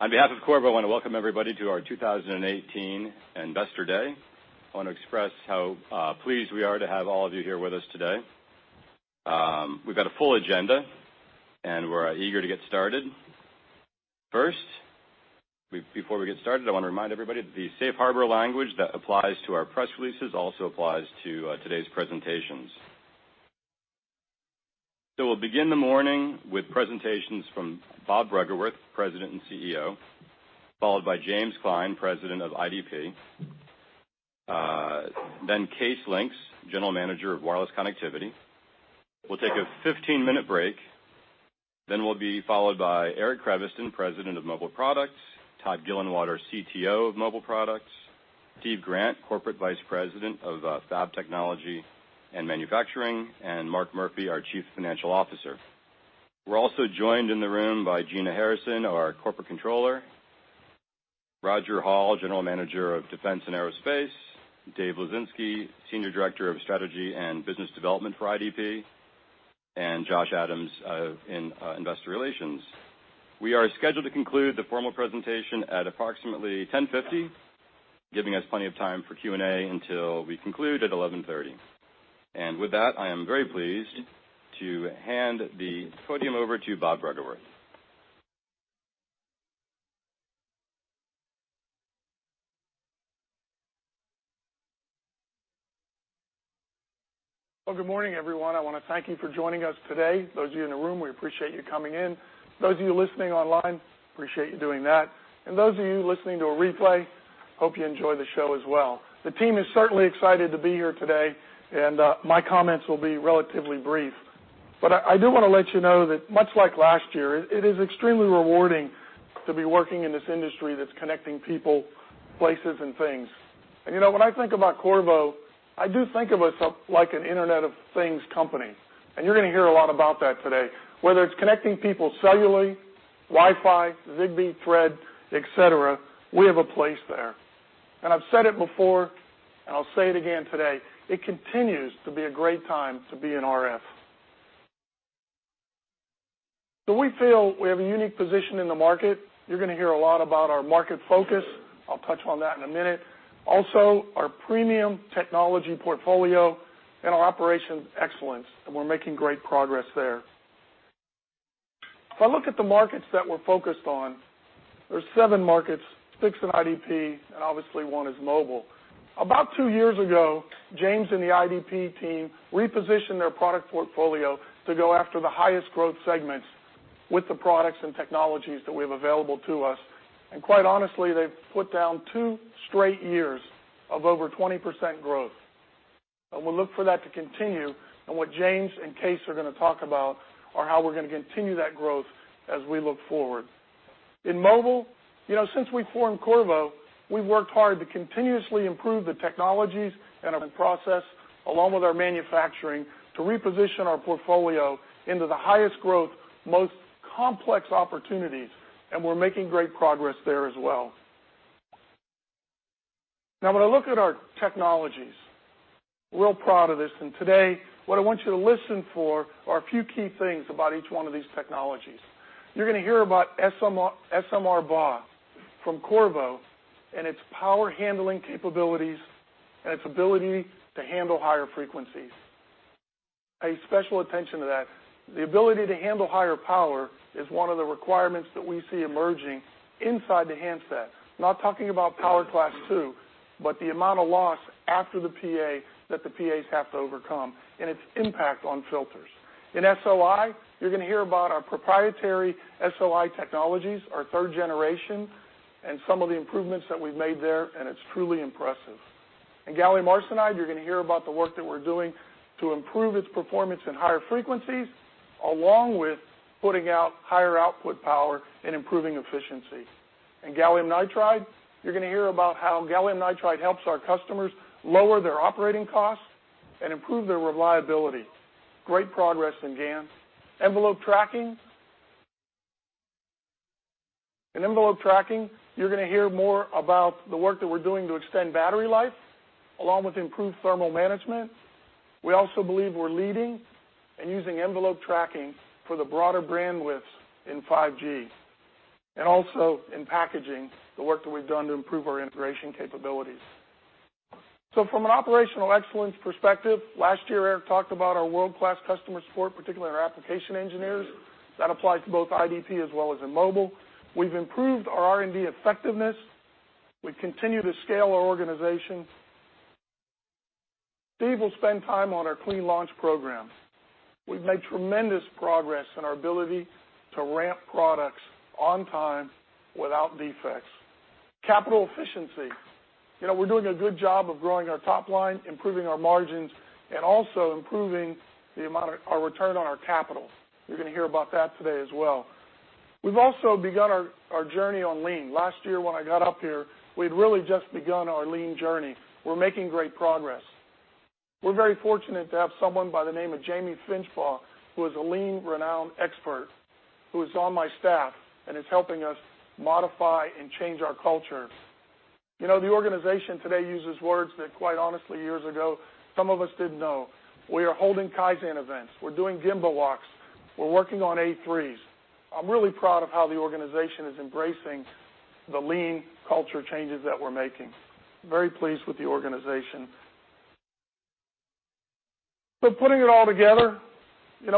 On behalf of Qorvo, I want to welcome everybody to our 2018 Investor Day. I want to express how pleased we are to have all of you here with us today. We've got a full agenda, and we're eager to get started. Before we get started, I want to remind everybody that the safe harbor language that applies to our press releases also applies to today's presentations. We'll begin the morning with presentations from Bob Bruggeworth, President and CEO, followed by James Klein, President of IDP, then Cees Links, General Manager of Wireless Connectivity. We'll take a 15-minute break, then we'll be followed by Eric Creviston, President of Mobile Products, Todd Gillenwater, CTO of Mobile Products, Steve Grant, Corporate Vice President of Fab Technology and Manufacturing, and Mark Murphy, our Chief Financial Officer. We're also joined in the room by Gina Harrison, our Corporate Controller, Roger Hall, General Manager of Defense and Aerospace, Dave Luzinski, Senior Director of Strategy and Business Development for IDP, and Josh Adams in investor relations. We are scheduled to conclude the formal presentation at approximately 10:50 A.M., giving us plenty of time for Q&A until we conclude at 11:30 A.M. With that, I am very pleased to hand the podium over to Bob Bruggeworth. Well, good morning, everyone. I want to thank you for joining us today. Those of you in the room, we appreciate you coming in. Those of you listening online, appreciate you doing that. Those of you listening to a replay, hope you enjoy the show as well. The team is certainly excited to be here today, my comments will be relatively brief. I do want to let you know that much like last year, it is extremely rewarding to be working in this industry that's connecting people, places, and things. When I think about Qorvo, I do think of us like an Internet of Things company, you're going to hear a lot about that today. Whether it's connecting people cellularly, Wi-Fi, Zigbee, Thread, et cetera, we have a place there. I've said it before, I'll say it again today, it continues to be a great time to be in RF. We feel we have a unique position in the market. You're going to hear a lot about our market focus. I'll touch on that in a minute. Also, our premium technology portfolio and our operations excellence, we're making great progress there. If I look at the markets that we're focused on, there's seven markets, six in IDP, obviously, one is mobile. About two years ago, James and the IDP team repositioned their product portfolio to go after the highest growth segments with the products and technologies that we have available to us. Quite honestly, they've put down two straight years of over 20% growth. We'll look for that to continue, and what James and Cees are going to talk about are how we're going to continue that growth as we look forward. In mobile, since we formed Qorvo, we've worked hard to continuously improve the technologies and our process, along with our manufacturing, to reposition our portfolio into the highest growth, most complex opportunities, and we're making great progress there as well. When I look at our technologies, real proud of this, and today, what I want you to listen for are a few key things about each one of these technologies. You're going to hear about SMR BAW from Qorvo and its power handling capabilities and its ability to handle higher frequencies. Pay special attention to that. The ability to handle higher power is one of the requirements that we see emerging inside the handset. Not talking about power class 2, but the amount of loss after the PA that the PAs have to overcome and its impact on filters. In SOI, you're going to hear about our proprietary SOI technologies, our third generation, and some of the improvements that we've made there, and it's truly impressive. In gallium arsenide, you're going to hear about the work that we're doing to improve its performance in higher frequencies, along with putting out higher output power and improving efficiency. In gallium nitride, you're going to hear about how gallium nitride helps our customers lower their operating costs and improve their reliability. Great progress in GaN. Envelope tracking. In envelope tracking, you're going to hear more about the work that we're doing to extend battery life, along with improved thermal management. We also believe we're leading and using envelope tracking for the broader bandwidths in 5G, and also in packaging, the work that we've done to improve our integration capabilities. From an operational excellence perspective, last year, Eric talked about our world-class customer support, particularly in our application engineers. That applies to both IDP as well as in mobile. We've improved our R&D effectiveness. We continue to scale our organization. Steve will spend time on our clean launch program. We've made tremendous progress in our ability to ramp products on time without defects. Capital efficiency. We're doing a good job of growing our top line, improving our margins, and also improving the amount of our return on our capital. You're going to hear about that today as well. We've also begun our journey on lean. Last year when I got up here, we'd really just begun our lean journey. We're making great progress. We're very fortunate to have someone by the name of Jamie Flinchbaugh, who is a lean renowned expert, who is on my staff and is helping us modify and change our culture. The organization today uses words that quite honestly, years ago, some of us didn't know. We are holding Kaizen events. We're doing Gemba walks. We're working on A3s. I'm really proud of how the organization is embracing the lean culture changes that we're making. Very pleased with the organization. Putting it all together,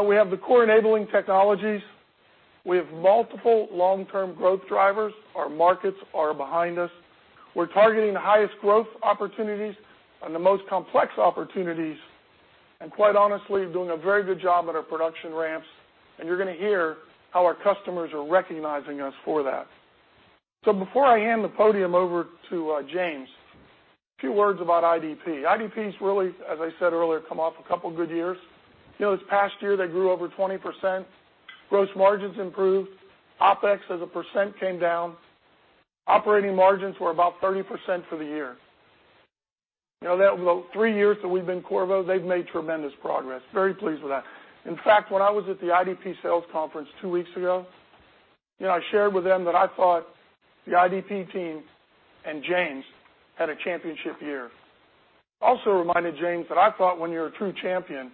we have the core enabling technologies. We have multiple long-term growth drivers. Our markets are behind us. We're targeting the highest growth opportunities and the most complex opportunities, and quite honestly, doing a very good job at our production ramps, and you're going to hear how our customers are recognizing us for that. Before I hand the podium over to James, a few words about IDP. IDP's really, as I said earlier, come off a couple good years. This past year, they grew over 20%, gross margins improved, OpEx as a % came down. Operating margins were about 30% for the year. That three years that we've been Qorvo, they've made tremendous progress. Very pleased with that. In fact, when I was at the IDP sales conference two weeks ago, I shared with them that I thought the IDP team and James had a championship year. Also reminded James that I thought when you're a true champion,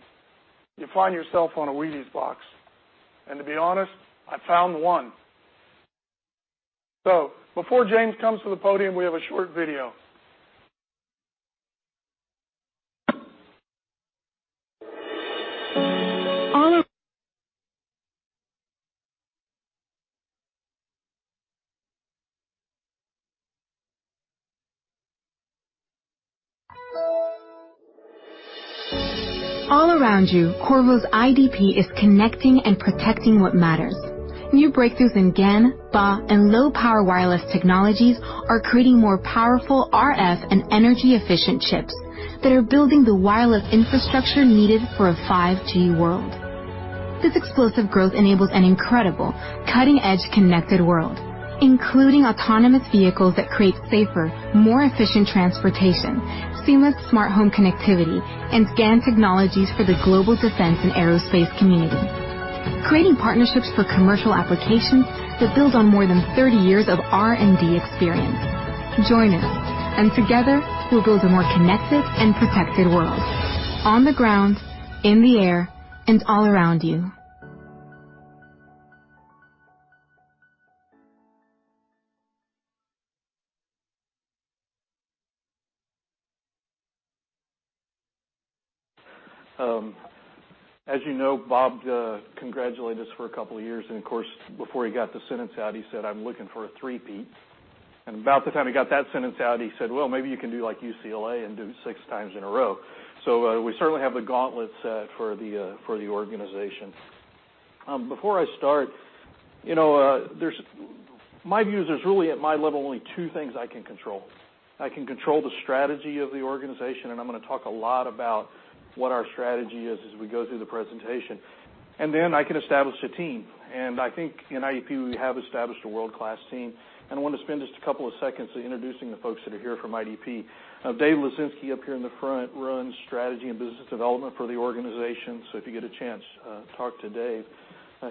you find yourself on a Wheaties box. To be honest, I found one. Before James comes to the podium, we have a short video. All around you, Qorvo's IDP is connecting and protecting what matters. New breakthroughs in GaN, Si, and low-power wireless technologies are creating more powerful RF and energy-efficient chips that are building the wireless infrastructure needed for a 5G world. This explosive growth enables an incredible cutting-edge connected world, including autonomous vehicles that create safer, more efficient transportation, seamless smart home connectivity, and GaN technologies for the global defense and aerospace community, creating partnerships for commercial applications that build on more than 30 years of R&D experience. Join us, and together we'll build a more connected and protected world on the ground, in the air and all around you. As you know, Bob congratulated us for a couple of years, and of course, before he got the sentence out, he said, "I'm looking for a three-peat." About the time he got that sentence out, he said, "Well, maybe you can do like UCLA and do six times in a row." We certainly have the gauntlet set for the organization. Before I start, my view is there's really, at my level, only two things I can control. I can control the strategy of the organization, and I'm going to talk a lot about what our strategy is as we go through the presentation. I can establish a team. I think in IDP, we have established a world-class team, and I want to spend just a couple of seconds introducing the folks that are here from IDP. Dave Luzinski up here in the front runs strategy and business development for the organization. If you get a chance, talk to Dave.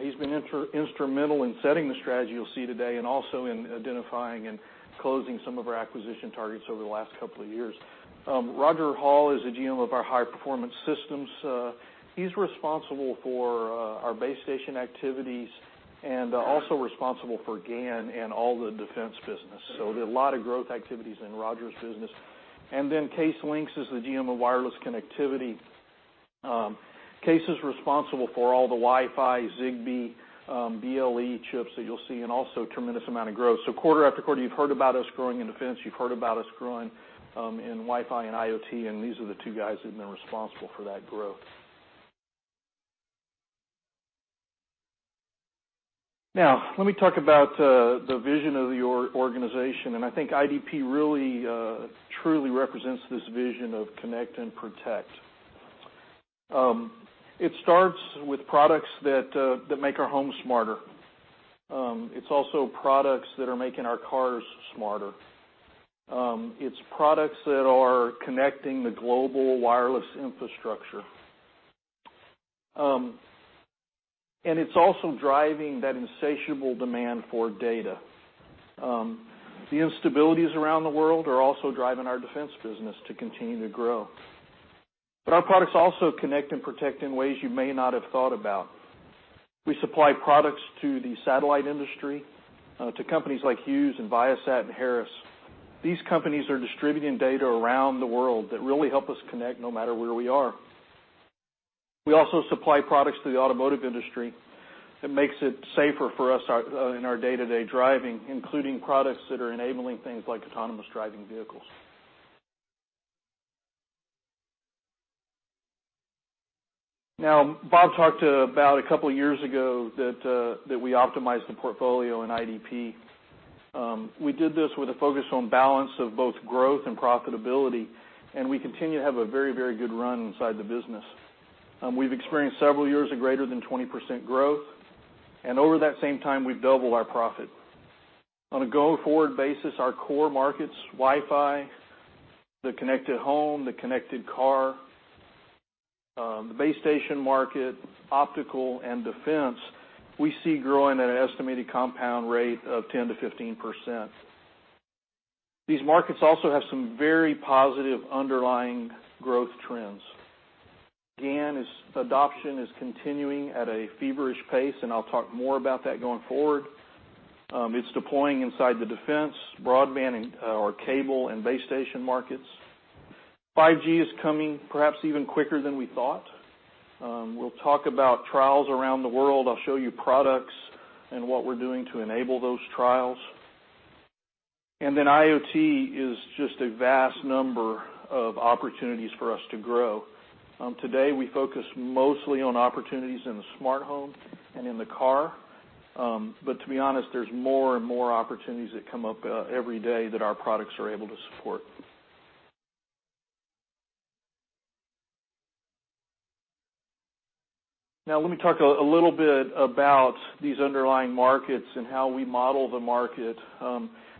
He's been instrumental in setting the strategy you'll see today and also in identifying and closing some of our acquisition targets over the last couple of years. Roger Hall is the GM of our high-performance systems. He's responsible for our base station activities and also responsible for GaN and all the defense business. There are a lot of growth activities in Roger's business. Cees Links is the GM of wireless connectivity. Cees is responsible for all the Wi-Fi, Zigbee, BLE chips that you'll see, and also tremendous amount of growth. Quarter after quarter, you've heard about us growing in defense, you've heard about us growing in Wi-Fi and IoT, and these are the two guys who've been responsible for that growth. Let me talk about the vision of the organization. I think IDP really truly represents this vision of connect and protect. It starts with products that make our homes smarter. It's also products that are making our cars smarter. It's products that are connecting the global wireless infrastructure. It's also driving that insatiable demand for data. The instabilities around the world are also driving our defense business to continue to grow. Our products also connect and protect in ways you may not have thought about. We supply products to the satellite industry, to companies like Hughes and Viasat and Harris. These companies are distributing data around the world that really help us connect no matter where we are. We also supply products to the automotive industry that makes it safer for us in our day-to-day driving, including products that are enabling things like autonomous driving vehicles. Bob talked about a couple of years ago that we optimized the portfolio in IDP. We did this with a focus on balance of both growth and profitability, and we continue to have a very good run inside the business. We've experienced several years of greater than 20% growth, and over that same time, we've doubled our profit. On a go-forward basis, our core markets, Wi-Fi, the connected home, the connected car, the base station market, optical, and defense, we see growing at an estimated compound rate of 10%-15%. These markets also have some very positive underlying growth trends. GaN adoption is continuing at a feverish pace. I'll talk more about that going forward. It's deploying inside the defense, broadband, or cable, and base station markets. 5G is coming perhaps even quicker than we thought. We'll talk about trials around the world. I'll show you products and what we're doing to enable those trials. IoT is just a vast number of opportunities for us to grow. Today, we focus mostly on opportunities in the smart home and in the car. To be honest, there's more and more opportunities that come up every day that our products are able to support. Let me talk a little bit about these underlying markets and how we model the market.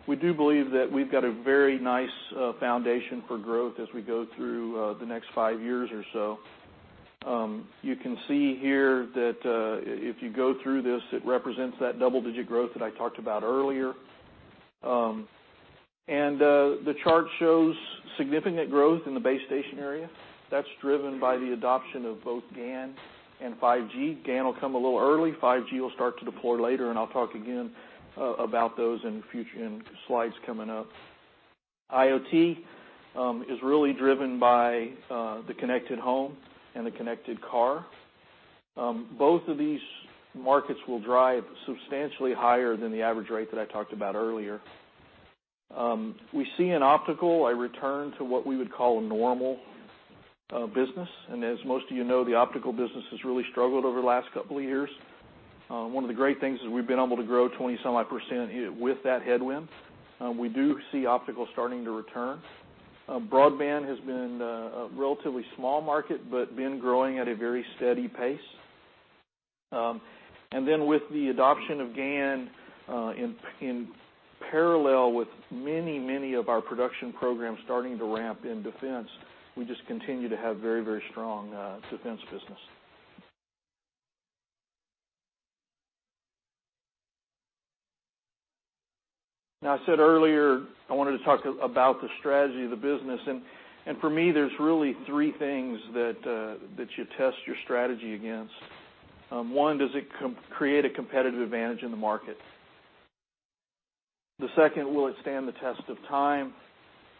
We do believe that we've got a very nice foundation for growth as we go through the next five years or so. You can see here that, if you go through this, it represents that double-digit growth that I talked about earlier. The chart shows significant growth in the base station area. That's driven by the adoption of both GaN and 5G. GaN will come a little early, 5G will start to deploy later. I'll talk again about those in slides coming up. IoT is really driven by the connected home and the connected car. Both of these markets will drive substantially higher than the average rate that I talked about earlier. We see in optical a return to what we would call a normal business. As most of you know, the optical business has really struggled over the last couple of years. One of the great things is we've been able to grow 20-some-odd% with that headwind. We do see optical starting to return. Broadband has been a relatively small market, been growing at a very steady pace. With the adoption of GaN, in parallel with many of our production programs starting to ramp in defense, we just continue to have very strong defense business. I said earlier I wanted to talk about the strategy of the business. For me, there's really three things that you test your strategy against. One, does it create a competitive advantage in the market? The second, will it stand the test of time?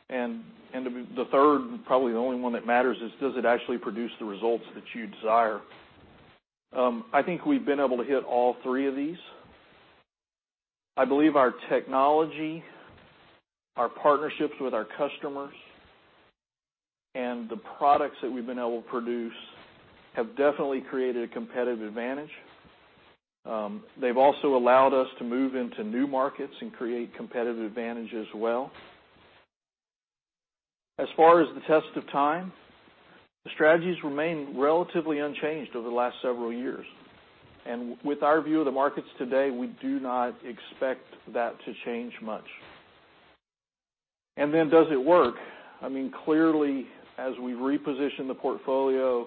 The third, probably the only one that matters is, does it actually produce the results that you desire? I think we've been able to hit all three of these. I believe our technology, our partnerships with our customers, and the products that we've been able to produce have definitely created a competitive advantage. They've also allowed us to move into new markets and create competitive advantage as well. As far as the test of time, the strategies remain relatively unchanged over the last several years. With our view of the markets today, we do not expect that to change much. Does it work? Clearly, as we reposition the portfolio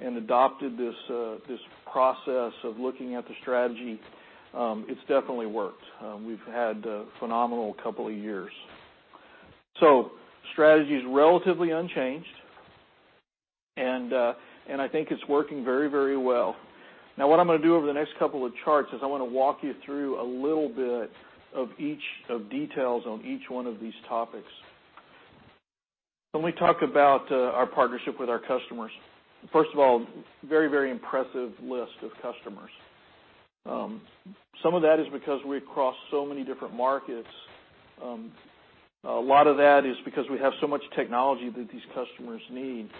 and adopted this process of looking at the strategy, it's definitely worked. We've had a phenomenal couple of years. The strategy is relatively unchanged, I think it's working very well. What I'm going to do over the next couple of charts is I want to walk you through a little bit of details on each one of these topics. When we talk about our partnership with our customers, first of all, very impressive list of customers. Some of that is because we cross so many different markets. A lot of that is because we have so much technology that these customers need.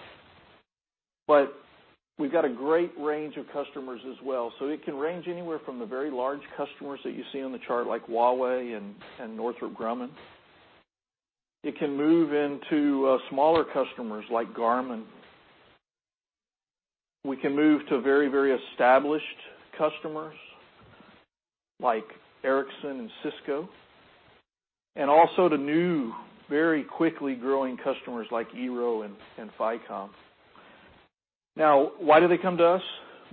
We've got a great range of customers as well. It can range anywhere from the very large customers that you see on the chart, like Huawei and Northrop Grumman. It can move into smaller customers like Garmin. We can move to very established customers like Ericsson and Cisco, also to new, very quickly growing customers like eero and Phicomm. Why do they come to us?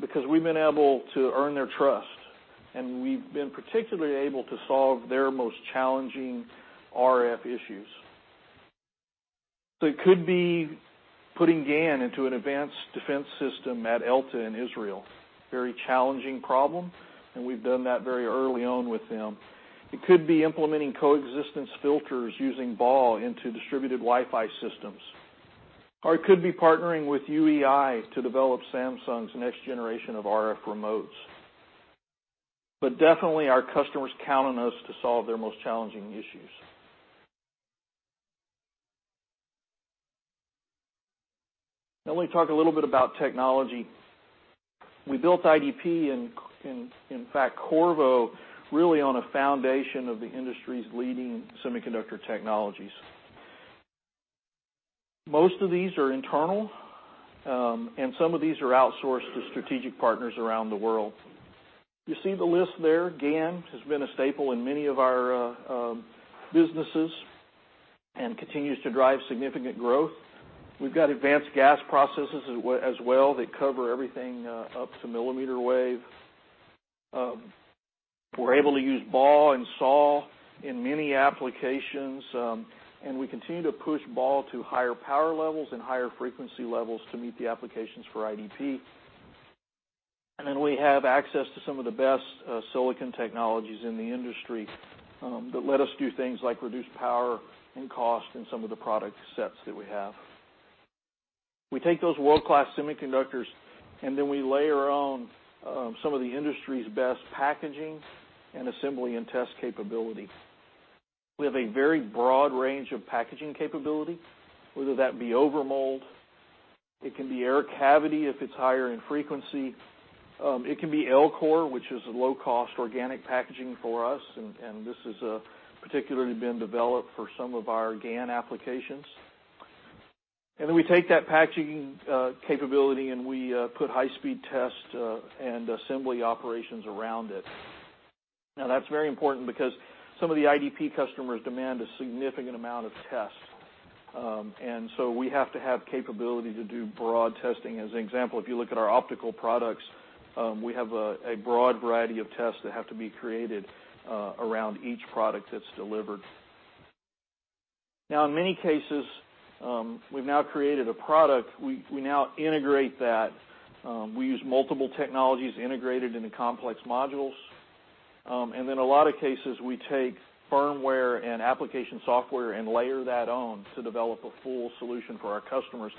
Because we've been able to earn their trust, we've been particularly able to solve their most challenging RF issues. It could be putting GaN into an advanced defense system at Elta in Israel. Very challenging problem, we've done that very early on with them. It could be implementing coexistence filters using BAW into distributed Wi-Fi systems. It could be partnering with UEI to develop Samsung's next generation of RF remotes. Definitely, our customers count on us to solve their most challenging issues. Let me talk a little bit about technology. We built IDP, in fact, Qorvo, really on a foundation of the industry's leading semiconductor technologies. Most of these are internal, some of these are outsourced to strategic partners around the world. You see the list there. GaN has been a staple in many of our businesses. Continues to drive significant growth. We've got advanced GaAs processes as well that cover everything up to millimeter wave. We're able to use BAW and SAW in many applications, we continue to push BAW to higher power levels and higher frequency levels to meet the applications for IDP. We have access to some of the best silicon technologies in the industry that let us do things like reduce power and cost in some of the product sets that we have. We take those world-class semiconductors. We layer on some of the industry's best packaging and assembly and test capability. We have a very broad range of packaging capability, whether that be overmold, it can be air cavity if it's higher in frequency. It can be LCOR, which is a low-cost organic packaging for us. This has particularly been developed for some of our GaN applications. We take that packaging capability, and we put high-speed test and assembly operations around it. That's very important because some of the IDP customers demand a significant amount of test. We have to have capability to do broad testing. As an example, if you look at our optical products, we have a broad variety of tests that have to be created around each product that's delivered. In many cases, we've now created a product. We now integrate that. We use multiple technologies integrated into complex modules. In a lot of cases, we take firmware and application software and layer that on to develop a full solution for our customers.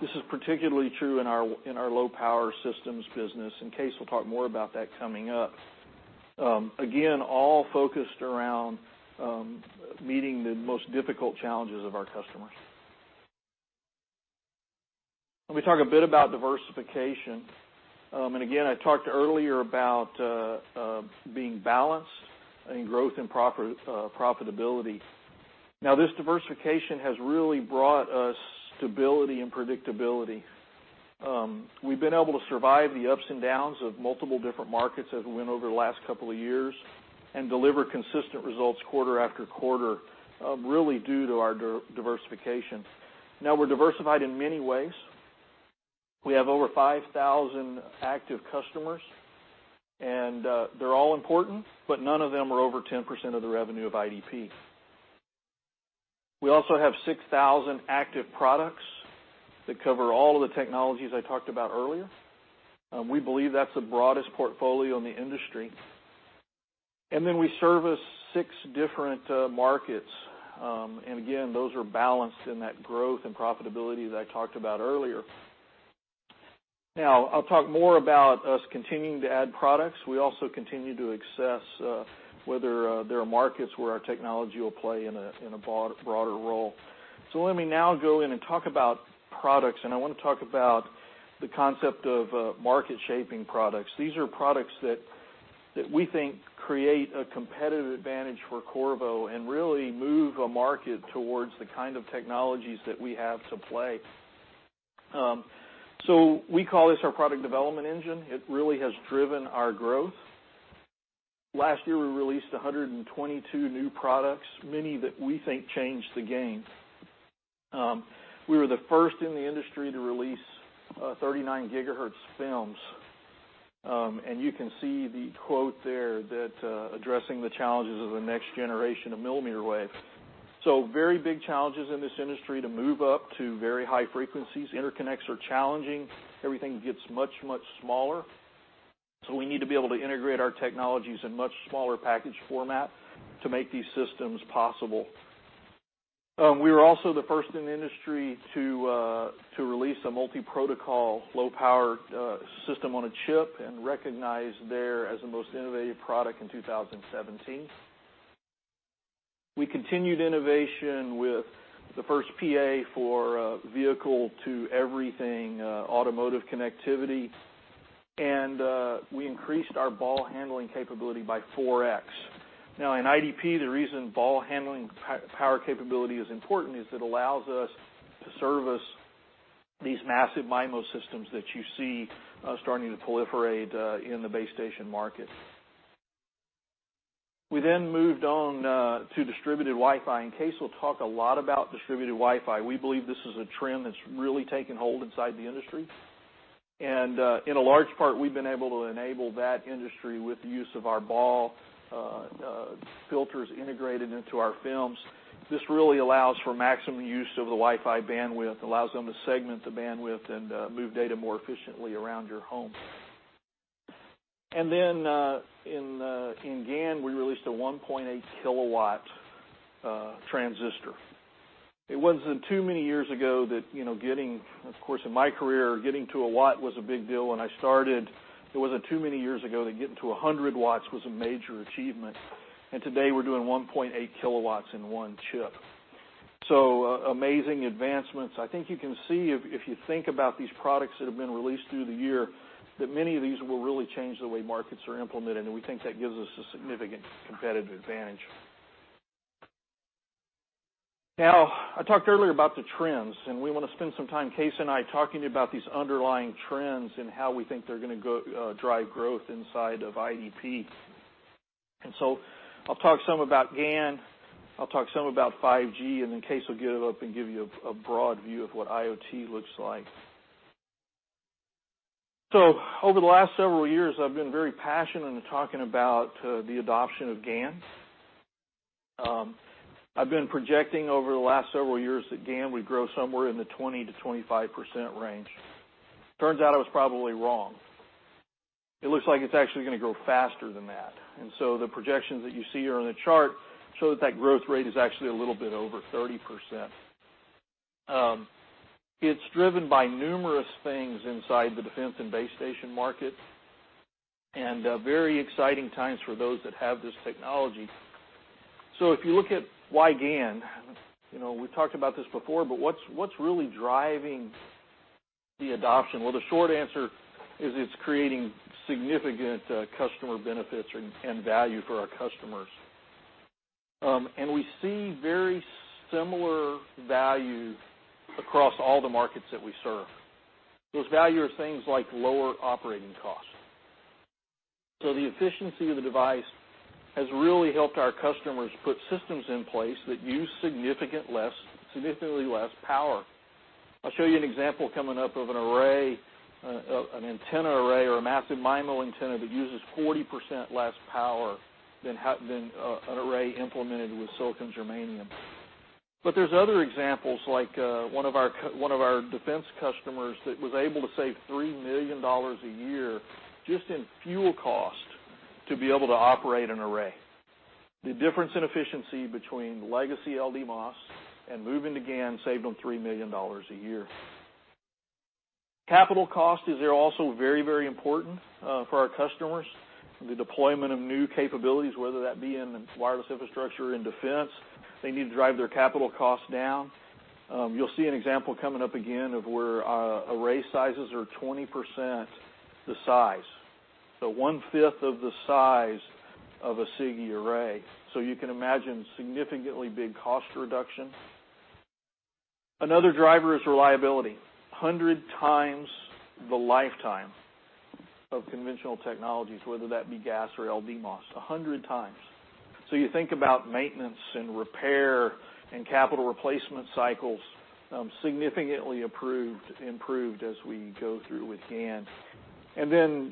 This is particularly true in our low-power systems business. Cees will talk more about that coming up. All focused around meeting the most difficult challenges of our customers. Let me talk a bit about diversification. I talked earlier about being balanced and growth and profitability. This diversification has really brought us stability and predictability. We've been able to survive the ups and downs of multiple different markets as we went over the last couple of years and deliver consistent results quarter after quarter, really due to our diversification. We're diversified in many ways. We have over 5,000 active customers, and they're all important, but none of them are over 10% of the revenue of IDP. We also have 6,000 active products that cover all of the technologies I talked about earlier. We service six different markets. Those are balanced in that growth and profitability that I talked about earlier. I'll talk more about us continuing to add products. We also continue to assess whether there are markets where our technology will play in a broader role. Let me now go in and talk about products. I want to talk about the concept of market-shaping products. These are products that we think create a competitive advantage for Qorvo and really move a market towards the kind of technologies that we have to play. We call this our product development engine. It really has driven our growth. Last year, we released 122 new products, many that we think changed the game. We were the first in the industry to release 39 gigahertz FEMs. You can see the quote there that addressing the challenges of the next generation of millimeter wave. Very big challenges in this industry to move up to very high frequencies. Interconnects are challenging. Everything gets much, much smaller. We need to be able to integrate our technologies in much smaller package format to make these systems possible. We were also the first in the industry to release a multi-protocol, low-power system on a chip and recognized there as the most innovative product in 2017. We continued innovation with the first PA for vehicle-to-everything automotive connectivity, and we increased our BAW handling capability by 4x. In IDP, the reason BAW handling power capability is important is it allows us to service these massive MIMO systems that you see starting to proliferate in the base station market. We then moved on to distributed Wi-Fi, and Cees will talk a lot about distributed Wi-Fi. We believe this is a trend that's really taken hold inside the industry. In a large part, we've been able to enable that industry with the use of our BAW filters integrated into our films. This really allows for maximum use of the Wi-Fi bandwidth, allows them to segment the bandwidth, and move data more efficiently around your home. Then in GaN, we released a 1.8-kilowatt transistor. It wasn't too many years ago that getting, of course, in my career, getting to a watt was a big deal when I started. It wasn't too many years ago that getting to 100 watts was a major achievement, today we're doing 1.8 kilowatts in one chip. Amazing advancements. I think you can see, if you think about these products that have been released through the year, that many of these will really change the way markets are implemented, and we think that gives us a significant competitive advantage. I talked earlier about the trends, we want to spend some time, Cees and I, talking about these underlying trends and how we think they're going to drive growth inside of IDP. I'll talk some about GaN, I'll talk some about 5G, then Cees will get up and give you a broad view of what IoT looks like. Over the last several years, I've been very passionate in talking about the adoption of GaN. I've been projecting over the last several years that GaN would grow somewhere in the 20%-25% range. Turns out I was probably wrong. It looks like it's actually going to grow faster than that. The projections that you see here on the chart show that growth rate is actually a little bit over 30%. It's driven by numerous things inside the defense and base station market, very exciting times for those that have this technology. If you look at why GaN, we talked about this before, but what's really driving the adoption? The short answer is it's creating significant customer benefits and value for our customers. We see very similar value across all the markets that we serve. Those values are things like lower operating costs. The efficiency of the device has really helped our customers put systems in place that use significantly less power. I'll show you an example coming up of an antenna array or a massive MIMO antenna that uses 40% less power than an array implemented with silicon germanium. There's other examples, like one of our defense customers that was able to save $3 million a year just in fuel cost to be able to operate an array. The difference in efficiency between legacy LDMOS and moving to GaN saved them $3 million a year. Capital cost is also very, very important for our customers. The deployment of new capabilities, whether that be in wireless infrastructure, in defense, they need to drive their capital costs down. You'll see an example coming up again of where array sizes are 20% the size, one-fifth of the size of a SiGe array. You can imagine significantly big cost reduction. Another driver is reliability, 100 times the lifetime of conventional technologies, whether that be GaAs or LDMOS, 100 times. You think about maintenance and repair and capital replacement cycles, significantly improved as we go through with GaN.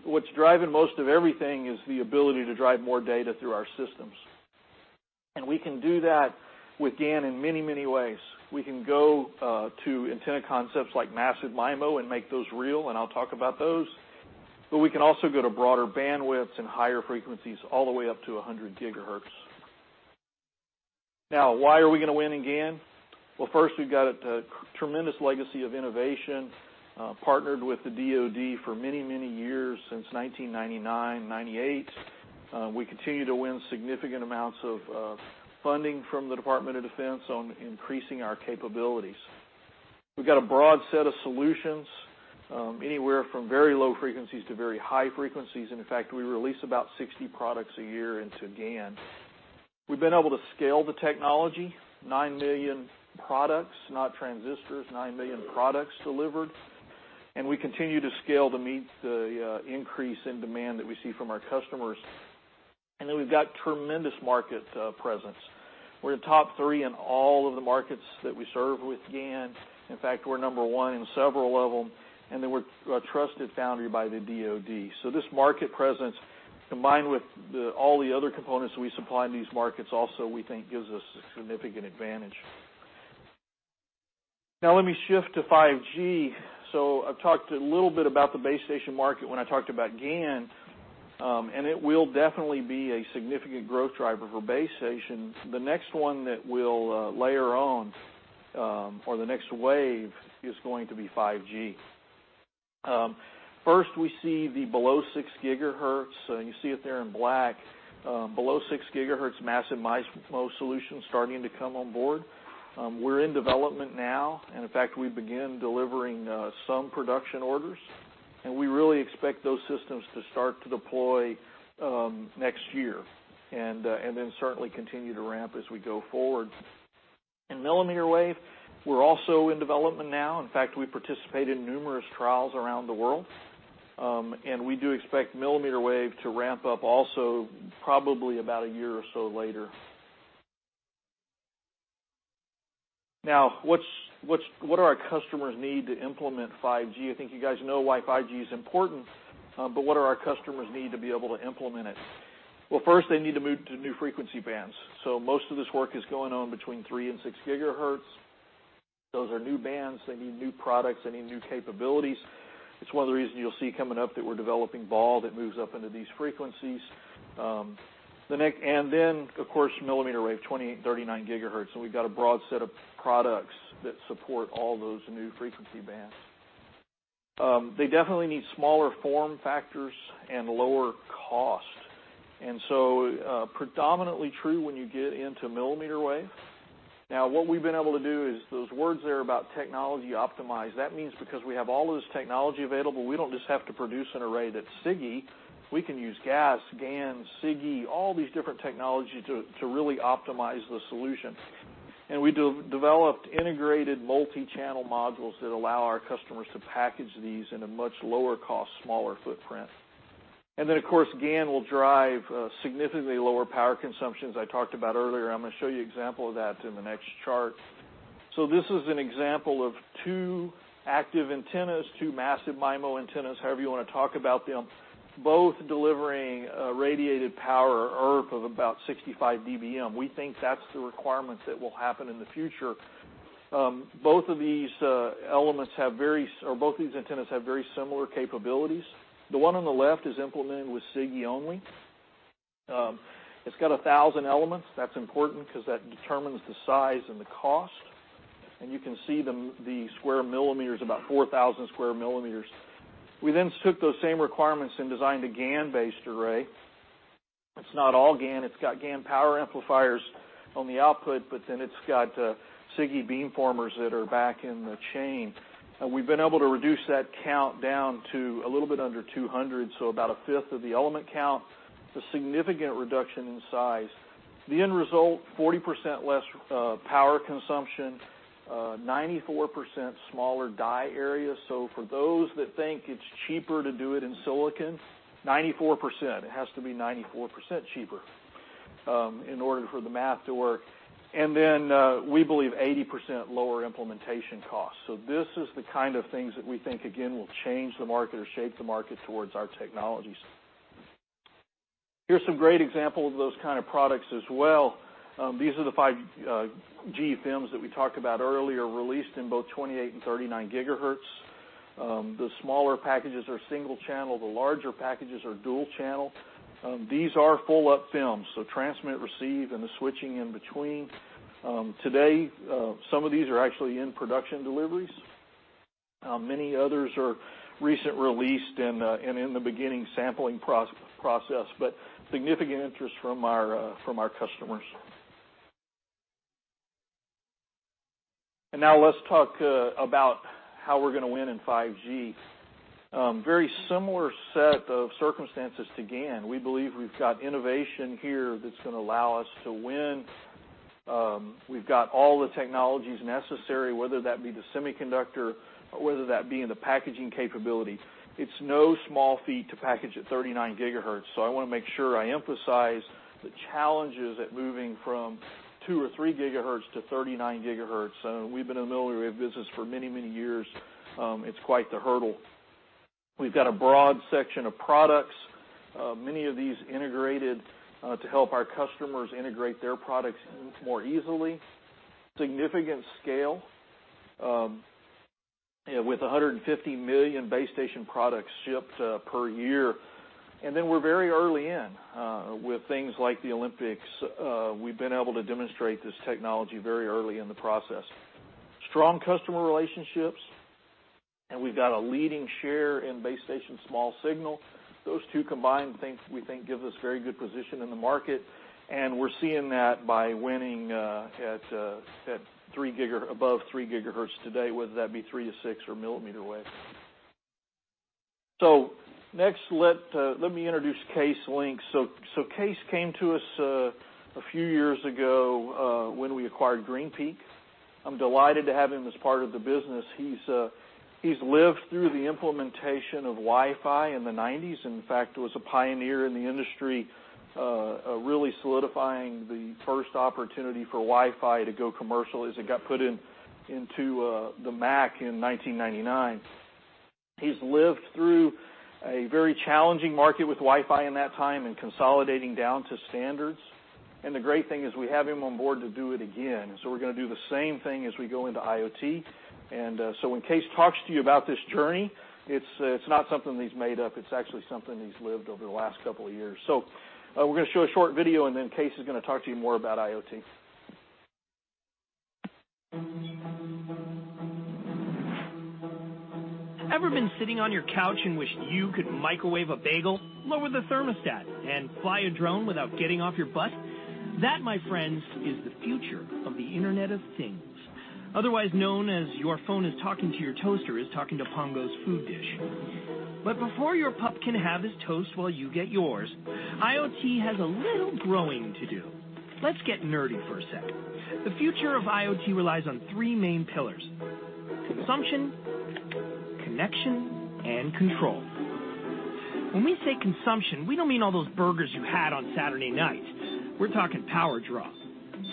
What's driving most of everything is the ability to drive more data through our systems. We can do that with GaN in many, many ways. We can go to antenna concepts like massive MIMO and make those real, and I'll talk about those, but we can also go to broader bandwidths and higher frequencies all the way up to 100 gigahertz. Why are we going to win in GaN? First, we've got a tremendous legacy of innovation, partnered with the DoD for many, many years since 1999, 1998. We continue to win significant amounts of funding from the Department of Defense on increasing our capabilities. We've got a broad set of solutions, anywhere from very low frequencies to very high frequencies, and in fact, we release about 60 products a year into GaN. We've been able to scale the technology, 9 million products, not transistors, 9 million products delivered, and we continue to scale to meet the increase in demand that we see from our customers. We've got tremendous market presence. We're a top three in all of the markets that we serve with GaN. In fact, we're number 1 in several of them, and we're a trusted foundry by the DoD. This market presence, combined with all the other components that we supply in these markets also, we think, gives us a significant advantage. Let me shift to 5G. I've talked a little bit about the base station market when I talked about GaN, and it will definitely be a significant growth driver for base stations. The next one that we'll layer on, or the next wave is going to be 5G. We see the below 6 gigahertz, you see it there in black, below 6 gigahertz massive MIMO solutions starting to come on board. We're in development now, and in fact, we began delivering some production orders, and we really expect those systems to start to deploy next year, and certainly continue to ramp as we go forward. In millimeter wave, we're also in development now. In fact, we participate in numerous trials around the world. We do expect millimeter wave to ramp up also probably about a year or so later. What do our customers need to implement 5G? I think you guys know why 5G is important, what do our customers need to be able to implement it? Well, first, they need to move to new frequency bands. Most of this work is going on between 3 and 6 gigahertz. Those are new bands. They need new products. They need new capabilities. It's one of the reasons you'll see coming up that we're developing BAW that moves up into these frequencies. Of course, millimeter wave, 28, 39 gigahertz, and we've got a broad set of products that support all those new frequency bands. They definitely need smaller form factors and lower cost. Predominantly true when you get into millimeter wave. What we've been able to do is those words there about technology optimize. That means because we have all of this technology available, we don't just have to produce an array that's SiGe. We can use GaAs, GaN, SiGe, all these different technologies to really optimize the solution. We developed integrated multi-channel modules that allow our customers to package these in a much lower cost, smaller footprint. Of course, GaN will drive significantly lower power consumptions, I talked about earlier. I'm going to show you an example of that in the next chart. This is an example of two active antennas, two massive MIMO antennas, however you want to talk about them, both delivering radiated power, EIRP, of about 65 dBm. We think that's the requirements that will happen in the future. Both these antennas have very similar capabilities. The one on the left is implemented with SiGe only. It's got 1,000 elements. That's important because that determines the size and the cost. You can see the square millimeters, about 4,000 square millimeters. We took those same requirements and designed a GaN-based array. It's not all GaN. It's got GaN power amplifiers on the output, it's got SiGe beamformers that are back in the chain. We've been able to reduce that count down to a little bit under 200, so about a fifth of the element count. It's a significant reduction in size. The end result, 40% less power consumption, 94% smaller die area. For those that think it's cheaper to do it in silicon, 94%. It has to be 94% cheaper in order for the math to work. We believe 80% lower implementation costs. This is the kind of things that we think, again, will change the market or shape the market towards our technologies. Here's some great examples of those kind of products as well. These are the 5G FEMs that we talked about earlier, released in both 28 and 39 gigahertz. The smaller packages are single channel, the larger packages are dual channel. These are full up FEMs, so transmit, receive, and the switching in between. Today, some of these are actually in production deliveries. Many others are recent released and in the beginning sampling process, but significant interest from our customers. Now let's talk about how we're going to win in 5G. Very similar set of circumstances to GaN. We believe we've got innovation here that's going to allow us to win. We've got all the technologies necessary, whether that be the semiconductor or whether that be in the packaging capability. It's no small feat to package at 39 gigahertz, so I want to make sure I emphasize the challenges at moving from two or three gigahertz to 39 gigahertz. We've been in the millimeter wave business for many, many years. It's quite the hurdle. We've got a broad section of products, many of these integrated to help our customers integrate their products more easily. Significant scale, with 150 million base station products shipped per year. We're very early in with things like the Olympics. We've been able to demonstrate this technology very early in the process. Strong customer relationships, we've got a leading share in base station small signal. Those two combined, we think gives us very good position in the market, and we're seeing that by winning above 3 gigahertz today, whether that be 3 to 6 or millimeter wave. Next, let me introduce Cees Links. Cees came to us a few years ago when we acquired GreenPeak Technologies. I'm delighted to have him as part of the business. He's lived through the implementation of Wi-Fi in the 90s. In fact, was a pioneer in the industry, really solidifying the first opportunity for Wi-Fi to go commercial as it got put into the Mac in 1999. He's lived through a very challenging market with Wi-Fi in that time and consolidating down to standards. And the great thing is we have him on board to do it again. We're going to do the same thing as we go into IoT. When Cees talks to you about this journey, it's not something that he's made up. It's actually something he's lived over the last couple of years. We're going to show a short video, and then Cees is going to talk to you more about IoT. Ever been sitting on your couch and wished you could microwave a bagel, lower the thermostat, and fly a drone without getting off your butt? That, my friends, is the future of the Internet of Things, otherwise known as your phone is talking to your toaster, is talking to Pongo's food dish. Before your pup can have his toast while you get yours, IoT has a little growing to do. Let's get nerdy for a sec. The future of IoT relies on three main pillars: consumption, connection, and control. When we say consumption, we don't mean all those burgers you had on Saturday night. We're talking power draw.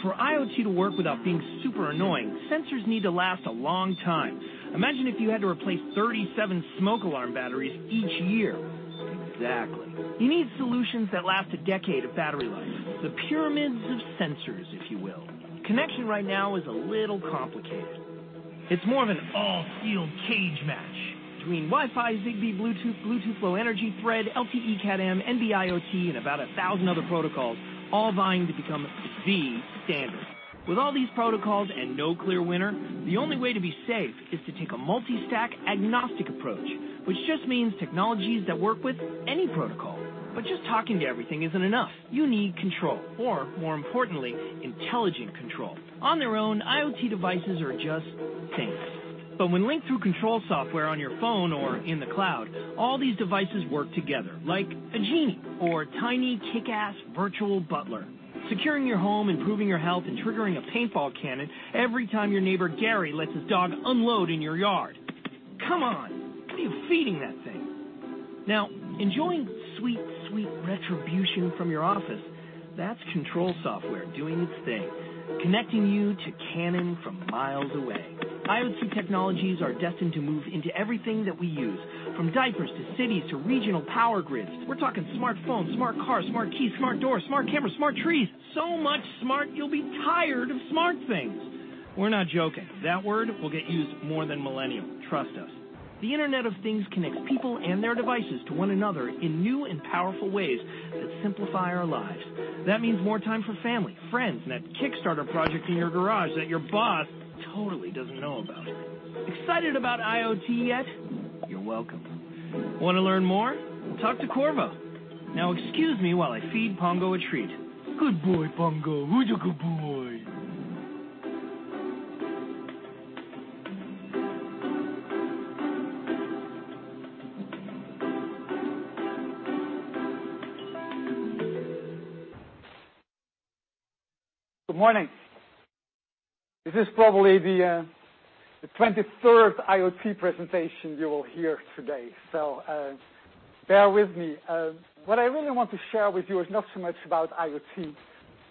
For IoT to work without being super annoying, sensors need to last a long time. Imagine if you had to replace 37 smoke alarm batteries each year. Exactly. You need solutions that last a decade of battery life. The pyramids of sensors, if you will. Connection right now is a little complicated. It's more of an all-steel cage match between Wi-Fi, Zigbee, Bluetooth Low Energy, Thread, LTE Cat-M, NB-IoT, and about 1,000 other protocols, all vying to become the standard. With all these protocols and no clear winner, the only way to be safe is to take a multi-stack agnostic approach, which just means technologies that work with any protocol. Just talking to everything isn't enough. You need control, or more importantly, intelligent control. On their own, these devices are just things. When linked through control software on your phone or in the cloud, all these devices work together like a genie or tiny kickass virtual butler, securing your home, improving your health, and triggering a paintball cannon every time your neighbor Gary lets his dog unload in your yard. Come on, what are you feeding that thing? Now, enjoying sweet retribution from your office, that's control software doing its thing, connecting you to cannon from miles away. IoT technologies are destined to move into everything that we use, from diapers to cities to regional power grids. We're talking smart phones, smart cars, smart keys, smart doors, smart cameras, smart trees. So much smart you'll be tired of smart things. We're not joking. That word will get used more than millennial, trust us. The Internet of Things connects people and their devices to one another in new and powerful ways that simplify our lives. That means more time for family, friends, and that Kickstarter project in your garage that your boss totally doesn't know about. Excited about IoT yet? You're welcome. Want to learn more? Talk to Qorvo. Now, excuse me while I feed Pongo a treat. Good boy, Pongo. Who's a good boy? Good morning. This is probably the 23rd IoT presentation you will hear today, bear with me. What I really want to share with you is not so much about IoT,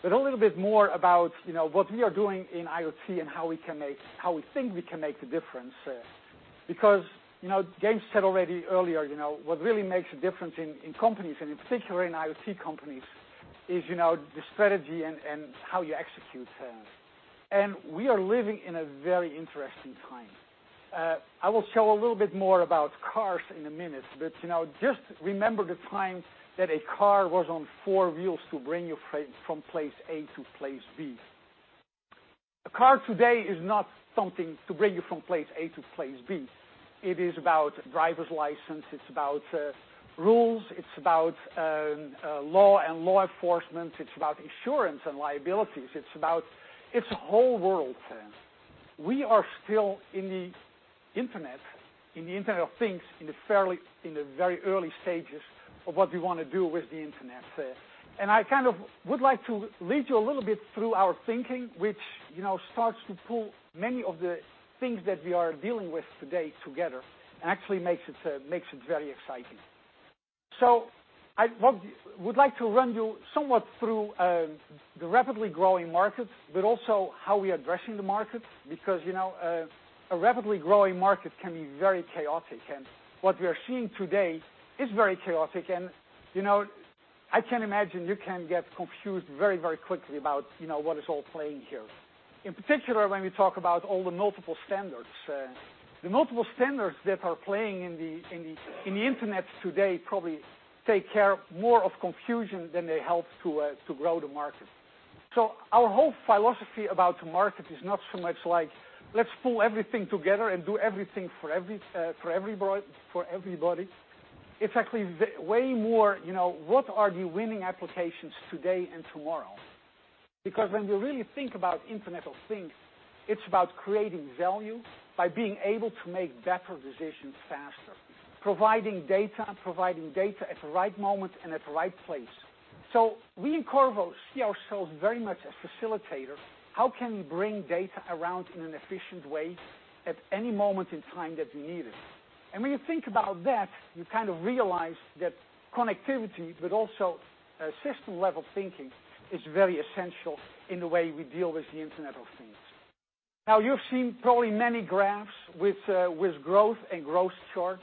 but a little bit more about what we are doing in IoT and how we think we can make a difference. James said already earlier, what really makes a difference in companies, and in particular in IoT companies, is the strategy and how you execute. We are living in a very interesting time. I will show a little bit more about cars in a minute, but just remember the time that a car was on four wheels to bring you from place A to place B. A car today is not something to bring you from place A to place B. It is about driver's license. It's about rules. It's about law and law enforcement. It's about insurance and liabilities. It's a whole world. We are still in the internet, in the Internet of Things, in the very early stages of what we want to do with the internet. I would like to lead you a little bit through our thinking, which starts to pull many of the things that we are dealing with today together and actually makes it very exciting. I would like to run you somewhat through the rapidly growing markets, but also how we are addressing the markets, a rapidly growing market can be very chaotic. What we are seeing today is very chaotic. I can imagine you can get confused very quickly about what is all playing here. In particular, when we talk about all the multiple standards. The multiple standards that are playing in the Internet today probably take care more of confusion than they help to grow the market. Our whole philosophy about the market is not so much like let's pull everything together and do everything for everybody. It's actually way more, what are the winning applications today and tomorrow? Because when we really think about Internet of Things, it's about creating value by being able to make better decisions faster. Providing data and providing data at the right moment and at the right place. We in Qorvo see ourselves very much as facilitators. How can we bring data around in an efficient way at any moment in time that we need it? When you think about that, you realize that connectivity, but also system-level thinking is very essential in the way we deal with the Internet of Things. You've seen probably many graphs with growth and growth charts.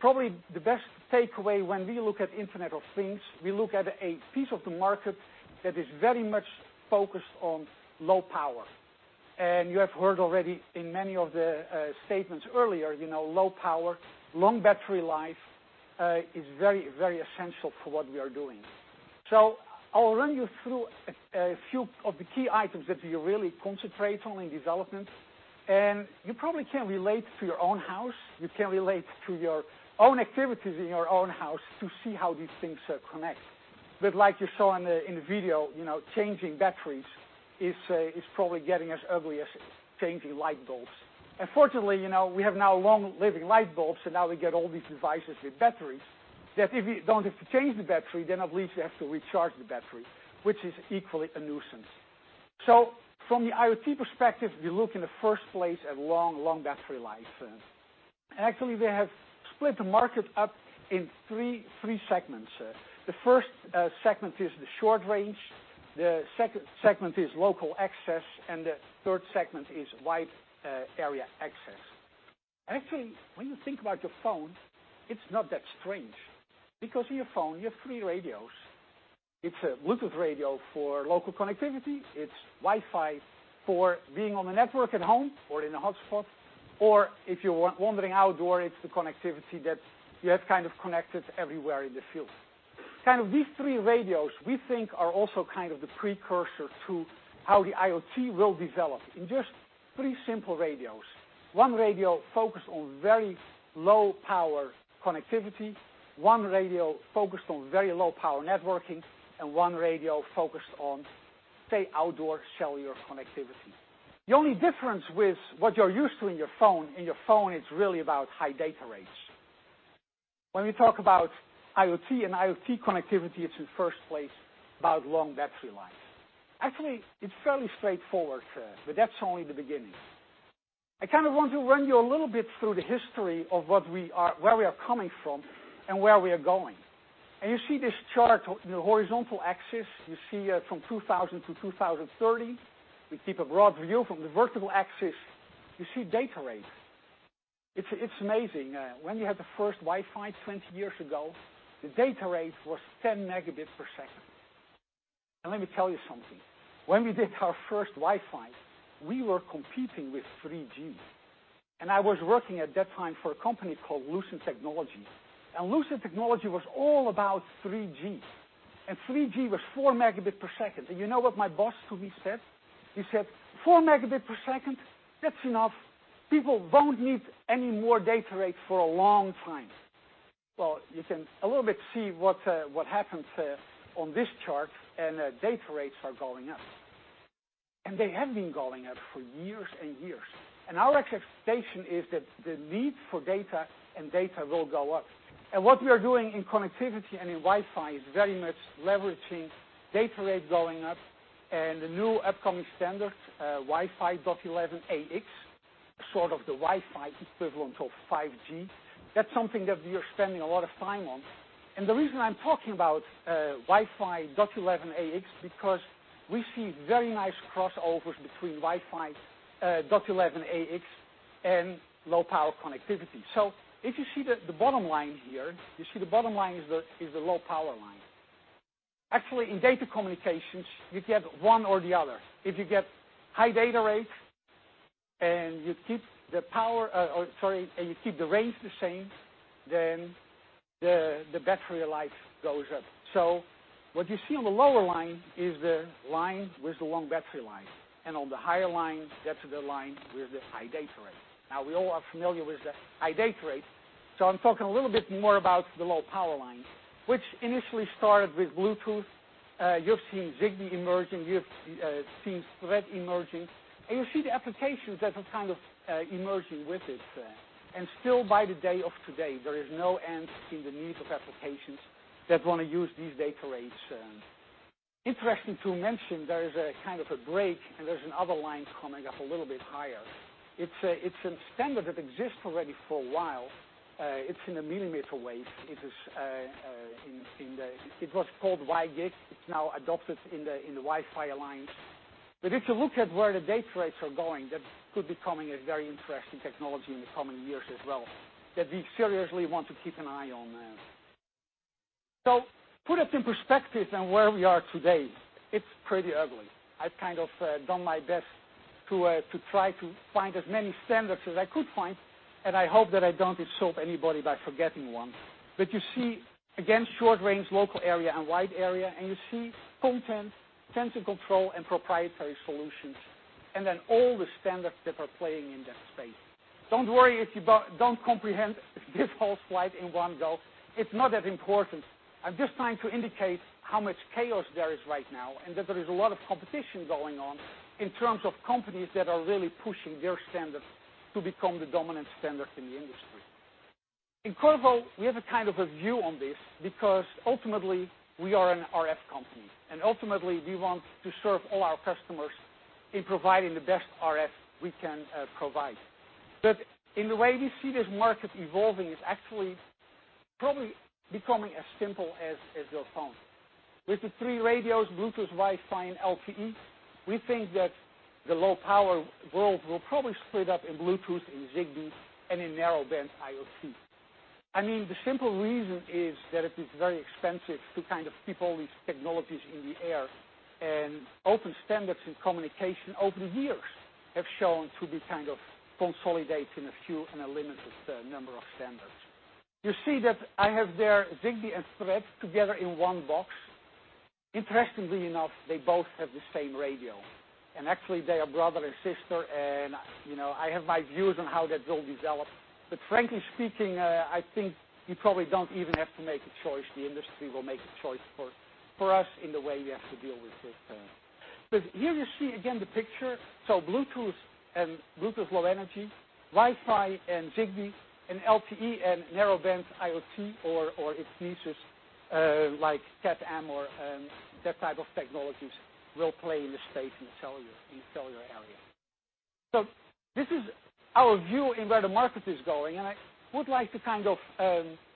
Probably the best takeaway when we look at Internet of Things, we look at a piece of the market that is very much focused on low power. You have heard already in many of the statements earlier, low power, long battery life, is very essential for what we are doing. I'll run you through a few of the key items that we really concentrate on in development. You probably can relate to your own house. You can relate to your own activities in your own house to see how these things connect. Like you saw in the video, changing batteries is probably getting as ugly as changing light bulbs. Fortunately, we have now long-living light bulbs, now we get all these devices with batteries that if you don't have to change the battery, then at least you have to recharge the battery, which is equally a nuisance. From the IoT perspective, we look in the first place at long battery life. Actually, we have split the market up in three segments. The first segment is the short range, the second segment is local access, and the third segment is wide area access. Actually, when you think about your phone, it's not that strange because in your phone, you have three radios. It's a Bluetooth radio for local connectivity. It's Wi-Fi for being on the network at home or in a hotspot, or if you're wandering outdoor, it's the connectivity that you have connected everywhere in the field. These three radios we think are also the precursor to how the IoT will develop in just three simple radios. One radio focused on very low-power connectivity, one radio focused on very low-power networking, and one radio focused on, say, outdoor cellular connectivity. The only difference with what you're used to in your phone, in your phone, it's really about high data rates. We talk about IoT and IoT connectivity, it's in first place about long battery life. Actually, it's fairly straightforward, but that's only the beginning. I want to run you a little bit through the history of where we are coming from and where we are going. You see this chart, the horizontal axis, you see from 2000 to 2030. We keep a broad view. From the vertical axis, you see data rates. It's amazing. When we had the first Wi-Fi 20 years ago, the data rate was 10 megabits per second. Let me tell you something. When we did our first Wi-Fi, we were competing with 3G. I was working at that time for a company called Lucent Technologies. Lucent Technologies was all about 3G, and 3G was four megabits per second. You know what my boss to me said? He said, "Four megabits per second, that's enough. People won't need any more data rate for a long time." You can a little bit see what happened on this chart, and data rates are going up. They have been going up for years and years. Our expectation is that the need for data and data will go up. What we are doing in connectivity and in Wi-Fi is very much leveraging data rates going up and the new upcoming standards, Wi-Fi 802.11ax, sort of the Wi-Fi equivalent of 5G. That's something that we are spending a lot of time on. The reason I'm talking about Wi-Fi 802.11ax because we see very nice crossovers between Wi-Fi 802.11ax and low-power connectivity. If you see the bottom line here, you see the bottom line is the low power line. Actually, in data communications, you get one or the other. If you get high data rates and you keep the range the same, then the battery life goes up. What you see on the lower line is the line with the long battery life, and on the higher line, that's the line with the high data rate. We all are familiar with the high data rate, I'm talking a little bit more about the low power line, which initially started with Bluetooth. You've seen Zigbee emerging, you've seen Thread emerging, and you see the applications that are kind of emerging with it. Still by the day of today, there is no end to the need of applications that want to use these data rates. Interesting to mention, there is a kind of a break, there's another line coming up a little bit higher. It's a standard that exists already for a while. It's in the millimeter wave. It was called WiGig. It's now adopted in the Wi-Fi Alliance. If you look at where the data rates are going, that could be coming a very interesting technology in the coming years as well that we seriously want to keep an eye on. Put it in perspective and where we are today, it's pretty ugly. I've done my best to try to find as many standards as I could find, I hope that I don't insult anybody by forgetting one. You see, again, short range, local area, wide area, you see content, sensor control, proprietary solutions, then all the standards that are playing in that space. Don't worry if you don't comprehend this whole slide in one go. It's not that important. I'm just trying to indicate how much chaos there is right now that there is a lot of competition going on in terms of companies that are really pushing their standards to become the dominant standard in the industry. In Qorvo, we have a view on this because ultimately we are an RF company, and ultimately we want to serve all our customers in providing the best RF we can provide. In the way we see this market evolving, it's actually probably becoming as simple as your phone. With the three radios, Bluetooth, Wi-Fi, and LTE, we think that the low-power world will probably split up in Bluetooth, in Zigbee, and in Narrowband IoT. The simple reason is that it is very expensive to keep all these technologies in the air, and open standards in communication over the years have shown to be kind of consolidating a few and a limited number of standards. You see that I have there Zigbee and Thread together in one box. Interestingly enough, they both have the same radio. Actually, they are brother and sister, and I have my views on how that will develop. Frankly speaking, I think you probably don't even have to make a choice. The industry will make a choice for us in the way we have to deal with this. Here you see again the picture. Bluetooth and Bluetooth Low Energy, Wi-Fi and Zigbee, and LTE and Narrowband IoT or its niches like Cat M or that type of technologies will play in the space in cellular area. This is our view in where the market is going, and I would like to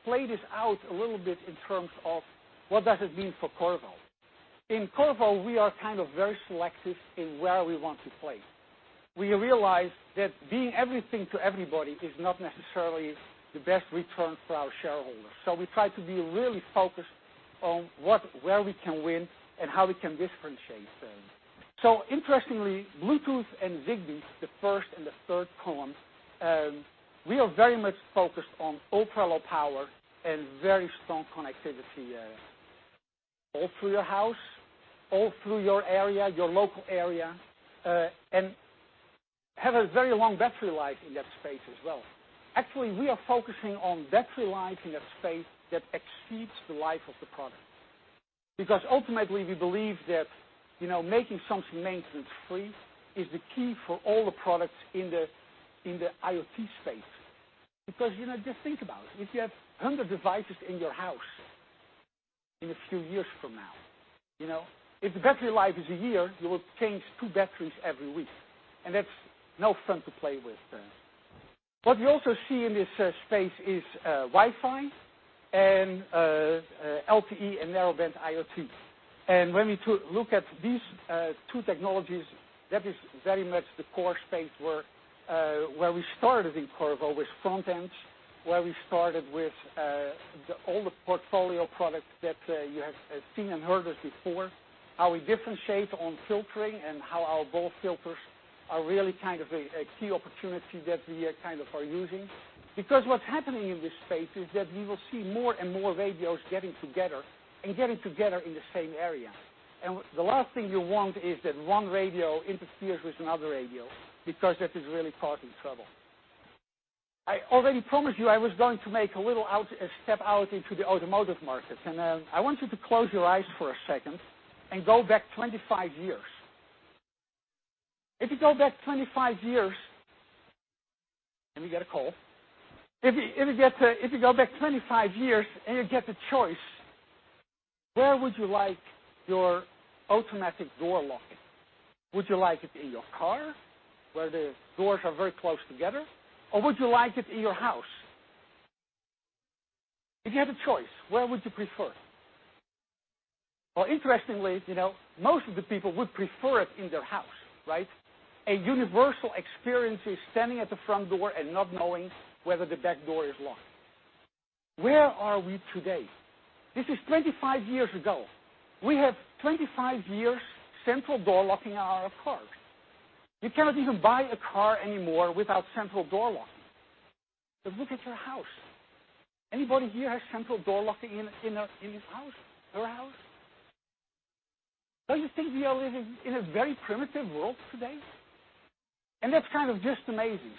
play this out a little bit in terms of what does it mean for Qorvo. In Qorvo, we are very selective in where we want to play. We realize that being everything to everybody is not necessarily the best return for our shareholders. We try to be really focused on where we can win and how we can differentiate. Interestingly, Bluetooth and Zigbee, the first and the third column, we are very much focused on ultra-low power and very strong connectivity all through your house, all through your area, your local area, and have a very long battery life in that space as well. Actually, we are focusing on battery life in that space that exceeds the life of the product. Because ultimately, we believe that making something maintenance-free is the key for all the products in the IoT space. Because just think about it. If you have 100 devices in your house in a few years from now, if the battery life is a year, you will change two batteries every week, and that's no fun to play with. What we also see in this space is Wi-Fi and LTE and Narrowband IoT. When we look at these two technologies, that is very much the core space where we started in Qorvo, with frontends, where we started with all the portfolio products that you have seen and heard of before, how we differentiate on filtering and how our BAW filters are really a key opportunity that we are using. Because what's happening in this space is that we will see more and more radios getting together and getting together in the same area. The last thing you want is that one radio interferes with another radio, because that is really causing trouble. I already promised you I was going to make a little step out into the automotive market. I want you to close your eyes for a second and go back 25 years. If you go back 25 years we get a call. If you go back 25 years you get the choice, where would you like your automatic door locking? Would you like it in your car, where the doors are very close together, or would you like it in your house? If you had a choice, where would you prefer? Well, interestingly, most of the people would prefer it in their house, right? A universal experience is standing at the front door and not knowing whether the back door is locked. Where are we today? This is 25 years ago. We have 25 years central door locking our cars. You cannot even buy a car anymore without central door locking. Look at your house. Anybody here has central door locking in his house? Her house? Don't you think we are living in a very primitive world today? That's just amazing.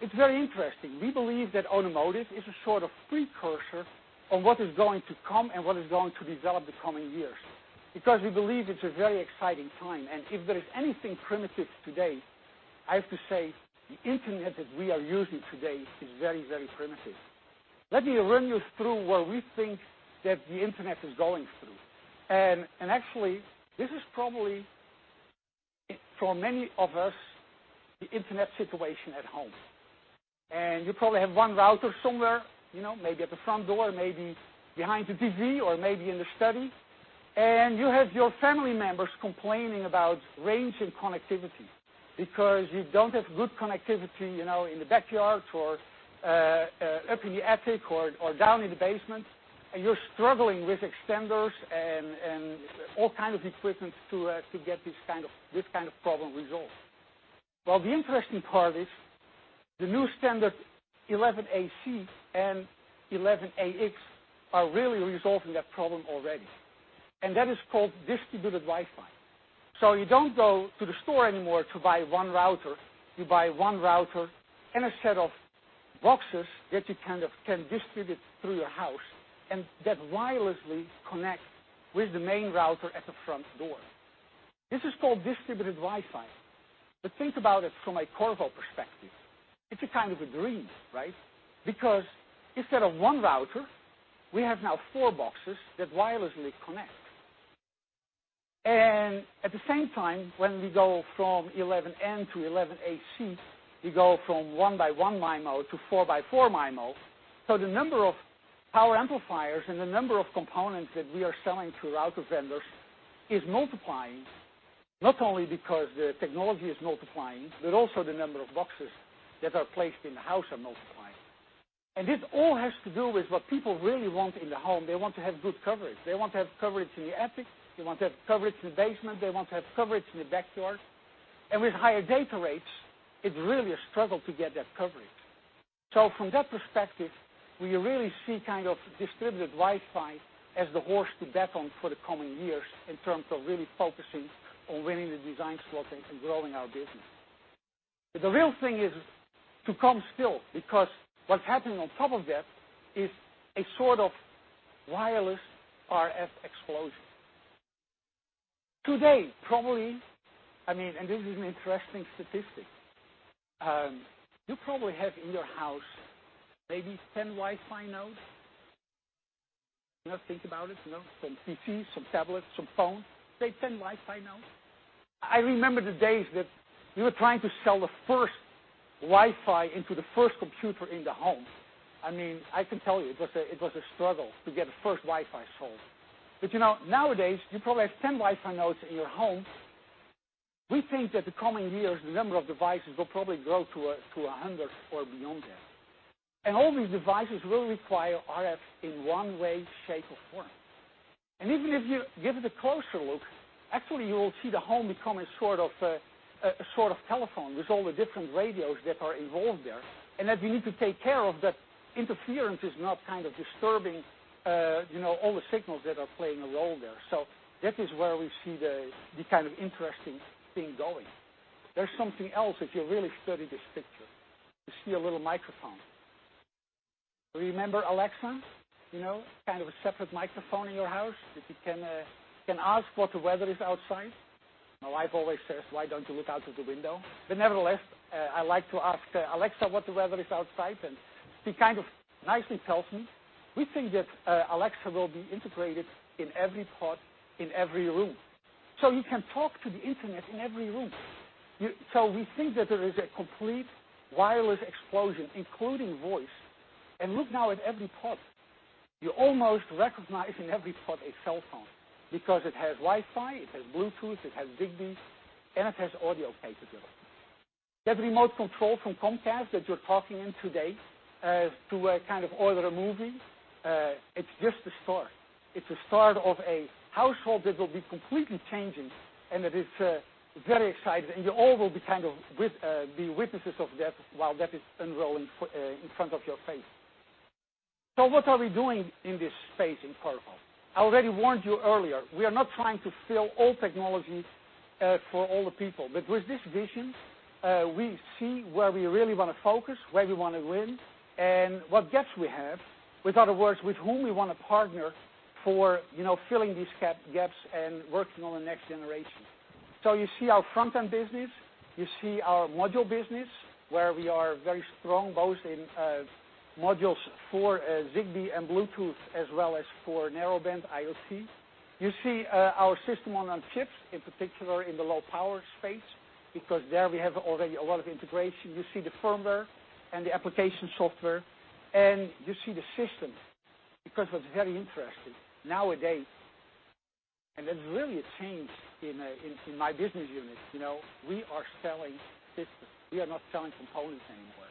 It's very interesting. We believe that automotive is a sort of precursor on what is going to come and what is going to develop the coming years. We believe it's a very exciting time. If there is anything primitive today, I have to say, the internet that we are using today is very, very primitive. Let me run you through what we think that the internet is going through. Actually, this is probably, for many of us, the internet situation at home. You probably have one router somewhere, maybe at the front door, maybe behind the TV, or maybe in the study. You have your family members complaining about range and connectivity because you don't have good connectivity in the backyard or up in the attic or down in the basement. You're struggling with extenders and all kind of equipment to get this kind of problem resolved. Well, the interesting part is the new standard 11ac and 11ax are really resolving that problem already. That is called distributed Wi-Fi. You don't go to the store anymore to buy one router. You buy one router and a set of boxes that you can distribute through your house and that wirelessly connect with the main router at the front door. This is called distributed Wi-Fi. Think about it from a Qorvo perspective. It's a kind of a dream, right? Instead of one router, we have now four boxes that wirelessly connect. At the same time, when we go from 11n to 11ac, we go from one by one MIMO to four by four MIMO. The number of power amplifiers and the number of components that we are selling to router vendors is multiplying, not only because the technology is multiplying, but also the number of boxes that are placed in the house are multiplying. This all has to do with what people really want in the home. They want to have good coverage. They want to have coverage in the attic. They want to have coverage in the basement. They want to have coverage in the backyard. With higher data rates, it's really a struggle to get that coverage. From that perspective, we really see distributed Wi-Fi as the horse to bet on for the coming years in terms of really focusing on winning the design slot and growing our business. The real thing is to come still, because what's happening on top of that is a sort of wireless RF explosion. Today, probably, and this is an interesting statistic, you probably have in your house maybe 10 Wi-Fi nodes. Think about it. Some PCs, some tablets, some phones. Say 10 Wi-Fi nodes. I remember the days that we were trying to sell the first Wi-Fi into the first computer in the home. I can tell you, it was a struggle to get the first Wi-Fi sold. Nowadays, you probably have 10 Wi-Fi nodes in your home. We think that the coming years, the number of devices will probably grow to 100 or beyond that. All these devices will require RF in one way, shape, or form. Even if you give it a closer look, actually, you will see the home become a sort of telephone with all the different radios that are involved there. That we need to take care of that interference is not disturbing all the signals that are playing a role there. That is where we see the interesting thing going. There's something else if you really study this picture. You see a little microphone. Remember Alexa? Kind of a separate microphone in your house that you can ask what the weather is outside. My wife always says, "Why don't you look out of the window?" Nevertheless, I like to ask Alexa what the weather is outside, and she nicely tells me. We think that Alexa will be integrated in every pod in every room. You can talk to the internet in every room. We think that there is a complete wireless explosion, including voice. Look now at every pod. You almost recognize in every pod a cell phone because it has Wi-Fi, it has Bluetooth, it has Zigbee, and it has audio capability. That remote control from Comcast that you're talking in today to order a movie, it's just the start. It's a start of a household that will be completely changing, and that is very exciting. You all will be witnesses of that while that is unrolling in front of your face. What are we doing in this space in Qorvo? I already warned you earlier, we are not trying to fill all technology for all the people. With this vision, we see where we really want to focus, where we want to win, and what gaps we have. With other words, with whom we want to partner for filling these gaps and working on the next generation. You see our front-end business, you see our module business, where we are very strong, both in modules for Zigbee and Bluetooth as well as for Narrowband IoT. You see our system on chips, in particular in the low-power space, because there we have already a lot of integration. You see the firmware and the application software, and you see the systems. What's very interesting, nowadays, and that's really a change in my business unit. We are selling systems. We are not selling components anymore.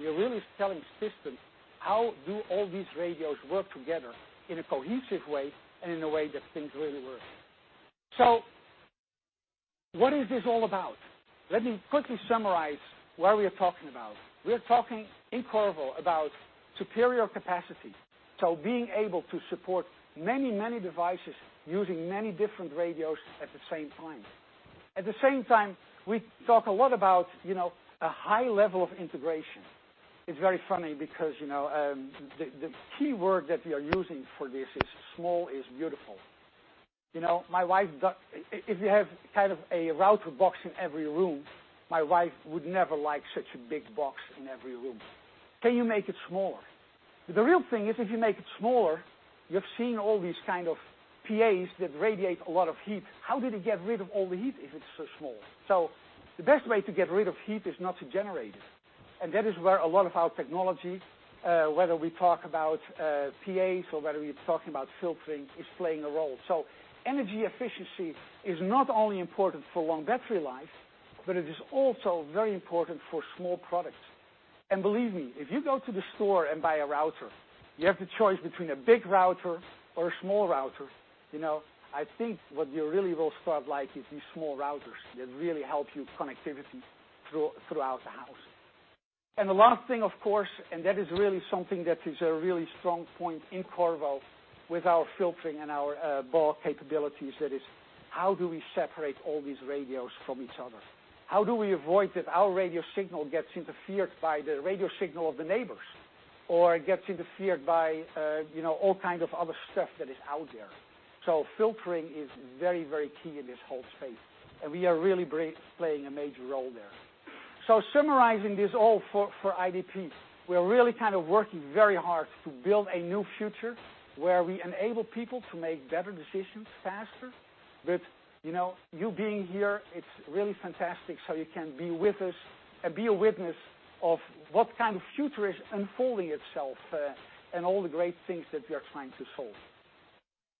We are really selling systems. How do all these radios work together in a cohesive way and in a way that things really work? What is this all about? Let me quickly summarize what we are talking about. We're talking in Qorvo about superior capacity. Being able to support many devices using many different radios at the same time. At the same time, we talk a lot about a high level of integration. It's very funny because the key word that we are using for this is small is beautiful. If you have a router box in every room, my wife would never like such a big box in every room. Can you make it smaller? The real thing is if you make it smaller, you're seeing all these PAs that radiate a lot of heat. How did it get rid of all the heat if it's so small? The best way to get rid of heat is not to generate it. That is where a lot of our technology, whether we talk about PAs or whether we are talking about filtering, is playing a role. Energy efficiency is not only important for long battery life, but it is also very important for small products. Believe me, if you go to the store and buy a router, you have the choice between a big router or a small router. I think what you really will start liking is these small routers that really help you connectivity throughout the house. The last thing, of course, and that is really something that is a really strong point in Qorvo with our filtering and our BAW capabilities, that is how do we separate all these radios from each other? How do we avoid that our radio signal gets interfered by the radio signal of the neighbors? It gets interfered by all kind of other stuff that is out there. Filtering is very key in this whole space, and we are really playing a major role there. Summarizing this all for IDP, we are really working very hard to build a new future where we enable people to make better decisions faster. You being here, it's really fantastic, so you can be with us and be a witness of what kind of future is unfolding itself, and all the great things that we are trying to solve.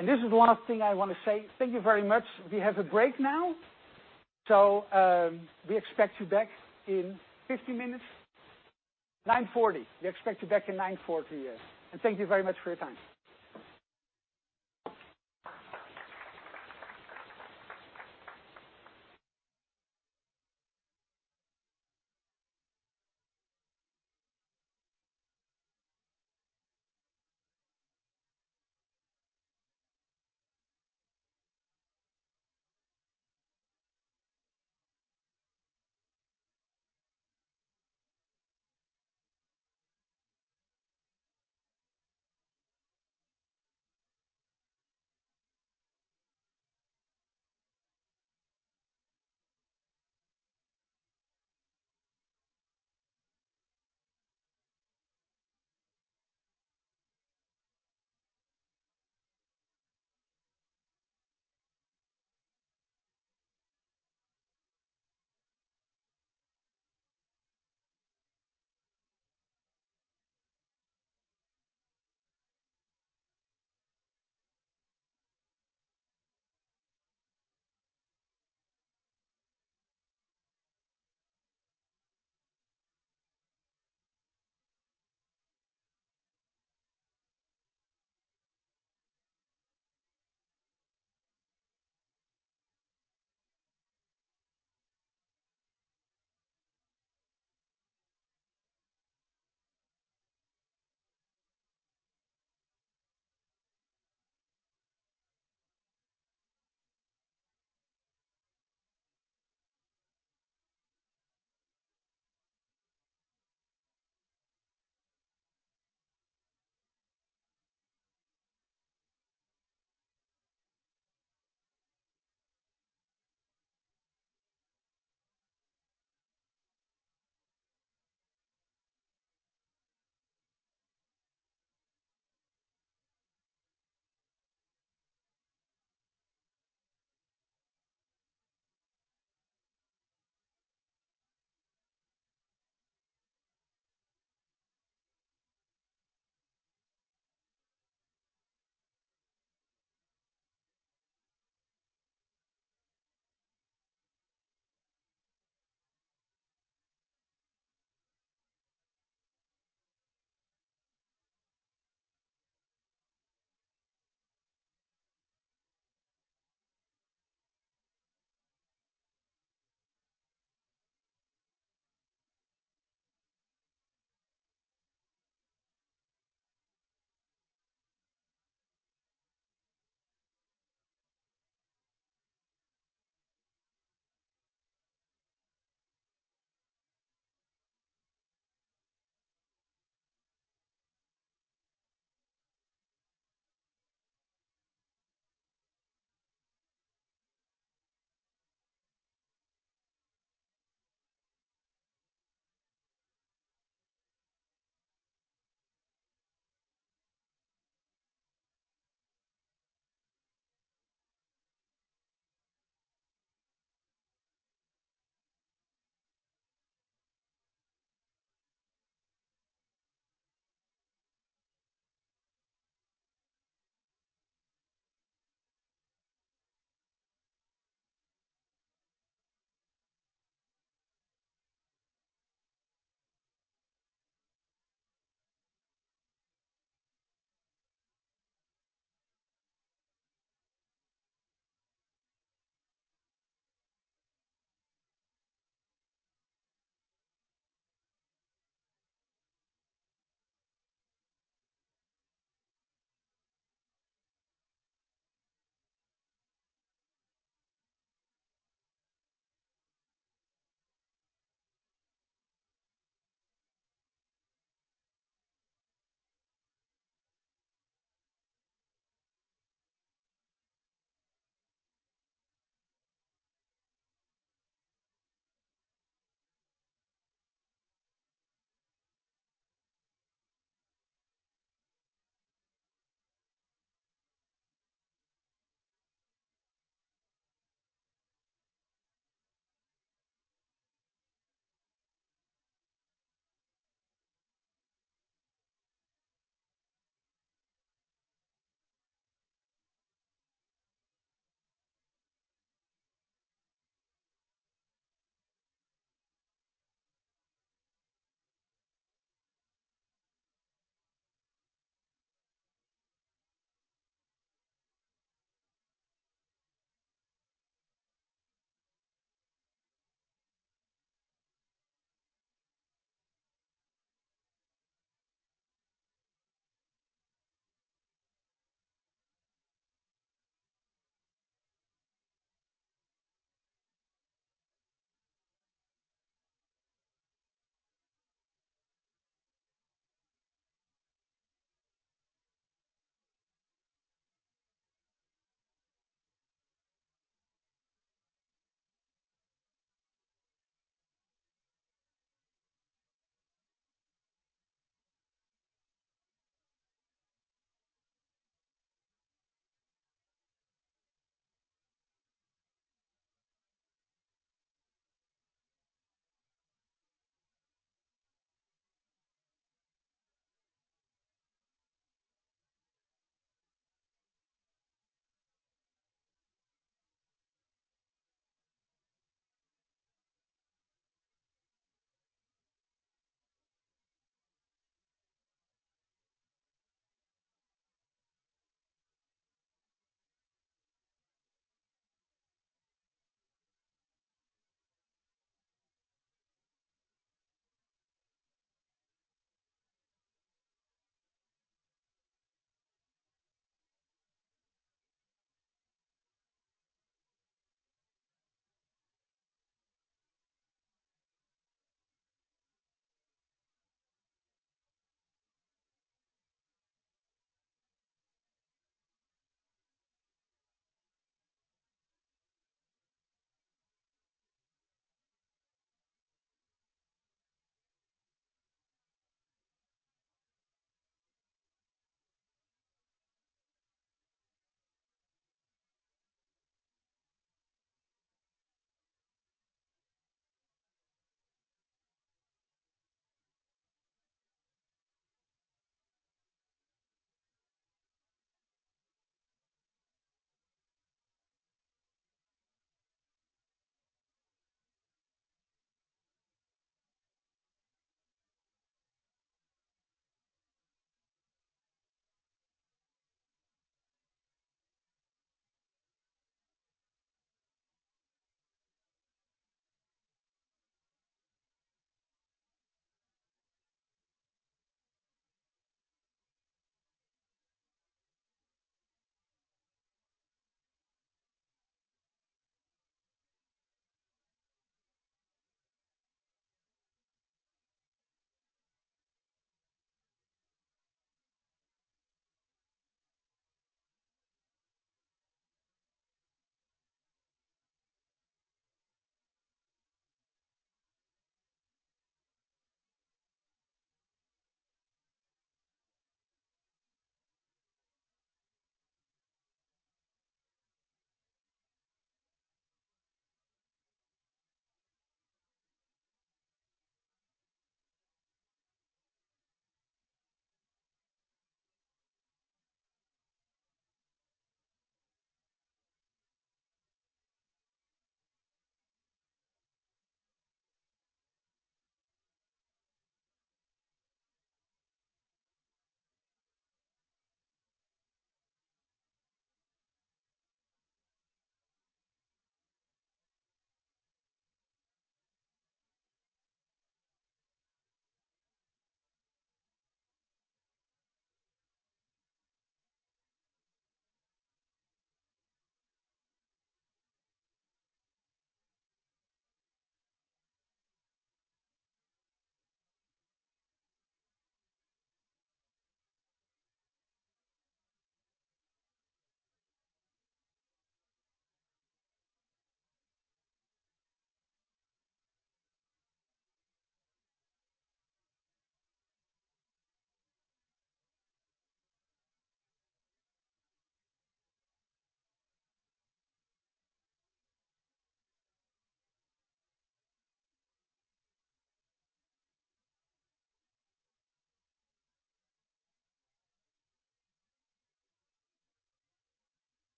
This is the last thing I want to say. Thank you very much. We have a break now. We expect you back in 50 minutes, 9:40 A.M. We expect you back in 9:40 A.M., yes. Thank you very much for your time.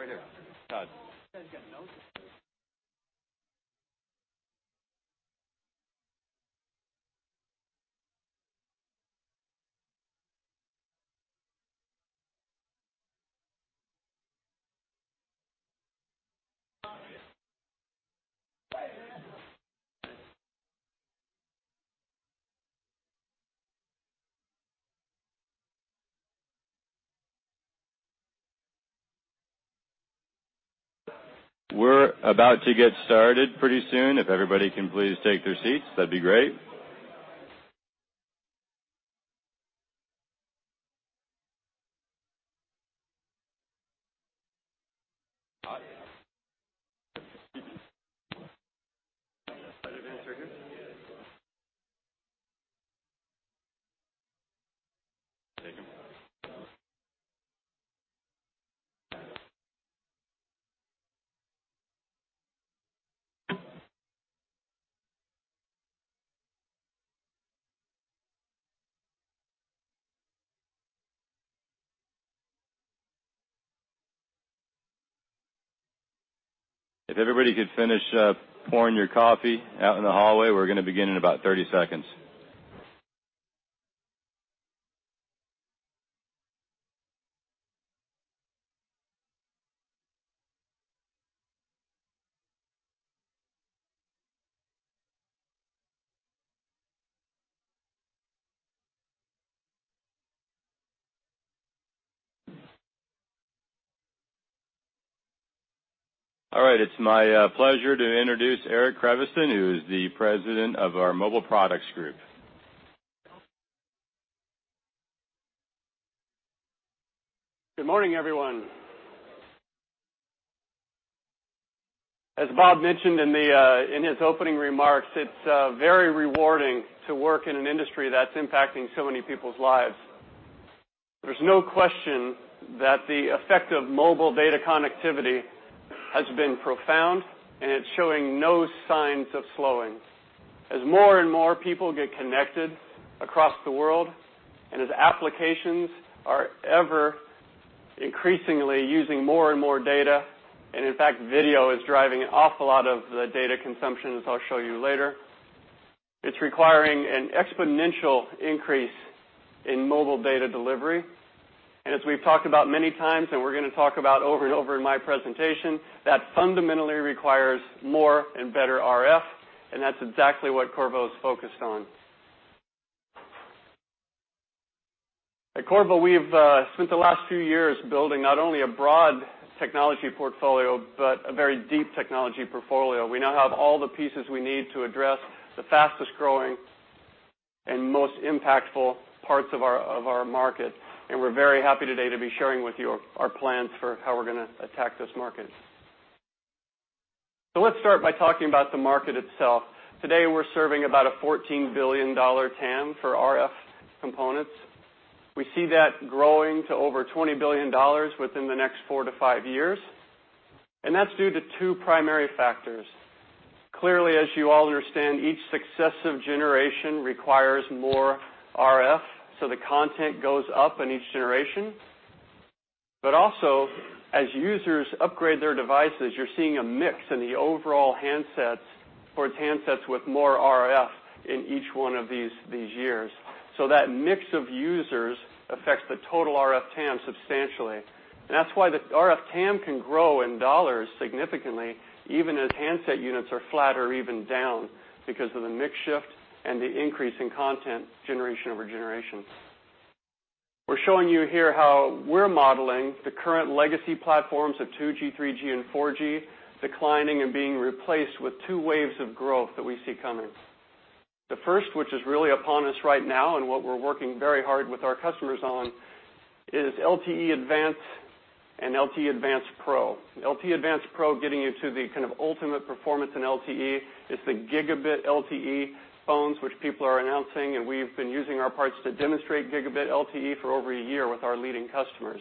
Right here. Todd. We're about to get started pretty soon. If everybody can please take their seats, that'd be great. If everybody could finish pouring your coffee out in the hallway, we're going to begin in about 30 seconds. All right. It's my pleasure to introduce Eric Creviston, who is the President of our Mobile Products group. Good morning, everyone. As Bob mentioned in his opening remarks, it's very rewarding to work in an industry that's impacting so many people's lives. There's no question that the effect of mobile data connectivity has been profound, and it's showing no signs of slowing. As more and more people get connected across the world, as applications are ever increasingly using more and more data, and in fact, video is driving an awful lot of the data consumption, as I'll show you later, it's requiring an exponential increase in mobile data delivery. As we've talked about many times, and we're going to talk about over and over in my presentation, that fundamentally requires more and better RF, and that's exactly what Qorvo's focused on. At Qorvo, we've spent the last few years building not only a broad technology portfolio, but a very deep technology portfolio. We now have all the pieces we need to address the fastest-growing and most impactful parts of our market. We're very happy today to be sharing with you our plans for how we're going to attack this market. Let's start by talking about the market itself. Today, we're serving about a $14 billion TAM for RF components. We see that growing to over $20 billion within the next four to five years, that's due to two primary factors. Clearly, as you all understand, each successive generation requires more RF, the content goes up in each generation. Also, as users upgrade their devices, you're seeing a mix in the overall handsets towards handsets with more RF in each one of these years. That mix of users affects the total RF TAM substantially. That's why the RF TAM can grow in dollars significantly, even as handset units are flat or even down, because of the mix shift and the increase in content generation over generation. We're showing you here how we're modeling the current legacy platforms of 2G, 3G, and 4G declining and being replaced with two waves of growth that we see coming. The first, which is really upon us right now and what we're working very hard with our customers on, is LTE Advanced and LTE Advanced Pro. LTE Advanced Pro getting you to the ultimate performance in LTE. It's the gigabit LTE phones which people are announcing, and we've been using our parts to demonstrate gigabit LTE for over a year with our leading customers.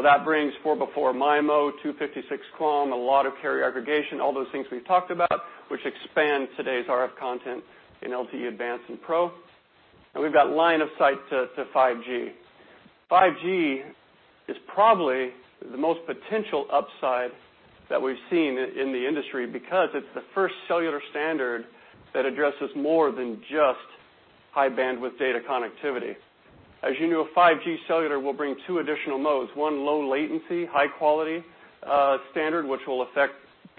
That brings 4x4 MIMO, 256-QAM, a lot of carrier aggregation, all those things we've talked about, which expand today's RF content in LTE-Advanced and Pro. We've got line of sight to 5G. 5G is probably the most potential upside that we've seen in the industry because it's the first cellular standard that addresses more than just high bandwidth data connectivity. As you know, 5G cellular will bring two additional modes, one low latency, high quality standard, which will affect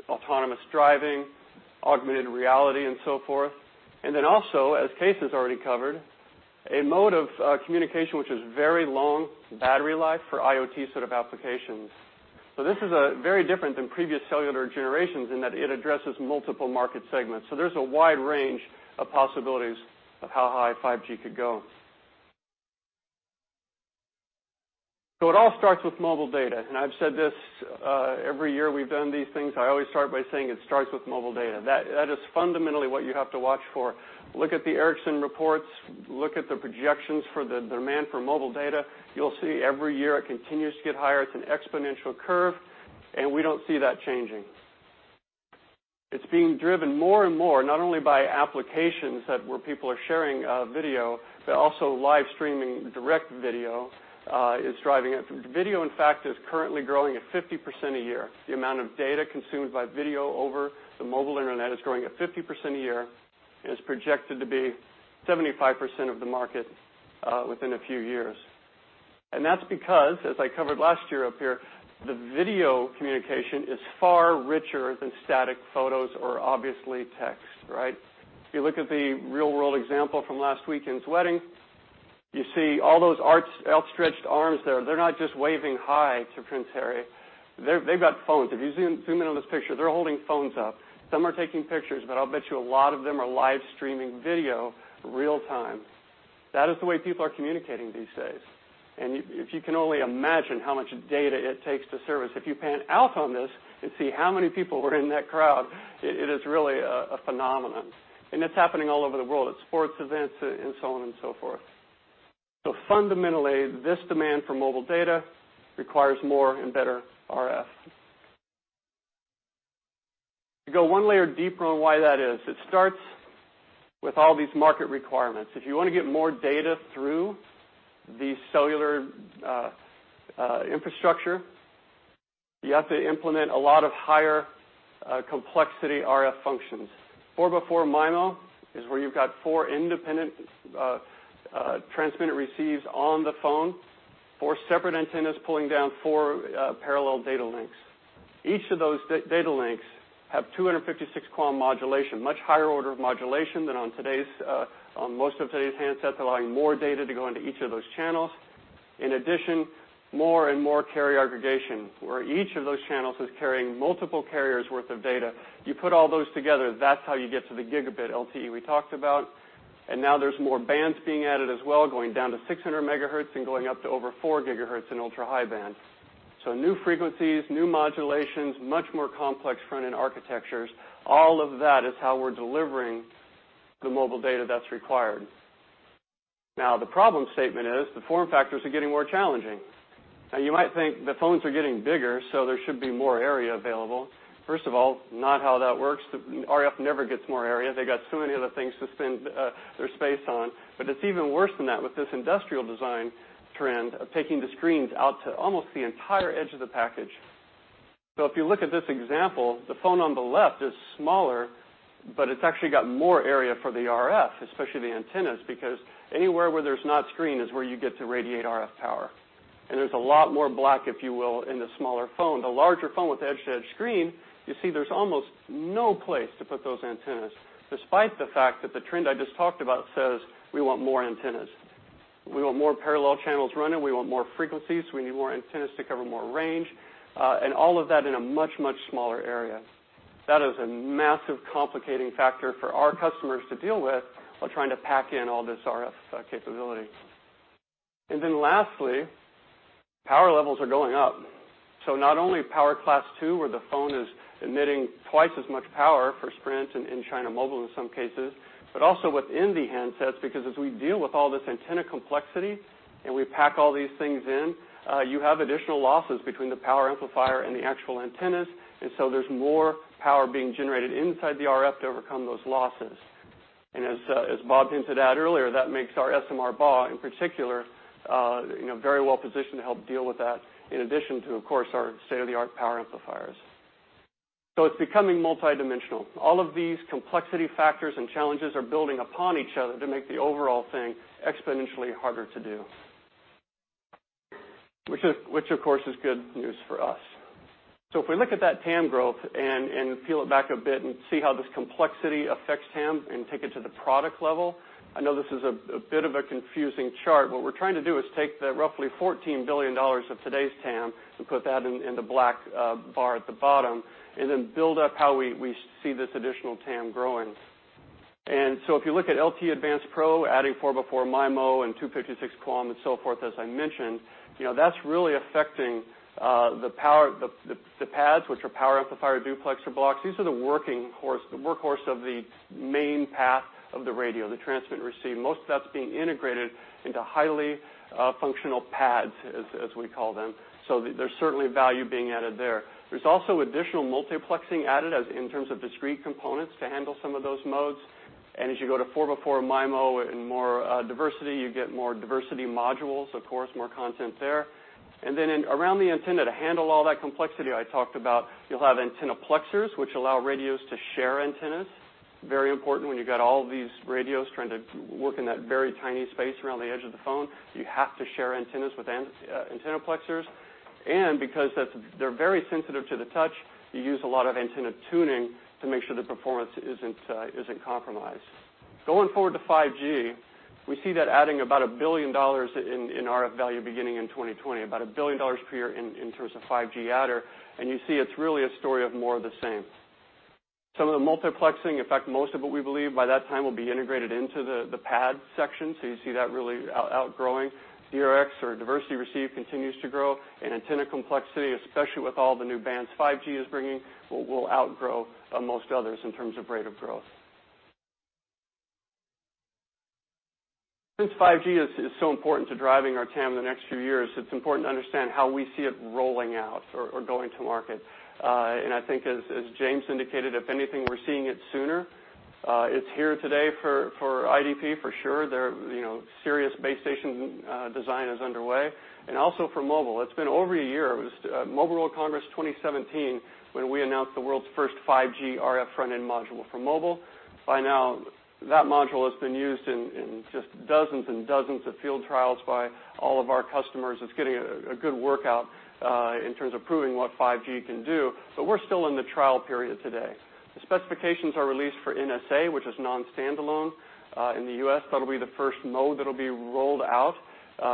autonomous driving, augmented reality, and so forth. Then also, as Cees has already covered, a mode of communication which is very long battery life for IoT sort of applications. This is very different than previous cellular generations in that it addresses multiple market segments. There's a wide range of possibilities of how high 5G could go. It all starts with mobile data. I've said this every year we've done these things, I always start by saying it starts with mobile data. That is fundamentally what you have to watch for. Look at the Ericsson reports, look at the projections for the demand for mobile data. You'll see every year it continues to get higher. It's an exponential curve, we don't see that changing. It's being driven more and more, not only by applications where people are sharing video, but also live streaming direct video is driving it. Video, in fact, is currently growing at 50% a year. The amount of data consumed by video over the mobile internet is growing at 50% a year, and it's projected to be 75% of the market within a few years. That's because, as I covered last year up here, the video communication is far richer than static photos or obviously text, right? If you look at the real-world example from last weekend's wedding, you see all those outstretched arms there. They're not just waving hi to Prince Harry. They've got phones. If you zoom in on this picture, they're holding phones up. Some are taking pictures, but I'll bet you a lot of them are live streaming video real-time. That is the way people are communicating these days. If you can only imagine how much data it takes to service. If you pan out on this and see how many people were in that crowd, it is really a phenomenon. It's happening all over the world at sports events and so on and so forth. Fundamentally, this demand for mobile data requires more and better RF. To go one layer deeper on why that is, it starts with all these market requirements. If you want to get more data through the cellular infrastructure, you have to implement a lot of higher complexity RF functions. 4x4 MIMO is where you've got four independent transmit and receives on the phone, four separate antennas pulling down four parallel data links. Each of those data links have 256-QAM modulation, much higher order of modulation than on most of today's handsets, allowing more data to go into each of those channels. In addition, more and more carrier aggregation, where each of those channels is carrying multiple carriers worth of data. You put all those together, that's how you get to the gigabit LTE we talked about. Now there's more bands being added as well, going down to 600 MHz and going up to over four GHz in ultra-high bands. New frequencies, new modulations, much more complex front-end architectures, all of that is how we're delivering the mobile data that's required. The problem statement is the form factors are getting more challenging. You might think the phones are getting bigger, so there should be more area available. First of all, not how that works. The RF never gets more area. They got too many other things to spend their space on. It's even worse than that with this industrial design trend of taking the screens out to almost the entire edge of the package. If you look at this example, the phone on the left is smaller, but it's actually got more area for the RF, especially the antennas, because anywhere where there's not screen is where you get to radiate RF power. There's a lot more black, if you will, in the smaller phone. The larger phone with the edge-to-edge screen, you see there's almost no place to put those antennas, despite the fact that the trend I just talked about says we want more antennas. We want more parallel channels running. We want more frequencies. We need more antennas to cover more range. All of that in a much, much smaller area. That is a massive complicating factor for our customers to deal with while trying to pack in all this RF capability. Lastly, power levels are going up. Not only power class 2, where the phone is emitting twice as much power for Sprint and China Mobile in some cases, but also within the handsets, because as we deal with all this antenna complexity and we pack all these things in, you have additional losses between the power amplifier and the actual antennas. There's more power being generated inside the RF to overcome those losses. As Bob hinted at earlier, that makes our SMR BAW in particular very well-positioned to help deal with that, in addition to, of course, our state-of-the-art power amplifiers. It's becoming multidimensional. All of these complexity factors and challenges are building upon each other to make the overall thing exponentially harder to do, which, of course, is good news for us. If we look at that TAM growth and peel it back a bit and see how this complexity affects TAM and take it to the product level, I know this is a bit of a confusing chart. What we're trying to do is take the roughly $14 billion of today's TAM and put that in the black bar at the bottom, then build up how we see this additional TAM growing. If you look at LTE Advanced Pro, adding 4x4 MIMO and 256 QAM and so forth, as I mentioned, that's really affecting the PADs, which are power amplifier duplexer blocks. These are the workhorse of the main path of the radio, the transmit and receive. Most of that's being integrated into highly functional PADs, as we call them. There's certainly value being added there. There's also additional multiplexing added in terms of discrete components to handle some of those modes. As you go to 4x4 MIMO and more diversity, you get more diversity modules, of course, more content there. Then around the antenna, to handle all that complexity I talked about, you'll have antenna plexers, which allow radios to share antennas. Very important when you've got all these radios trying to work in that very tiny space around the edge of the phone. You have to share antennas with antenna plexers. Because they're very sensitive to the touch, you use a lot of antenna tuning to make sure the performance isn't compromised. Going forward to 5G, we see that adding about $1 billion in RF value beginning in 2020, about $1 billion per year in terms of 5G adder. You see it's really a story of more of the same. Some of the multiplexing, in fact, most of what we believe by that time will be integrated into the pad section, you see that really outgrowing. DRX or diversity receive continues to grow, antenna complexity, especially with all the new bands 5G is bringing, will outgrow most others in terms of rate of growth. Since 5G is so important to driving our TAM in the next few years, it's important to understand how we see it rolling out or going to market. I think as James indicated, if anything, we're seeing it sooner. It's here today for IDP, for sure. Serious base station design is underway. Also for mobile. It's been over a year. It was at Mobile World Congress 2017 when we announced the world's first 5G RF front-end module for mobile. By now, that module has been used in just dozens and dozens of field trials by all of our customers. It's getting a good workout in terms of proving what 5G can do. We're still in the trial period today. The specifications are released for NSA, which is non-standalone. In the U.S., that'll be the first mode that'll be rolled out.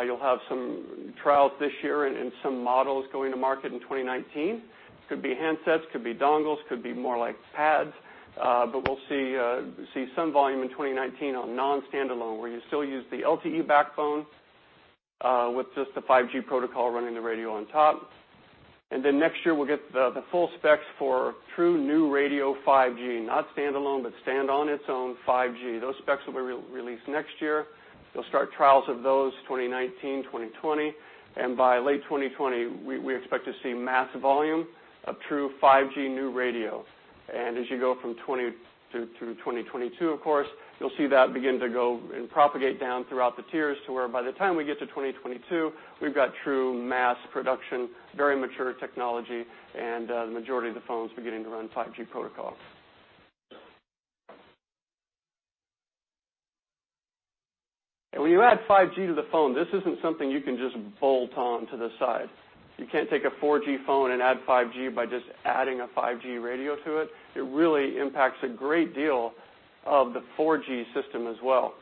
You'll have some trials this year and some models going to market in 2019. Could be handsets, could be dongles, could be more like pads. We'll see some volume in 2019 on non-standalone, where you still use the LTE backbone with just the 5G protocol running the radio on top. Then next year, we'll get the full specs for true new radio 5G, not standalone, but stand on its own 5G. Those specs will be released next year. You'll start trials of those 2019, 2020. By late 2020, we expect to see mass volume of true 5G new radio. As you go from 2020 to 2022, of course, you'll see that begin to go and propagate down throughout the tiers to where by the time we get to 2022, we've got true mass production, very mature technology, and the majority of the phones beginning to run 5G protocols. When you add 5G to the phone, this isn't something you can just bolt on to the side. You can't take a 4G phone and add 5G by just adding a 5G radio to it. It really impacts a great deal of the 4G system as well.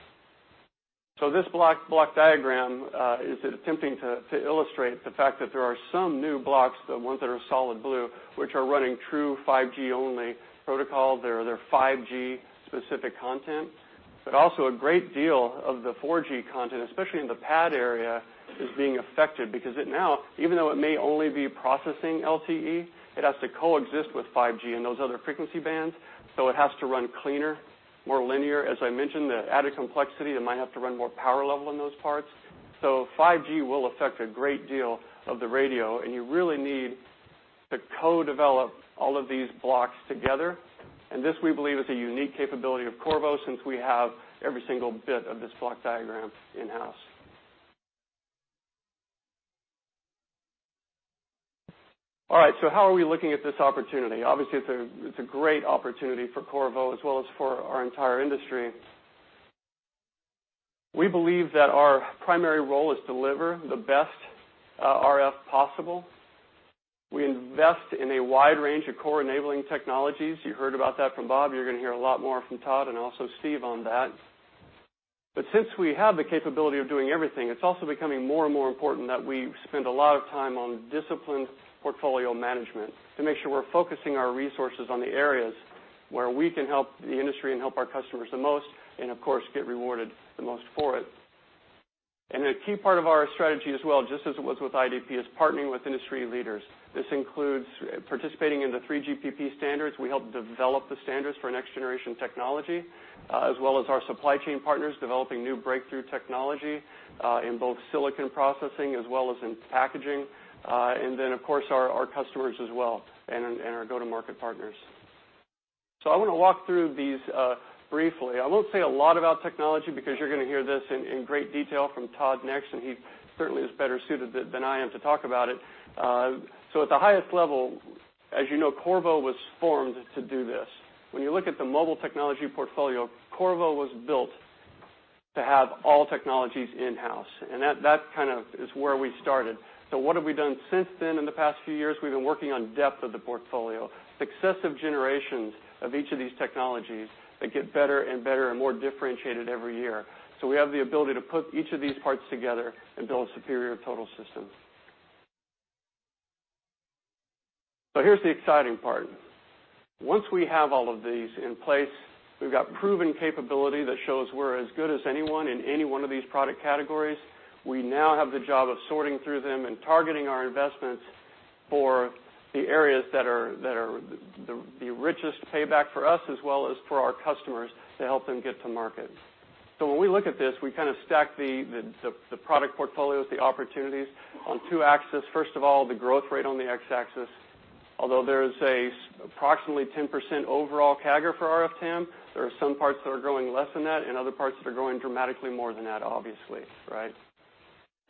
This block diagram is attempting to illustrate the fact that there are some new blocks, the ones that are solid blue, which are running true 5G only protocol. They're 5G specific content, also a great deal of the 4G content, especially in the PAD area, is being affected because it now, even though it may only be processing LTE, it has to coexist with 5G and those other frequency bands, it has to run cleaner, more linear. As I mentioned, the added complexity, it might have to run more power level in those parts. 5G will affect a great deal of the radio, and you really need to co-develop all of these blocks together. This, we believe, is a unique capability of Qorvo, since we have every single bit of this block diagram in-house. How are we looking at this opportunity? Obviously, it's a great opportunity for Qorvo as well as for our entire industry. We believe that our primary role is to deliver the best RF possible. We invest in a wide range of core-enabling technologies. You heard about that from Bob. You're going to hear a lot more from Todd and also Steve on that. Since we have the capability of doing everything, it's also becoming more and more important that we spend a lot of time on disciplined portfolio management to make sure we're focusing our resources on the areas where we can help the industry and help our customers the most, and of course, get rewarded the most for it. A key part of our strategy as well, just as it was with IDP, is partnering with industry leaders. This includes participating in the 3GPP standards. We help develop the standards for next-generation technology, as well as our supply chain partners developing new breakthrough technology, in both silicon processing as well as in packaging. Of course, our customers as well and our go-to-market partners. I want to walk through these briefly. I won't say a lot about technology, because you're going to hear this in great detail from Todd next, and he certainly is better suited than I am to talk about it. At the highest level, as you know, Qorvo was formed to do this. When you look at the mobile technology portfolio, Qorvo was built to have all technologies in-house, and that is where we started. What have we done since then in the past few years? We've been working on depth of the portfolio, successive generations of each of these technologies that get better and better and more differentiated every year. We have the ability to put each of these parts together and build a superior total system. Here's the exciting part. Once we have all of these in place, we've got proven capability that shows we're as good as anyone in any one of these product categories. We now have the job of sorting through them and targeting our investments for the areas that are the richest payback for us as well as for our customers to help them get to market. When we look at this, we stack the product portfolios, the opportunities on two axes. First of all, the growth rate on the X-axis. Although there is approximately 10% overall CAGR for RF TAM, there are some parts that are growing less than that and other parts that are growing dramatically more than that, obviously, right?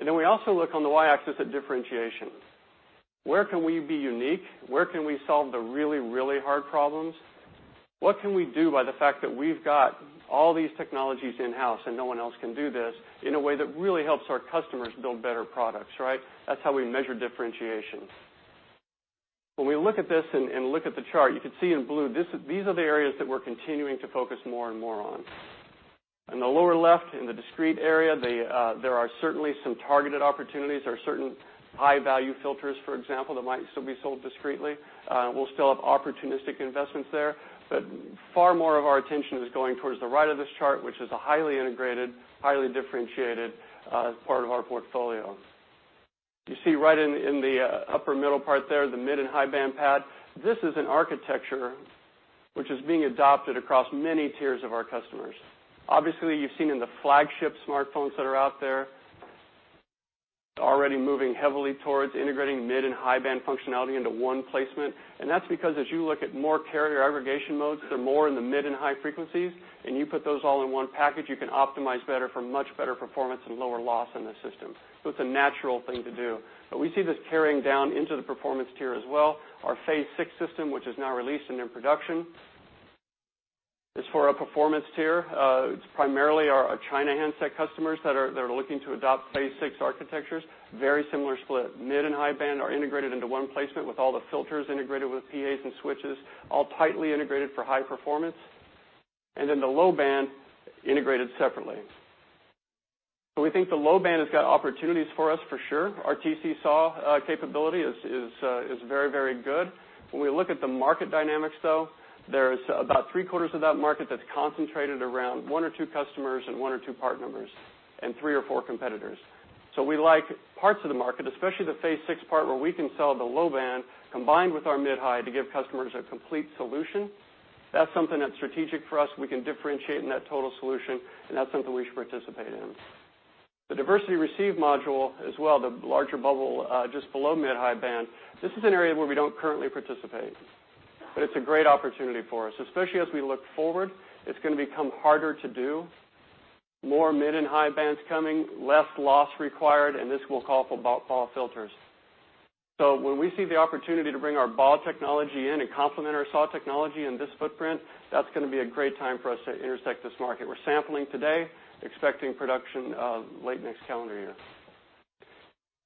We also look on the Y-axis at differentiation. Where can we be unique? Where can we solve the really hard problems? What can we do by the fact that we've got all these technologies in-house and no one else can do this in a way that really helps our customers build better products, right? That's how we measure differentiation. When we look at this and look at the chart, you can see in blue, these are the areas that we're continuing to focus more and more on. In the lower left, in the discrete area, there are certainly some targeted opportunities. There are certain high-value filters, for example, that might still be sold discreetly. We'll still have opportunistic investments there, but far more of our attention is going towards the right of this chart, which is a highly integrated, highly differentiated part of our portfolio. You see right in the upper middle part there, the mid and high-band PAD. This is an architecture which is being adopted across many tiers of our customers. Obviously, you've seen in the flagship smartphones that are out there, already moving heavily towards integrating mid and high-band functionality into one placement. That's because as you look at more carrier aggregation modes, they're more in the mid and high frequencies, and you put those all in one package, you can optimize better for much better performance and lower loss in the system. It's a natural thing to do. We see this carrying down into the performance tier as well. Our Phase 6 system, which is now released and in production, is for our performance tier. It's primarily our China handset customers that are looking to adopt Phase 6 architectures. Very similar split. Mid and high band are integrated into one placement with all the filters integrated with PAs and switches, all tightly integrated for high performance. Then the low band integrated separately. We think the low band has got opportunities for us for sure. Our TC-SAW capability is very good. When we look at the market dynamics, though, there's about three-quarters of that market that's concentrated around one or two customers and one or two part numbers and three or four competitors. We like parts of the market, especially the Phase 6 part, where we can sell the low band combined with our mid/high to give customers a complete solution. That's something that's strategic for us. We can differentiate in that total solution, and that's something we should participate in. The diversity receive module as well, the larger bubble just below mid/high band, this is an area where we don't currently participate, but it's a great opportunity for us. Especially as we look forward, it's going to become harder to do. More mid and high bands coming, less loss required, this will call for BAW filters. When we see the opportunity to bring our BAW technology in and complement our SAW technology in this footprint, that's going to be a great time for us to intersect this market. We're sampling today, expecting production late next calendar year.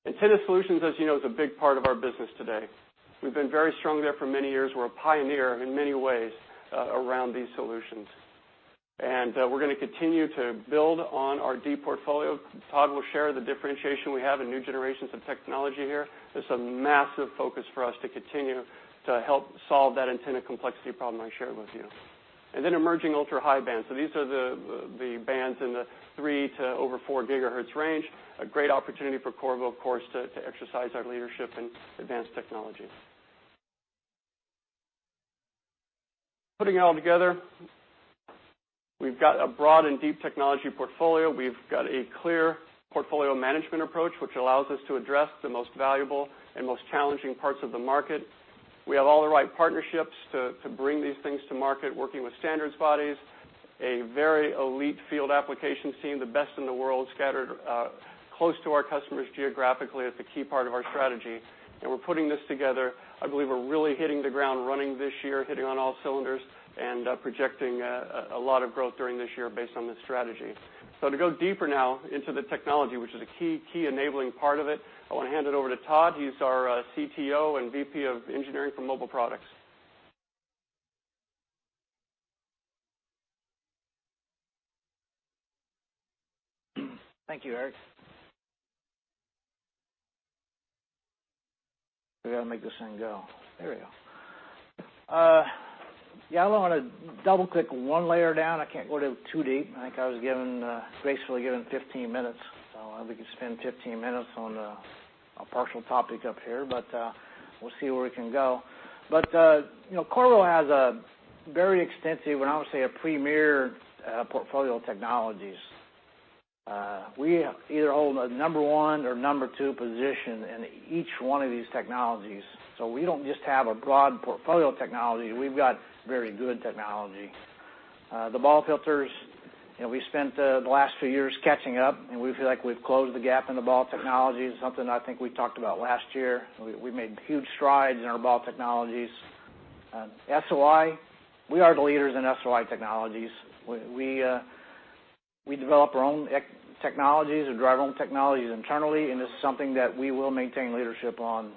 Antenna solutions, as you know, is a big part of our business today. We've been very strong there for many years. We're a pioneer in many ways around these solutions. We're going to continue to build on our deep portfolio. Todd will share the differentiation we have in new generations of technology here. This is a massive focus for us to continue to help solve that antenna complexity problem I shared with you. Emerging ultra-high bands. These are the bands in the three to over four gigahertz range. A great opportunity for Qorvo, of course, to exercise our leadership in advanced technology. Putting it all together, we've got a broad and deep technology portfolio. We've got a clear portfolio management approach, which allows us to address the most valuable and most challenging parts of the market. We have all the right partnerships to bring these things to market, working with standards bodies, a very elite field application team, the best in the world, scattered close to our customers geographically as the key part of our strategy. We're putting this together. I believe we're really hitting the ground running this year, hitting on all cylinders, and projecting a lot of growth during this year based on this strategy. To go deeper now into the technology, which is a key enabling part of it, I want to hand it over to Todd. He's our CTO and VP of engineering for Mobile Products. Thank you, Eric. I got to make this thing go. There we go. I want to double-click one layer down. I can't go too deep. I think I was basically given 15 minutes, so we could spend 15 minutes on a partial topic up here, but we'll see where we can go. Qorvo has a very extensive, and I would say a premier portfolio of technologies. We either hold a number 1 or number 2 position in each one of these technologies. We don't just have a broad portfolio of technology, we've got very good technology. The BAW filters, we spent the last few years catching up, and we feel like we've closed the gap in the BAW technology, something I think we talked about last year. We made huge strides in our BAW technologies. SOI, we are the leaders in SOI technologies. We develop our own technologies and drive our own technologies internally. This is something that we will maintain leadership on.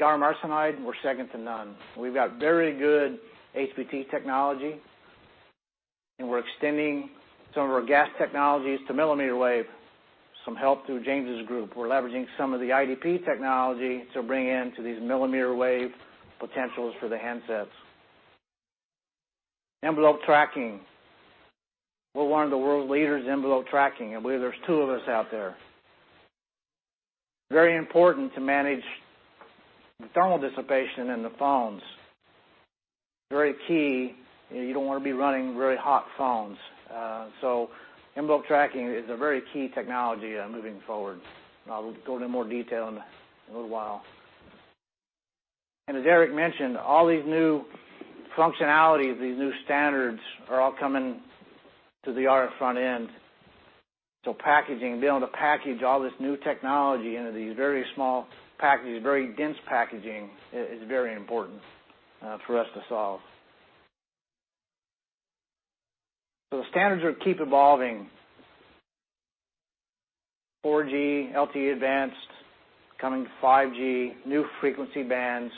Gallium arsenide, we're second to none. We've got very good HBT technology, we're extending some of our GaAs technologies to millimeter wave. Some help through James' group. We're leveraging some of the IDP technology to bring into these millimeter wave potentials for the handsets. Envelope tracking. We're one of the world leaders in envelope tracking. I believe there's two of us out there. Very important to manage the thermal dissipation in the phones. Very key. You don't want to be running very hot phones. Envelope tracking is a very key technology moving forward. I'll go into more detail in a little while. As Eric mentioned, all these new functionalities, these new standards, are all coming to the RF front end. Packaging, being able to package all this new technology into these very small packages, very dense packaging, is very important for us to solve. The standards will keep evolving. 4G, LTE-Advanced, coming to 5G, new frequency bands,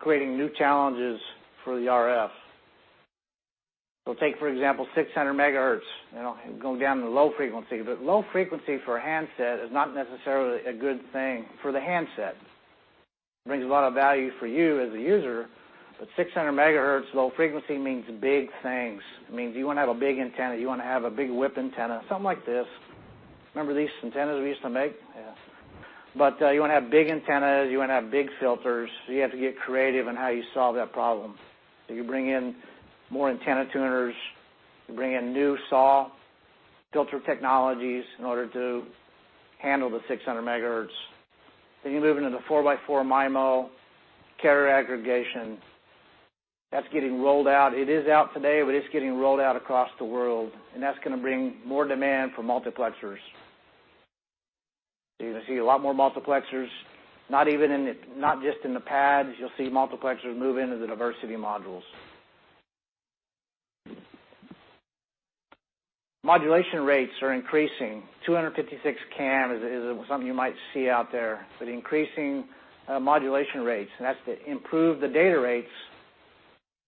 creating new challenges for the RF. Take, for example, 600 MHz, going down to low frequency. Low frequency for a handset is not necessarily a good thing for the handset. Brings a lot of value for you as a user, 600 MHz low frequency means big things. It means you want to have a big antenna, you want to have a big whip antenna, something like this. Remember these antennas we used to make? Yeah. You want to have big antennas, you want to have big filters, you have to get creative in how you solve that problem. You bring in more antenna tuners, you bring in new SAW filter technologies in order to handle the 600 MHz. You move into the 4x4 MIMO carrier aggregation. That's getting rolled out. It is out today, it's getting rolled out across the world, that's going to bring more demand for multiplexers. You're going to see a lot more multiplexers, not just in the PADs. You'll see multiplexers move into the diversity modules. Modulation rates are increasing. 256-QAM is something you might see out there. Increasing modulation rates, that's to improve the data rates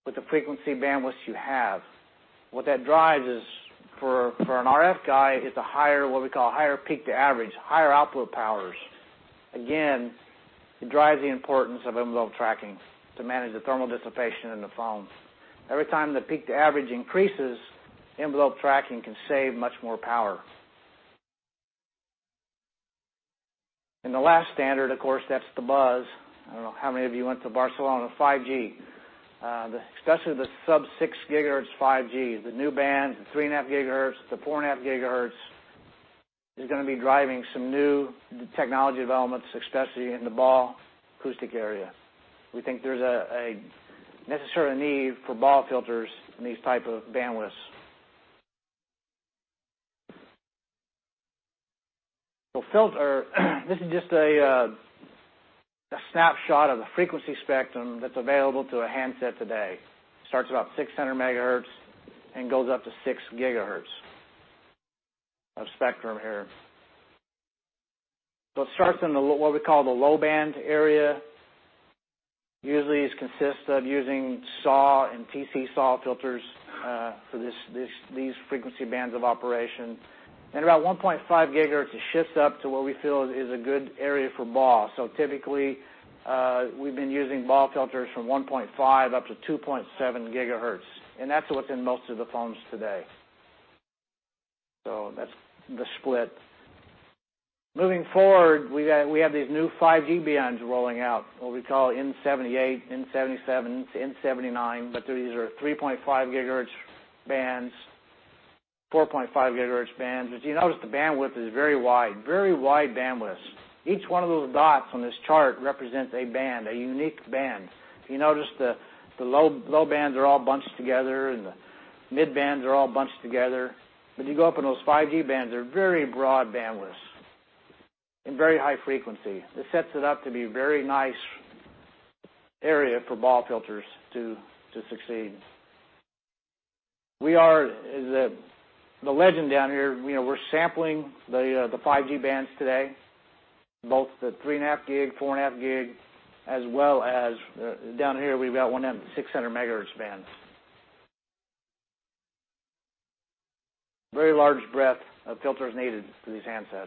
with the frequency bandwidth you have. What that drives is, for an RF guy, is what we call higher peak to average, higher output powers. Again, it drives the importance of envelope tracking to manage the thermal dissipation in the phone. Every time the peak to average increases, envelope tracking can save much more power. The last standard, of course, that's the buzz. I don't know how many of you went to Barcelona, 5G. Especially the sub-6 GHz 5G, the new bands, the 3.5 GHz, the 4.5 GHz, is going to be driving some new technology developments, especially in the BAW acoustic area. We think there's a necessary need for BAW filters in these type of bandwidths. Filter, this is just a snapshot of the frequency spectrum that's available to a handset today. Starts about 600 MHz and goes up to 6 GHz of spectrum here. It starts in what we call the low band area, usually consists of using SAW and TC-SAW filters for these frequency bands of operation. Around 1.5 GHz, it shifts up to what we feel is a good area for BAW. Typically, we've been using BAW filters from 1.5 up to 2.7 GHz, that's what's in most of the phones today. That's the split. Moving forward, we have these new 5G bands rolling out, what we call n78, n77, n79. These are 3.5 GHz bands, 4.5 GHz bands. As you notice, the bandwidth is very wide. Very wide bandwidth. Each one of those dots on this chart represents a band, a unique band. If you notice, the low bands are all bunched together, the mid bands are all bunched together. You go up in those 5G bands, they're very broad bandwidths and very high frequency. It sets it up to be very nice area for BAW filters to succeed. The legend down here, we're sampling the 5G bands today, both the 3.5 gig, 4.5 gig, as well as down here, we've got one of them 600 megahertz bands. Very large breadth of filters needed for these handsets.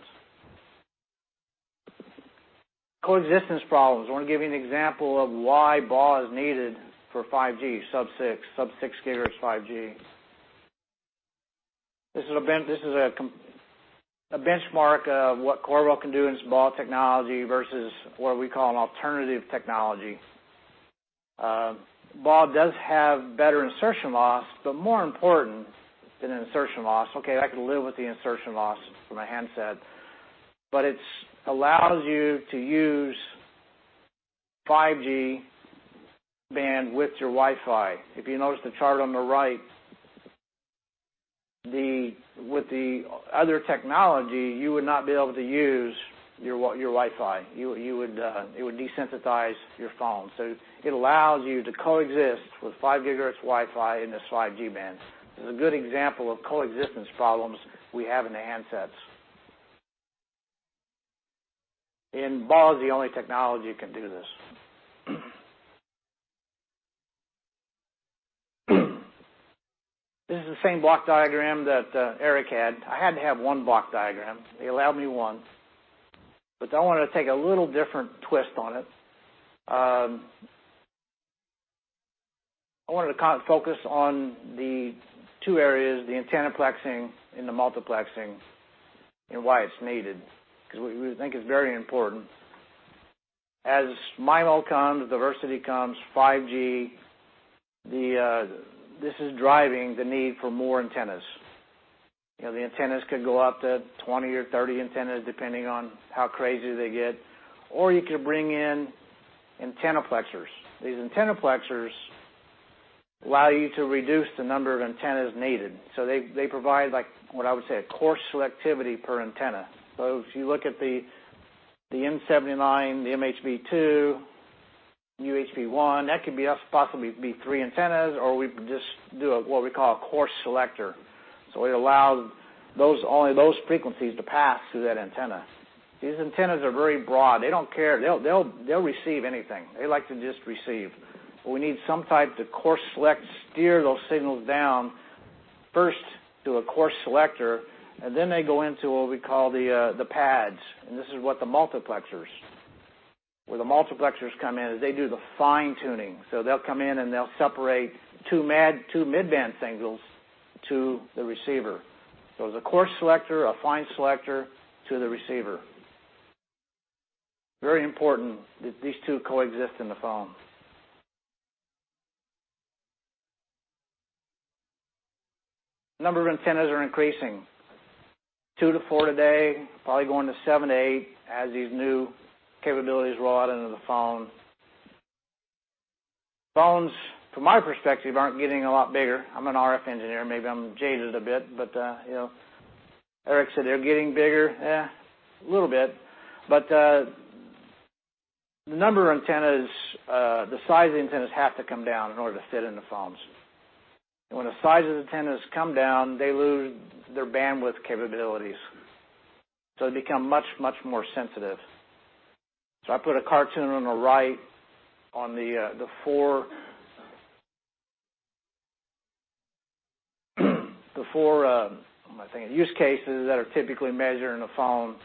Coexistence problems. I want to give you an example of why BAW is needed for 5G, sub-6, sub-6 gigahertz 5G. This is a benchmark of what Qorvo can do in its BAW technology versus what we call an alternative technology. BAW does have better insertion loss, more important than insertion loss, okay, I can live with the insertion loss for my handset, it allows you to use 5G band with your Wi-Fi. If you notice the chart on the right, with the other technology, you would not be able to use your Wi-Fi. It would desensitize your phone. It allows you to coexist with five gigahertz Wi-Fi in this 5G band. This is a good example of coexistence problems we have in the handsets. BAW is the only technology can do this. This is the same block diagram that Eric had. I had to have one block diagram. They allowed me one. I wanted to take a little different twist on it. I wanted to focus on the two areas, the antenna plexing and the multiplexing, and why it's needed, because we think it's very important. As MIMO comes, diversity comes, 5G, this is driving the need for more antennas. The antennas could go up to 20 or 30 antennas, depending on how crazy they get. You could bring in antenna plexers. These antenna plexers allow you to reduce the number of antennas needed. They provide, what I would say, a coarse selectivity per antenna. If you look at the n79, the MHB2, UHB1, that could possibly be three antennas, or we could just do what we call a coarse selector. It allows only those frequencies to pass through that antenna. These antennas are very broad. They don't care. They'll receive anything. They like to just receive. We need some type to coarse select, steer those signals down first to a coarse selector, then they go into what we call the PADs, and this is where the multiplexers come in, is they do the fine tuning. They'll come in, and they'll separate two mid-band singles to the receiver. There's a coarse selector, a fine selector to the receiver. Very important that these two coexist in the phone. Number of antennas are increasing. Two to four today, probably going to seven to eight as these new capabilities roll out into the phone. Phones, from my perspective, aren't getting a lot bigger. I'm an RF engineer. Maybe I'm jaded a bit, Eric said they're getting bigger. Eh, a little bit. The number of antennas, the size of the antennas have to come down in order to fit in the phones. When the size of the antennas come down, they lose their bandwidth capabilities. They become much, much more sensitive. I put a cartoon on the right on the four, I think, use cases that are typically measured in a phone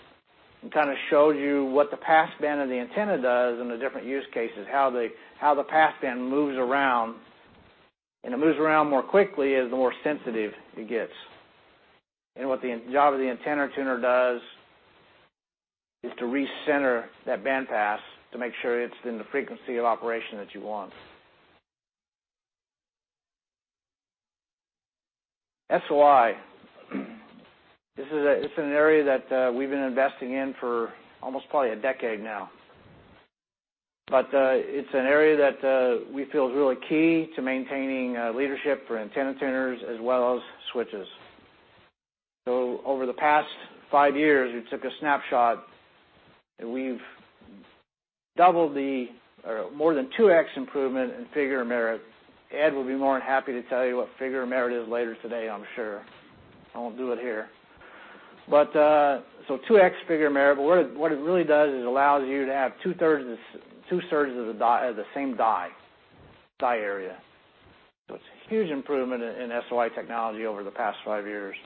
and kind of shows you what the pass band of the antenna does in the different use cases, how the pass band moves around, and it moves around more quickly as the more sensitive it gets. What the job of the antenna tuner does is to recenter that band pass to make sure it's in the frequency of operation that you want. SOI. This is an area that we've been investing in for almost probably a decade now. It's an area that we feel is really key to maintaining leadership for antenna tuners as well as switches. Over the past five years, we took a snapshot, and we've doubled the, or more than 2x improvement in figure of merit. Ed will be more than happy to tell you what figure of merit is later today, I'm sure. I won't do it here. 2x figure of merit, but what it really does is allows you to have two-thirds of the same die area. It's a huge improvement in SOI technology over the past five years.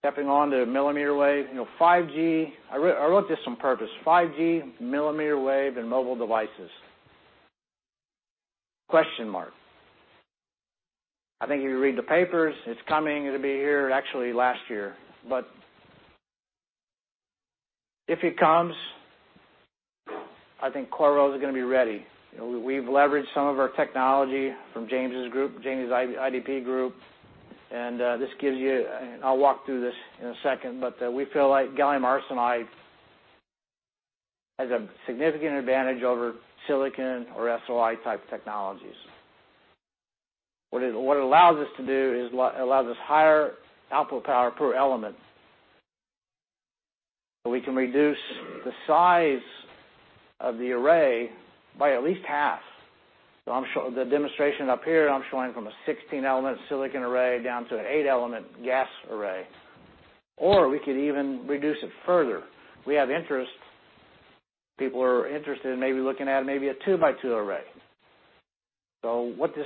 Stepping on to millimeter wave. I wrote this on purpose, 5G, millimeter wave, and mobile devices. Question mark. I think if you read the papers, it's coming. It'll be here, actually last year. If it comes, I think Qorvo's going to be ready. We've leveraged some of our technology from James' group, James' IDP group, and this gives you I'll walk through this in a second, but we feel like gallium arsenide has a significant advantage over silicon or SOI type technologies. What it allows us to do is it allows us higher output power per element, so we can reduce the size of the array by at least half. The demonstration up here, I'm showing from a 16-element silicon array down to an eight-element GaAs array. Or we could even reduce it further. We have interest. People are interested in maybe looking at maybe a two by two array. What this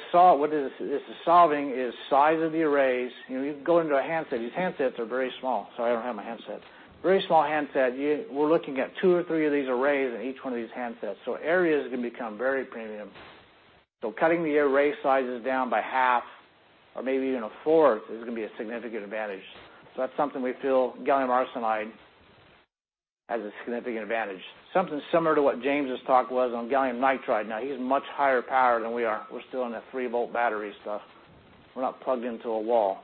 is solving is size of the arrays. You can go into a handset. These handsets are very small. Sorry, I don't have my handset. Very small handset. We're looking at two or three of these arrays in each one of these handsets, areas are going to become very premium. Cutting the array sizes down by half or maybe even a fourth is going to be a significant advantage. That's something we feel gallium arsenide has a significant advantage. Something similar to what James' talk was on gallium nitride. Now, he's much higher power than we are. We're still in the three-volt battery stuff. We're not plugged into a wall.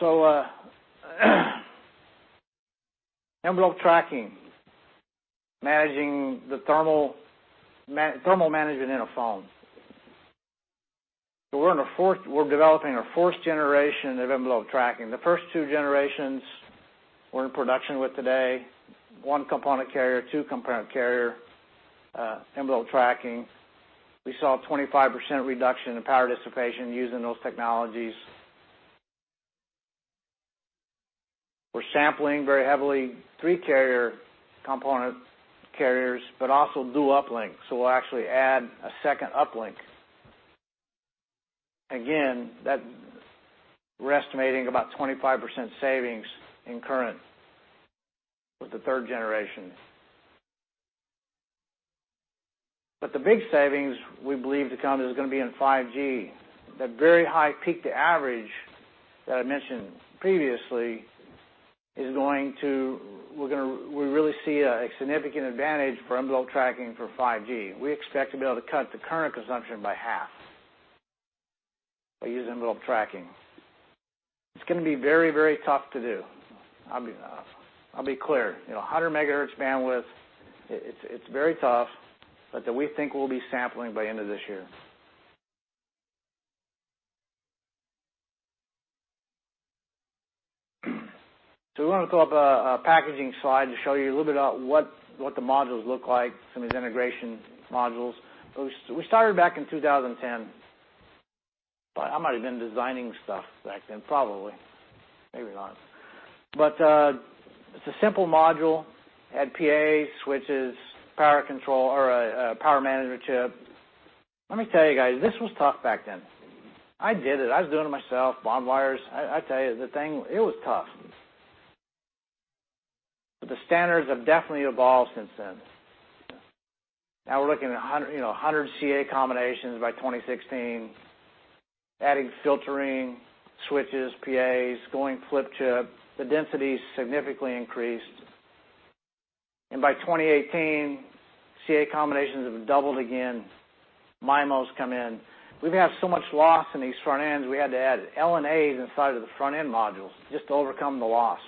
Anyway. Envelope tracking, thermal management in a phone. We're developing our fourth generation of envelope tracking. The first two generations we're in production with today, one component carrier, two component carrier envelope tracking. We saw a 25% reduction in power dissipation using those technologies. We're sampling very heavily three component carriers, but also dual uplink. We'll actually add a second uplink. Again, we're estimating about 25% savings in current with the third generation. The big savings we believe to come is going to be in 5G. That very high peak to average that I mentioned previously, we really see a significant advantage for envelope tracking for 5G. We expect to be able to cut the current consumption by half by using envelope tracking. It's going to be very tough to do. I'll be clear. 100 megahertz bandwidth, it's very tough, but that we think we'll be sampling by end of this year. We want to pull up a packaging slide to show you a little bit about what the modules look like, some of these integration modules. We started back in 2010. I might've been designing stuff back then, probably. Maybe not. It's a simple module. Had PA, switches, power control or a power management chip. Let me tell you guys, this was tough back then. I did it. I was doing it myself, bond wires. I tell you, the thing, it was tough. The standards have definitely evolved since then. Now we're looking at 100 CA combinations by 2016, adding filtering, switches, PAs, going flip chip. The density's significantly increased. By 2018, CA combinations have doubled again. MIMOs come in. We've had so much loss in these front ends, we had to add LNAs inside of the front end modules just to overcome the loss.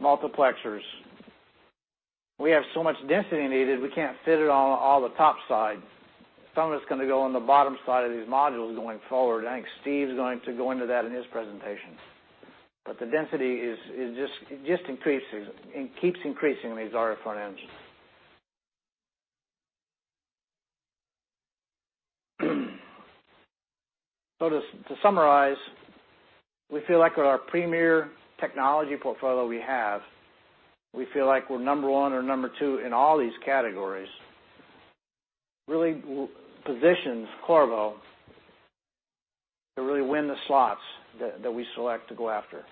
Multiplexers. We have so much density needed, we can't fit it all on the top side. Some of it's going to go on the bottom side of these modules going forward. I think Steve's going to go into that in his presentation. The density, it just increases, and keeps increasing in these RF front ends. To summarize, we feel like with our premier technology portfolio we have, we feel like we're number one or number two in all these categories, really positions Qorvo to really win the slots that we select to go after.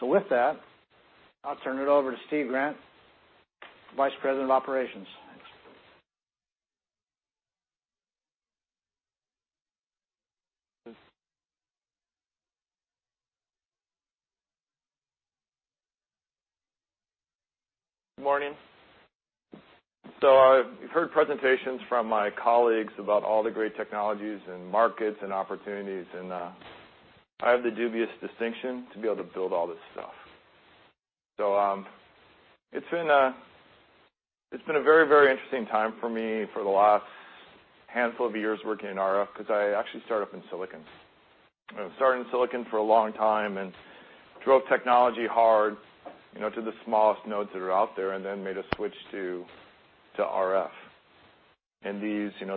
With that, I'll turn it over to Steve Grant, Vice President of Operations. Thanks. Good morning. You've heard presentations from my colleagues about all the great technologies and markets and opportunities, and I have the dubious distinction to be able to build all this stuff. It's been a very interesting time for me for the last handful of years working in RF, because I actually started up in silicon. I started in silicon for a long time and drove technology hard to the smallest nodes that are out there and then made a switch to RF.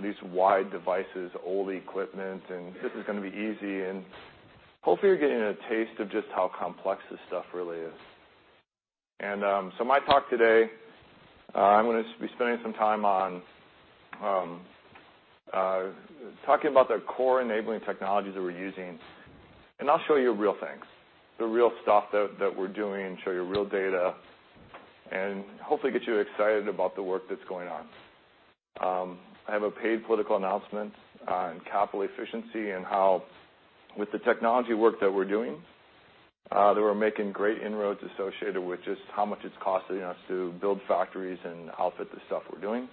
These wide devices, old equipment, and this is going to be easy, hopefully, you're getting a taste of just how complex this stuff really is. My talk today, I'm going to be spending some time on talking about the core enabling technologies that we're using, I'll show you real things, the real stuff that we're doing, show you real data, hopefully get you excited about the work that's going on. I have a paid political announcement on capital efficiency and how with the technology work that we're doing, that we're making great inroads associated with just how much it's costing us to build factories and outfit the stuff we're doing.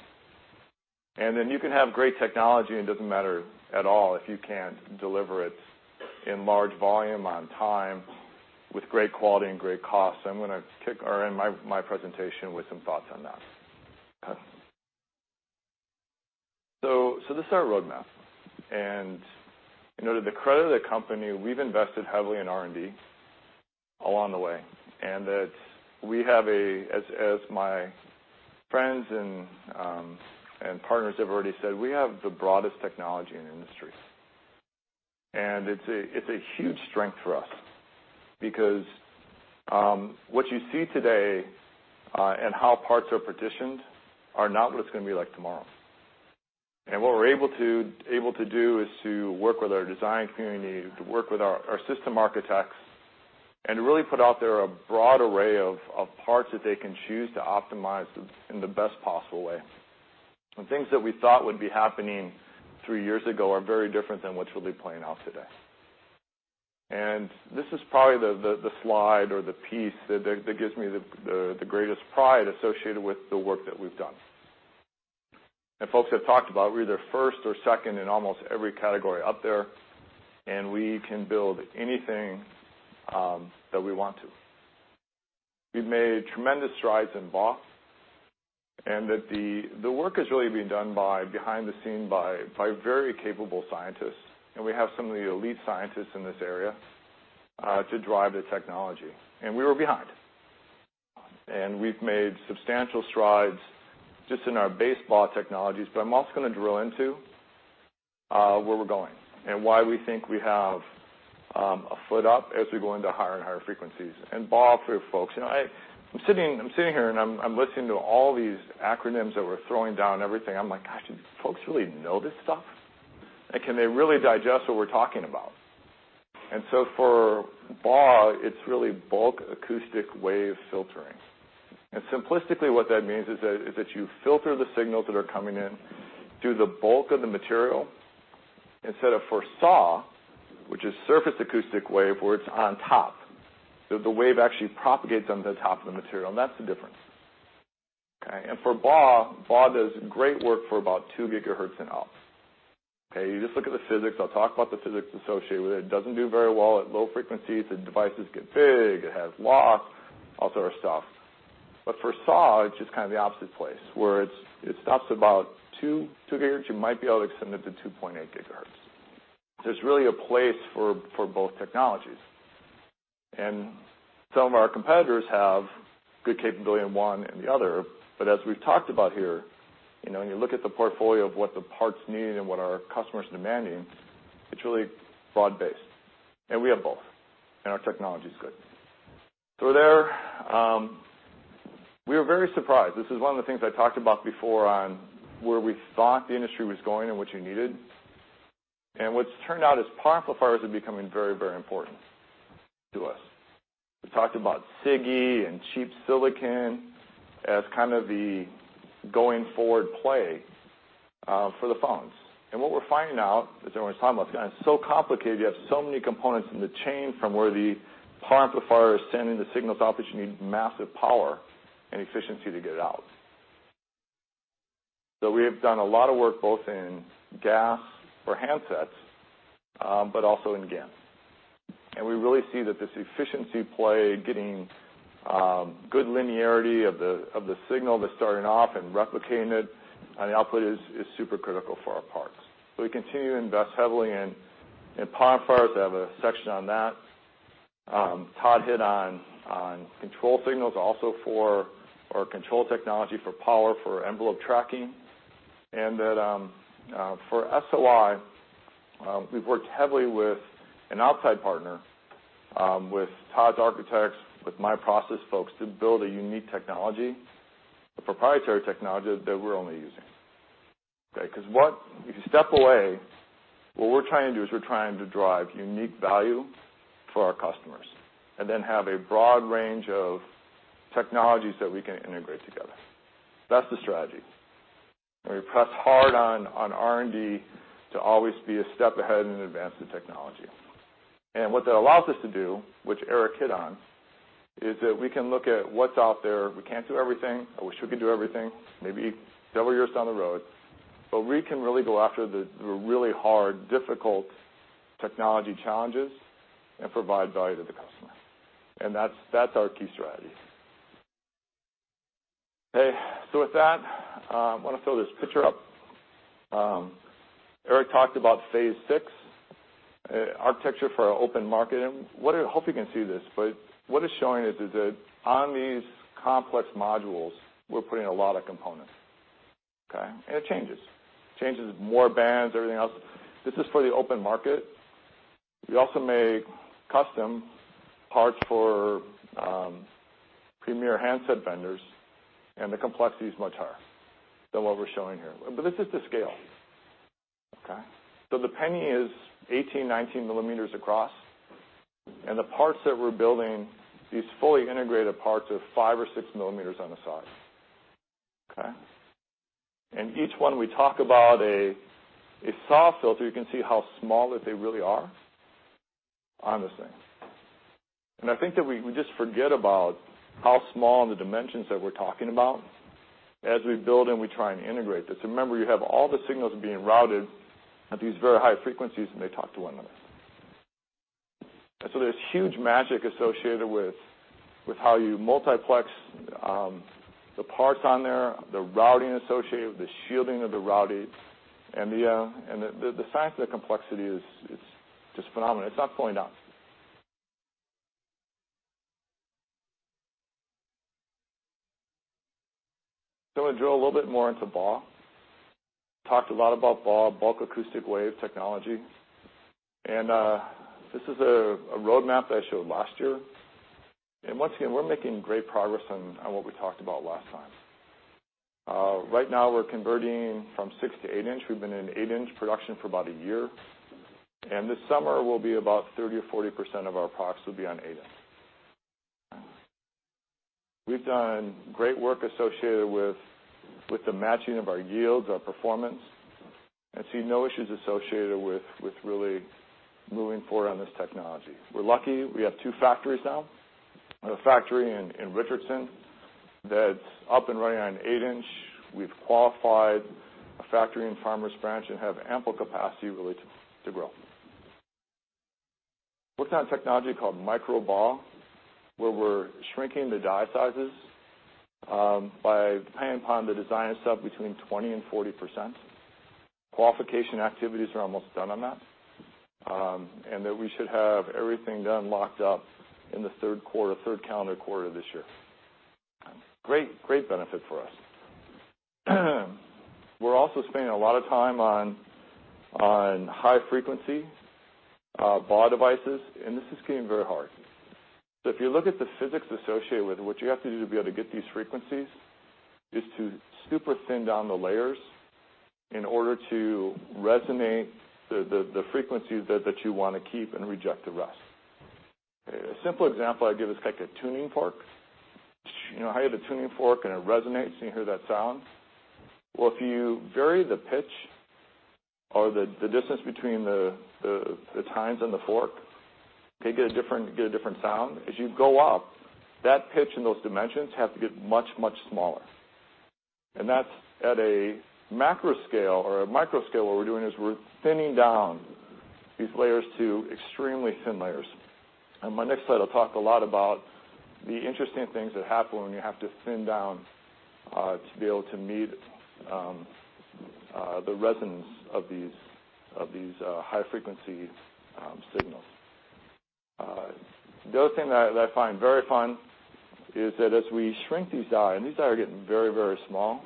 You can have great technology, and it doesn't matter at all if you can't deliver it in large volume, on time, with great quality and great cost. I'm going to end my presentation with some thoughts on that. This is our roadmap, to the credit of the company, we've invested heavily in R&D along the way, as my friends and partners have already said, we have the broadest technology in the industry. It's a huge strength for us because what you see today and how parts are partitioned are not what it's going to be like tomorrow. What we're able to do is to work with our design community, to work with our system architects, to really put out there a broad array of parts that they can choose to optimize in the best possible way. Things that we thought would be happening three years ago are very different than what will be playing out today. This is probably the slide or the piece that gives me the greatest pride associated with the work that we've done. Folks have talked about, we're either first or second in almost every category up there, we can build anything that we want to. We've made tremendous strides in BAW, the work is really being done behind the scene by very capable scientists, we have some of the elite scientists in this area, to drive the technology. We were behind. We've made substantial strides just in our base BAW technologies, but I'm also going to drill into where we're going and why we think we have a foot up as we go into higher and higher frequencies. BAW, for you folks, I'm sitting here I'm listening to all these acronyms that we're throwing down, everything. I'm like, gosh, do these folks really know this stuff? Can they really digest what we're talking about? For BAW, it's really bulk acoustic wave filtering. Simplistically, what that means is that you filter the signals that are coming in through the bulk of the material. Instead of for SAW, which is surface acoustic wave, where it's on top. The wave actually propagates on the top of the material, that's the difference. Okay. For BAW does great work for about two gigahertz and up. Okay. You just look at the physics. I'll talk about the physics associated with it. It doesn't do very well at low frequencies. The devices get big. It has loss, all sort of stuff. For SAW, it's just kind of the opposite place, where it stops about two gigahertz. You might be able to extend it to 2.8 gigahertz. There's really a place for both technologies. Some of our competitors have good capability in one and the other. As we've talked about here, when you look at the portfolio of what the parts need and what our customers are demanding, it's really broad-based, we have both, our technology's good. There, we were very surprised. This is one of the things I talked about before on where we thought the industry was going and what you needed. What's turned out is power amplifiers are becoming very important to us. We talked about SiGe and cheap silicon as kind of the going-forward play for the phones. What we're finding out, as everyone's talking about, it's so complicated. You have so many components in the chain from where the power amplifier is sending the signals out that you need massive power and efficiency to get it out. We have done a lot of work both in GaAs for handsets, but also in GaN. We really see that this efficiency play, getting good linearity of the signal that's starting off and replicating it on the output is super critical for our parts. We continue to invest heavily in power amplifiers. I have a section on that. Todd hit on control signals also for our control technology for power for envelope tracking. That for SOI, we've worked heavily with an outside partner, with Todd's architects, with my process folks, to build a unique technology, a proprietary technology that we're only using. Okay. If you step away, what we're trying to do is we're trying to drive unique value for our customers and then have a broad range of technologies that we can integrate together. That's the strategy. We press hard on R&D to always be a step ahead and advance the technology. What that allows us to do, which Eric hit on, is that we can look at what's out there. We can't do everything. I wish we could do everything, maybe several years down the road, but we can really go after the really hard, difficult technology challenges and provide value to the customer. That's our key strategy. With that, I want to throw this picture up. Eric talked about Phase 6, architecture for our open market, I hope you can see this, but what it's showing is that on these complex modules, we're putting a lot of components. Okay? It changes. Changes, more bands, everything else. This is for the open market. We also make custom parts for premier handset vendors, the complexity is much higher than what we're showing here. This is the scale. Okay? The penny is 18, 19 millimeters across, and the parts that we're building, these fully integrated parts, are five or six millimeters on the side. Okay? Each one we talk about a SAW filter, you can see how small that they really are on this thing. I think that we just forget about how small the dimensions that we're talking about as we build and we try and integrate this. Remember, you have all the signals being routed at these very high frequencies, they talk to one another. There's huge magic associated with how you multiplex the parts on there, the routing associated, the shielding of the routing, and the fact that the complexity is just phenomenal. It's not going down. I'm going to drill a little bit more into BAW. Talked a lot about BAW, Bulk Acoustic Wave technology. This is a roadmap that I showed last year. Once again, we're making great progress on what we talked about last time. Right now, we're converting from six to eight inch. We've been in eight-inch production for about a year. This summer will be about 30% or 40% of our products will be on eight inch. We've done great work associated with the matching of our yields, our performance, and see no issues associated with really moving forward on this technology. We're lucky we have two factories now. We have a factory in Richardson that's up and running on eight inch. We've qualified a factory in Farmers Branch and have ample capacity, really, to grow. Worked on a technology called micro BAW, where we're shrinking the die sizes by, depending upon the design and stuff, between 20%-40%. Qualification activities are almost done on that, and that we should have everything done, locked up, in the third quarter, third calendar quarter this year. Great benefit for us. If you look at the physics associated with it, what you have to do to be able to get these frequencies is to super thin down the layers in order to resonate the frequencies that you want to keep and reject the rest. A simple example I give is like a tuning fork. You know how you have a tuning fork, and it resonates, and you hear that sound? If you vary the pitch or the distance between the tines on the fork, you get a different sound. As you go up, that pitch and those dimensions have to get much, much smaller. That's at a macro scale or a micro scale, what we're doing is we're thinning down these layers to extremely thin layers. On my next slide, I'll talk a lot about the interesting things that happen when you have to thin down to be able to meet the resonance of these high-frequency signals. The other thing that I find very fun is that as we shrink these die, and these die are getting very, very small,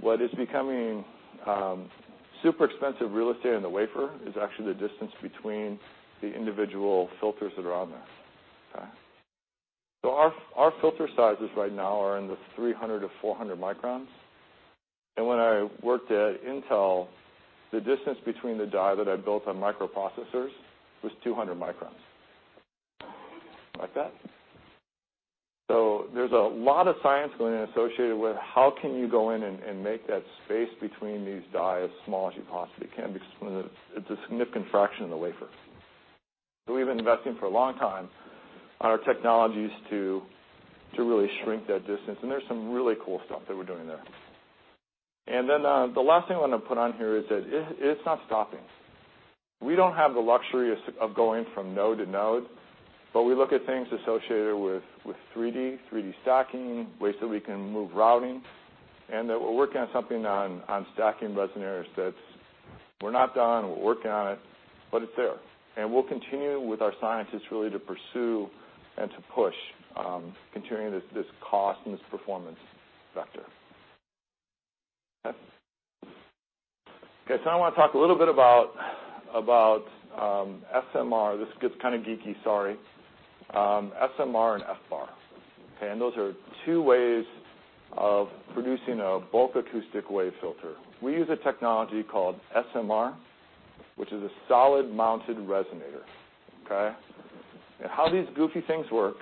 what is becoming super expensive real estate in the wafer is actually the distance between the individual filters that are on there. Okay? Our filter sizes right now are in the 300-400 microns. When I worked at Intel, the distance between the die that I built on microprocessors was 200 microns. Like that. There's a lot of science going associated with how can you go in and make that space between these dies as small as you possibly can, because it's a significant fraction of the wafer. We've been investing for a long time on our technologies to really shrink that distance, and there's some really cool stuff that we're doing there. The last thing I want to put on here is that it's not stopping. We don't have the luxury of going from node to node, but we look at things associated with 3D stacking, ways that we can move routing, and that we're working on something on stacking resonators. We're not done, we're working on it, but it's there. We'll continue with our scientists really to pursue and to push, continuing this cost and this performance vector. Now I want to talk a little bit about SMR. This gets kind of geeky, sorry. SMR and FBAR. Those are two ways of producing a bulk acoustic wave filter. We use a technology called SMR, which is a solidly mounted resonator. Okay? How these goofy things work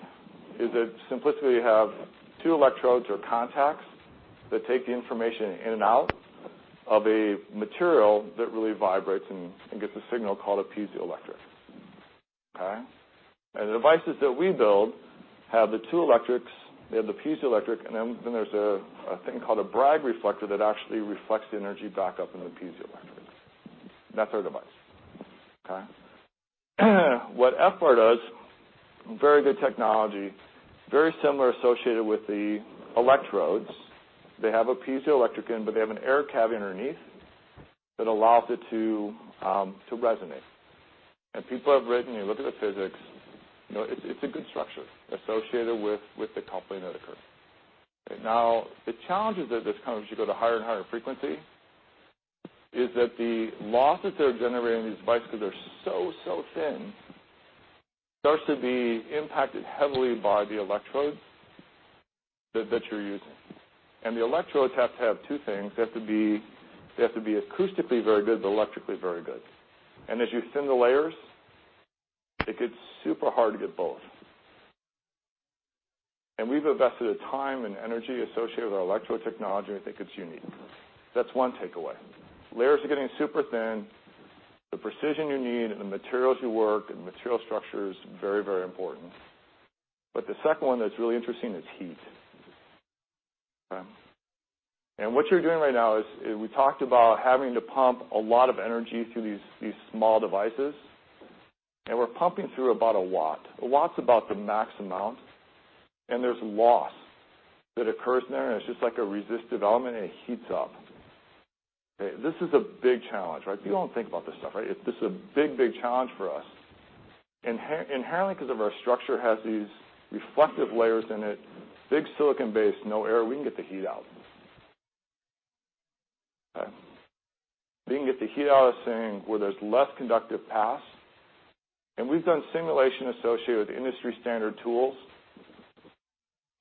is that simplistically, you have two electrodes or contacts that take the information in and out of a material that really vibrates and gets a signal called a piezoelectric. Okay? The devices that we build have the two electrics. They have the piezoelectric, and then there's a thing called a Bragg reflector that actually reflects the energy back up into the piezoelectrics. That's our device. Okay? What FBAR does, very good technology, very similar associated with the electrodes. They have a piezoelectric in, but they have an air cavity underneath that allows it to resonate. People have written, you look at the physics, it's a good structure associated with the coupling that occurs. Okay. The challenges that this comes as you go to higher and higher frequency, is that the losses that are generated in these devices because they're so thin, starts to be impacted heavily by the electrodes that you're using. The electrodes have to have two things: they have to be acoustically very good, but electrically very good. As you thin the layers, it gets super hard to get both. We've invested the time and energy associated with our electrode technology, and I think it's unique. That's one takeaway. Layers are getting super thin. The precision you need and the materials you work and the material structure is very important. The second one that's really interesting is heat. Okay. What you're doing right now is, we talked about having to pump a lot of energy through these small devices, and we're pumping through about a watt. A watt's about the max amount, and there's loss that occurs in there, and it's just like a resistive element, and it heats up. Okay, this is a big challenge, right? People don't think about this stuff, right? This is a big challenge for us. Inherently, because of our structure has these reflective layers in it, big silicon base, no air, we can get the heat out. Okay. We can get the heat out of this thing where there's less conductive pass, and we've done simulation associated with industry standard tools,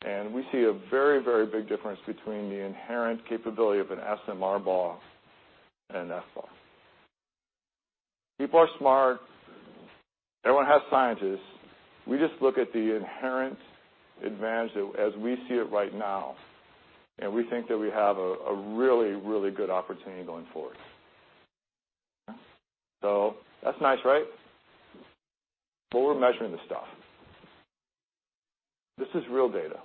and we see a very big difference between the inherent capability of an SMR BAW and an FBAR. People are smart. Everyone has scientists. We just look at the inherent advantage as we see it right now, and we think that we have a really good opportunity going forward. That's nice, right? We're measuring the stuff. This is real data.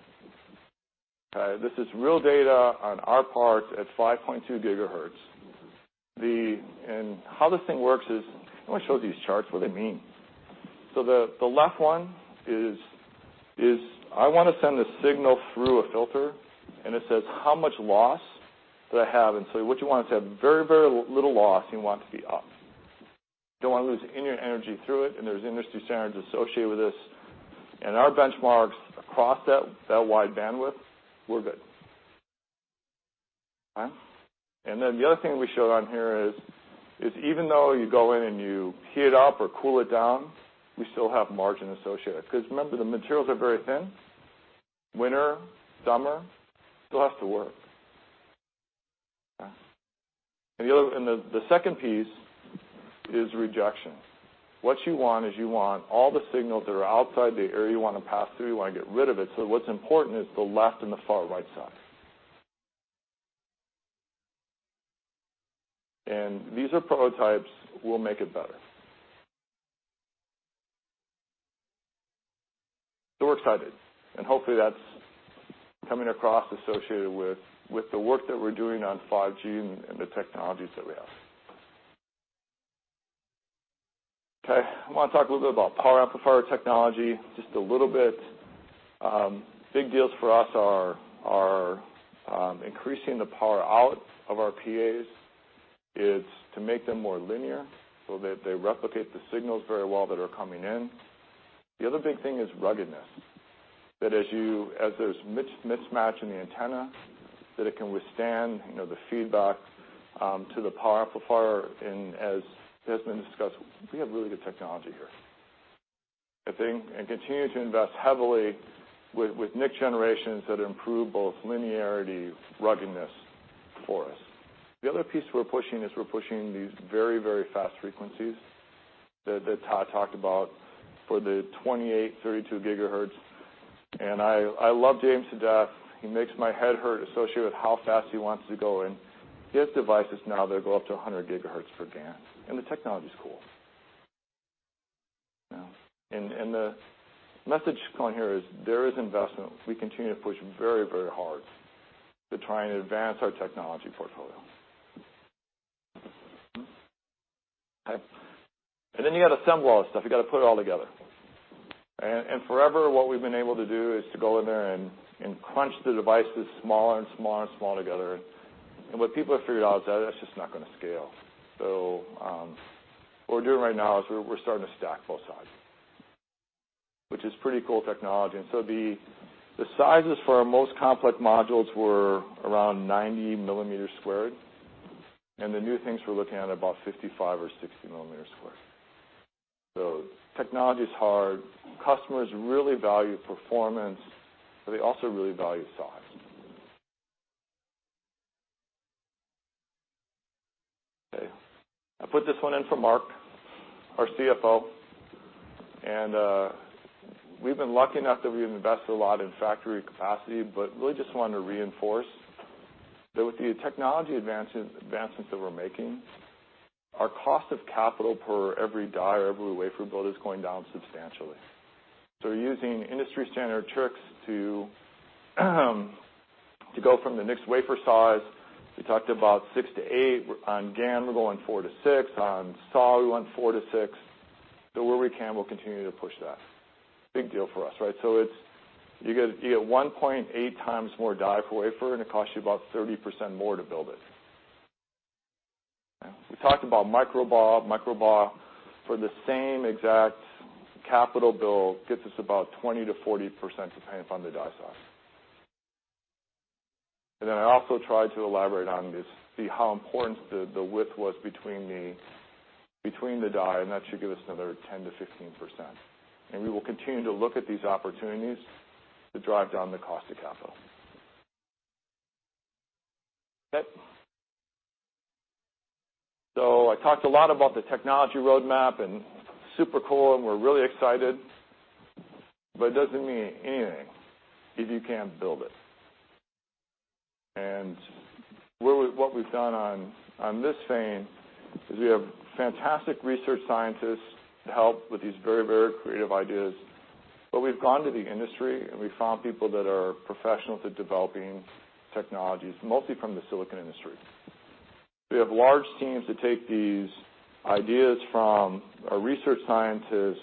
Okay. This is real data on our part at 5.2 gigahertz. How this thing works is, I want to show these charts, what they mean. The left one is, I want to send a signal through a filter, and it says how much loss did I have. What you want is to have very little loss, and you want it to be up. You don't want to lose any energy through it, and there's industry standards associated with this. Our benchmarks across that wide bandwidth were good. Okay. The other thing we showed on here is, even though you go in and you heat it up or cool it down, we still have margin associated. Because remember, the materials are very thin. Winter, summer, still has to work. Okay. The second piece is rejection. What you want is you want all the signals that are outside the area you want to pass through, you want to get rid of it. What's important is the left and the far right side. These are prototypes. We'll make it better. We're excited, and hopefully, that's coming across associated with the work that we're doing on 5G and the technologies that we have. I want to talk a little bit about power amplifier technology, just a little bit. Big deals for us are increasing the power out of our PAs. It's to make them more linear so that they replicate the signals very well that are coming in. The other big thing is ruggedness, that as there's mismatch in the antenna, that it can withstand the feedback to the power amplifier, and as has been discussed, we have really good technology here. Continue to invest heavily with next generations that improve both linearity, ruggedness for us. The other piece we're pushing is we're pushing these very, very fast frequencies that Todd talked about for the 28, 32 gigahertz. I love James to death. He makes my head hurt associated with how fast he wants to go, and his device is now they go up to 100 gigahertz per GaN. The technology's cool. The message going here is there is investment. We continue to push very, very hard to try and advance our technology portfolio. You got to assemble all this stuff. You got to put it all together. Forever, what we've been able to do is to go in there and crunch the devices smaller and smaller and smaller together, and what people have figured out is that's just not going to scale. What we're doing right now is we're starting to stack both sides, which is pretty cool technology. The sizes for our most complex modules were around 90 millimeters squared, and the new things we're looking at are about 55 or 60 millimeters squared. Technology's hard. Customers really value performance, but they also really value size. I put this one in for Mark, our CFO, we've been lucky enough that we've invested a lot in factory capacity, but really just wanted to reinforce that with the technology advancements that we're making, our cost of capital per every die or every wafer build is going down substantially. Using industry standard tricks to go from the mixed wafer size, we talked about six to eight on GaN, we're going four to six, on SAW we went four to six. Where we can, we'll continue to push that. Big deal for us, right? You get 1.8 times more die per wafer, and it costs you about 30% more to build it. We talked about micro BAW. Micro BAW for the same exact capital bill gets us about 20%-40%, depending upon the die size. I also tried to elaborate on this, see how important the width was between the die, and that should give us another 10%-15%. We will continue to look at these opportunities to drive down the cost of capital. I talked a lot about the technology roadmap and super cool, and we're really excited, but it doesn't mean anything if you can't build it. What we've done on this vein is we have fantastic research scientists to help with these very creative ideas. We've gone to the industry, we've found people that are professionals at developing technologies, mostly from the silicon industry. We have large teams that take these ideas from our research scientists,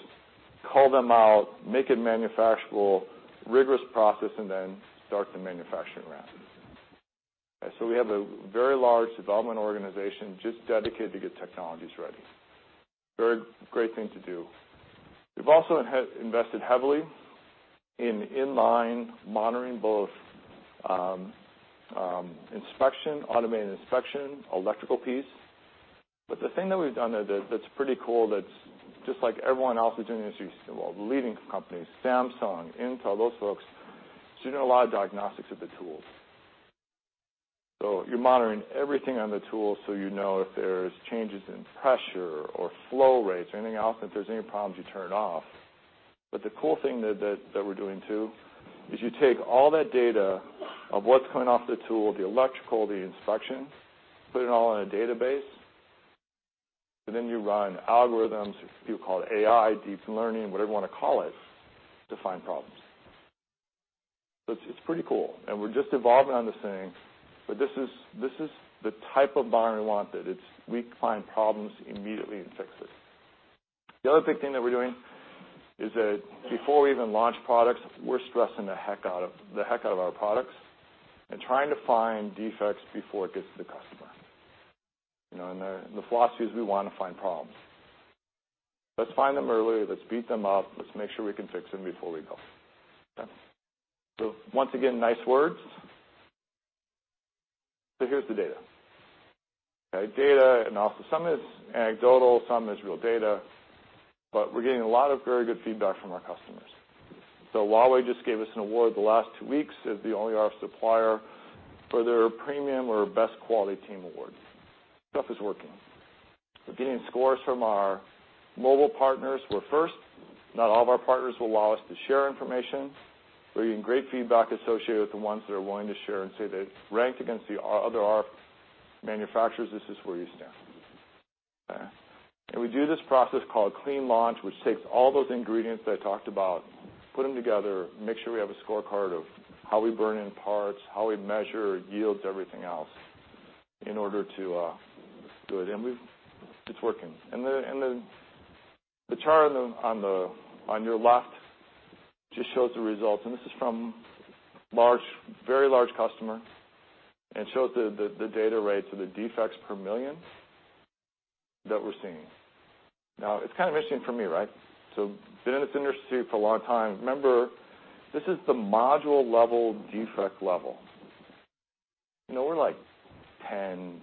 call them out, make it manufacturable, rigorous process, then start the manufacturing ramp. We have a very large development organization just dedicated to get technologies ready. Very great thing to do. We've also invested heavily in inline monitoring, both inspection, automated inspection, electrical piece. The thing that we've done that's pretty cool, that's just like everyone else is doing this, well, leading companies, Samsung, Intel, those folks, is doing a lot of diagnostics of the tools. You're monitoring everything on the tool so you know if there's changes in pressure or flow rates or anything else, if there's any problems, you turn it off. The cool thing that we're doing, too, is you take all that data of what's coming off the tool, the electrical, the inspection, put it all in a database, then you run algorithms, you call it AI, deep learning, whatever you want to call it, to find problems. It's pretty cool, we're just evolving on this thing, this is the type of buyer we wanted. It's we find problems immediately and fix it. The other big thing that we're doing is that before we even launch products, we're stressing the heck out of our products and trying to find defects before it gets to the customer. The philosophy is we want to find problems. Let's find them early, let's beat them up, let's make sure we can fix them before we go. Once again, nice words. Here's the data. Data analysis. Some is anecdotal, some is real data, we're getting a lot of very good feedback from our customers. Huawei just gave us an award the last 2 weeks as the only RF supplier for their premium or best quality team award. Stuff is working. We're getting scores from our mobile partners. We're 1st. Not all of our partners will allow us to share information. We're getting great feedback associated with the ones that are willing to share and say that ranked against the other RF manufacturers, this is where you stand. We do this process called clean launch, which takes all those ingredients that I talked about, put them together, make sure we have a scorecard of how we burn in parts, how we measure yields, everything else in order to do it. It's working. The chart on your left just shows the results, this is from very large customer and shows the data rates of the defects per million that we're seeing. It's kind of interesting for me, right? Been in this industry for a long time. Remember, this is the module-level defect level. We're like 10-50.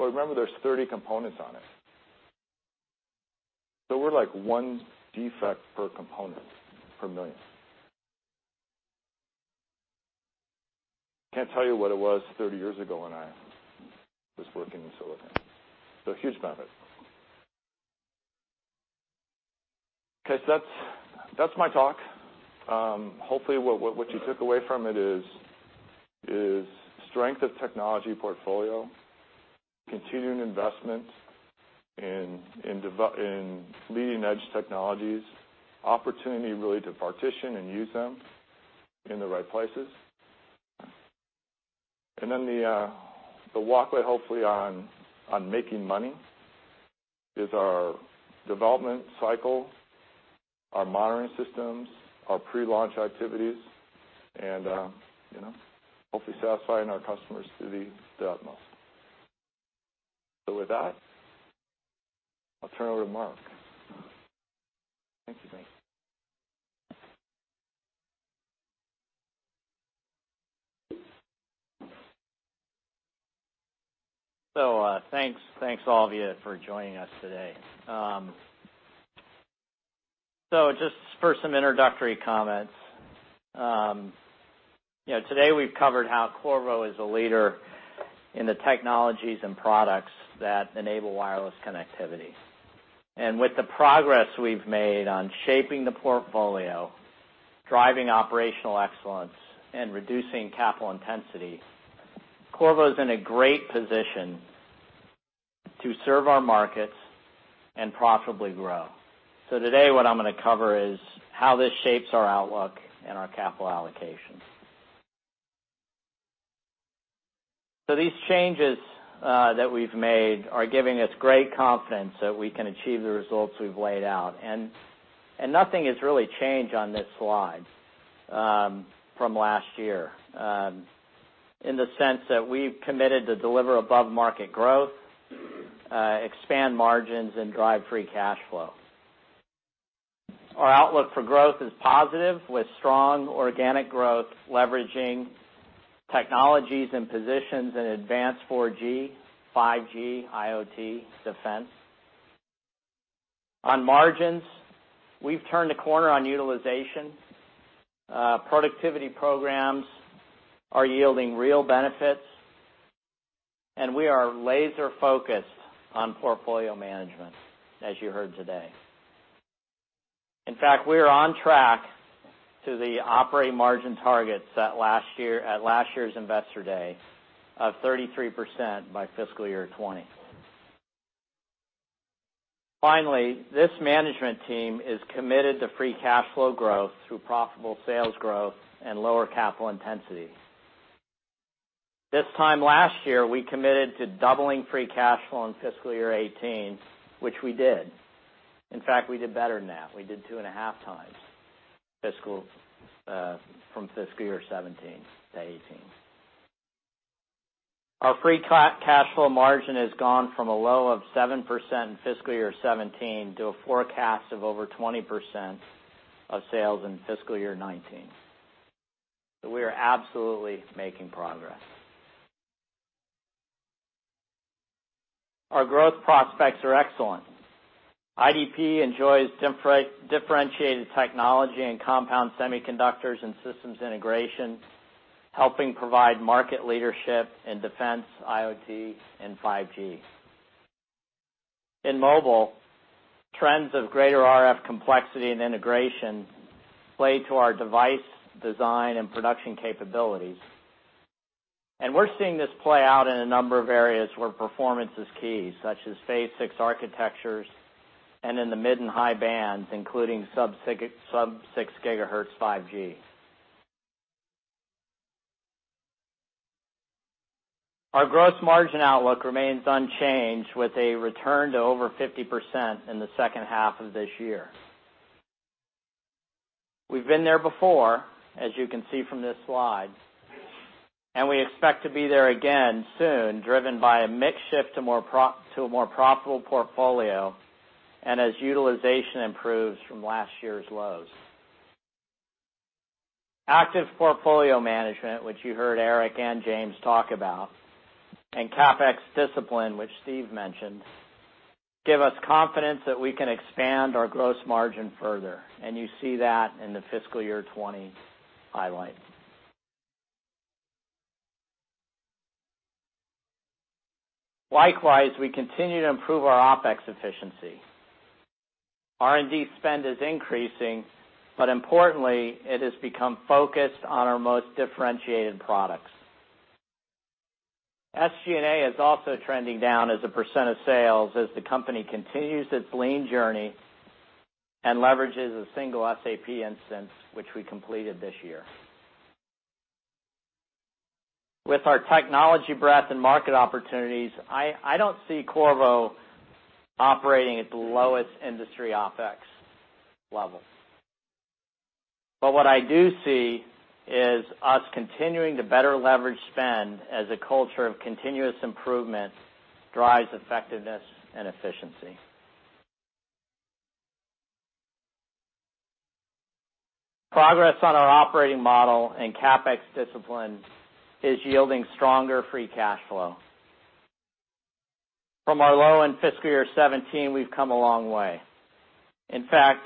Remember, there's 30 components on it. We're like one defect per component per million. Can't tell you what it was 30 years ago when I was working in silicon. Huge benefit. Okay. That's my talk. Hopefully, what you took away from it is strength of technology portfolio, continuing investment in leading-edge technologies, opportunity really to partition and use them in the right places. The walkway, hopefully, on making money is our development cycle, our monitoring systems, our pre-launch activities, and hopefully satisfying our customers to the utmost. With that, I'll turn it over to Mark. Thank you. Thanks all of you for joining us today. Just for some introductory comments. Today we've covered how Qorvo is a leader in the technologies and products that enable wireless connectivity. With the progress we've made on shaping the portfolio, driving operational excellence, and reducing capital intensity, Qorvo's in a great position to serve our markets and profitably grow. Today, what I'm going to cover is how this shapes our outlook and our capital allocation. These changes that we've made are giving us great confidence that we can achieve the results we've laid out. Nothing has really changed on this slide from last year, in the sense that we've committed to deliver above-market growth, expand margins, and drive free cash flow. Our outlook for growth is positive, with strong organic growth leveraging technologies and positions in advanced 4G, 5G, IoT, defense. On margins, we've turned a corner on utilization. Productivity programs are yielding real benefits, we are laser-focused on portfolio management, as you heard today. In fact, we are on track to the operating margin targets at last year's Investor Day of 33% by fiscal year 2020. Finally, this management team is committed to free cash flow growth through profitable sales growth and lower capital intensity. This time last year, we committed to doubling free cash flow in fiscal year 2018, which we did. In fact, we did better than that. We did two and a half times from fiscal year 2017 to 2018. Our free cash flow margin has gone from a low of 7% in fiscal year 2017 to a forecast of over 20% of sales in fiscal year 2019. We are absolutely making progress. Our growth prospects are excellent. IDP enjoys differentiated technology and compound semiconductors and systems integration, helping provide market leadership in defense, IoT, and 5G. In mobile, trends of greater RF complexity and integration play to our device design and production capabilities. We're seeing this play out in a number of areas where performance is key, such as Phase 6 architectures and in the mid and high bands, including sub-6 gigahertz 5G. Our gross margin outlook remains unchanged, with a return to over 50% in the second half of this year. We've been there before, as you can see from this slide, and we expect to be there again soon, driven by a mix shift to a more profitable portfolio and as utilization improves from last year's lows. Active portfolio management, which you heard Eric and James talk about, and CapEx discipline, which Steve mentioned, give us confidence that we can expand our gross margin further. You see that in the fiscal year 2020 highlight. Likewise, we continue to improve our OpEx efficiency. R&D spend is increasing, importantly, it has become focused on our most differentiated products. SG&A is also trending down as a percent of sales as the company continues its lean journey and leverages a single SAP instance, which we completed this year. With our technology breadth and market opportunities, I don't see Qorvo operating at the lowest industry OpEx level. What I do see is us continuing to better leverage spend as a culture of continuous improvement drives effectiveness and efficiency. Progress on our operating model and CapEx discipline is yielding stronger free cash flow. From our low in fiscal year 2017, we've come a long way. In fact,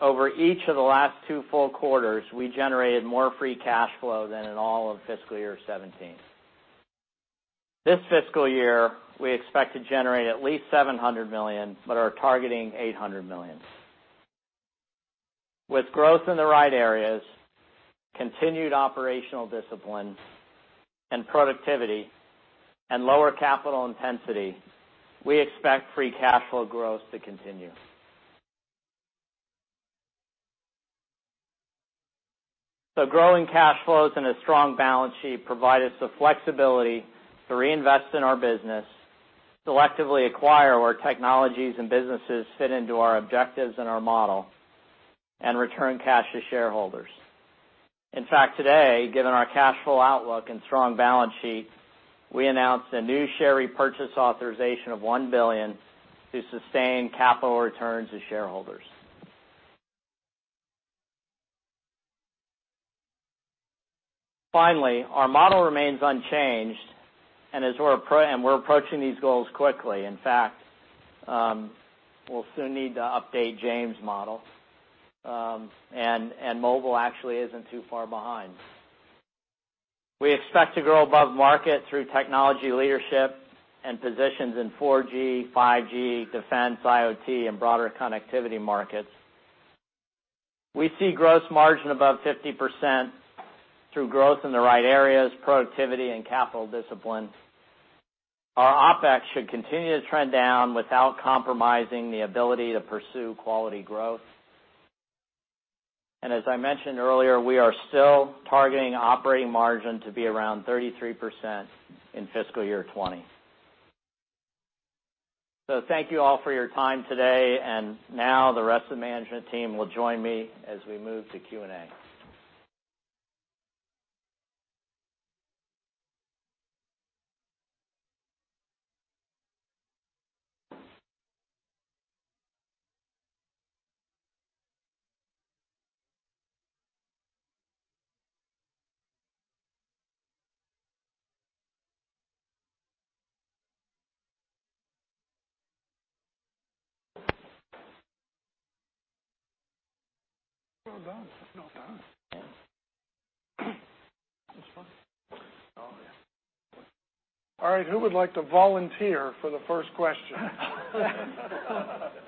over each of the last two full quarters, we generated more free cash flow than in all of fiscal year 2017. This fiscal year, we expect to generate at least $700 million, but are targeting $800 million. With growth in the right areas, continued operational discipline and productivity, and lower capital intensity, we expect free cash flow growth to continue. Growing cash flows and a strong balance sheet provide us the flexibility to reinvest in our business, selectively acquire where technologies and businesses fit into our objectives and our model, and return cash to shareholders. In fact, today, given our cash flow outlook and strong balance sheet, we announced a new share repurchase authorization of $1 billion to sustain capital returns to shareholders. Finally, our model remains unchanged, and we're approaching these goals quickly. In fact we'll soon need to update James' model, and mobile actually isn't too far behind. We expect to grow above market through technology leadership and positions in 4G, 5G, defense, IoT, and broader connectivity markets. We see gross margin above 50% through growth in the right areas, productivity, and capital discipline. Our OpEx should continue to trend down without compromising the ability to pursue quality growth. As I mentioned earlier, we are still targeting operating margin to be around 33% in fiscal year 2020. Thank you all for your time today, and now the rest of the management team will join me as we move to Q&A. Well done. Well done. Yeah. That was fun. Oh, yeah. All right. Who would like to volunteer for the first question?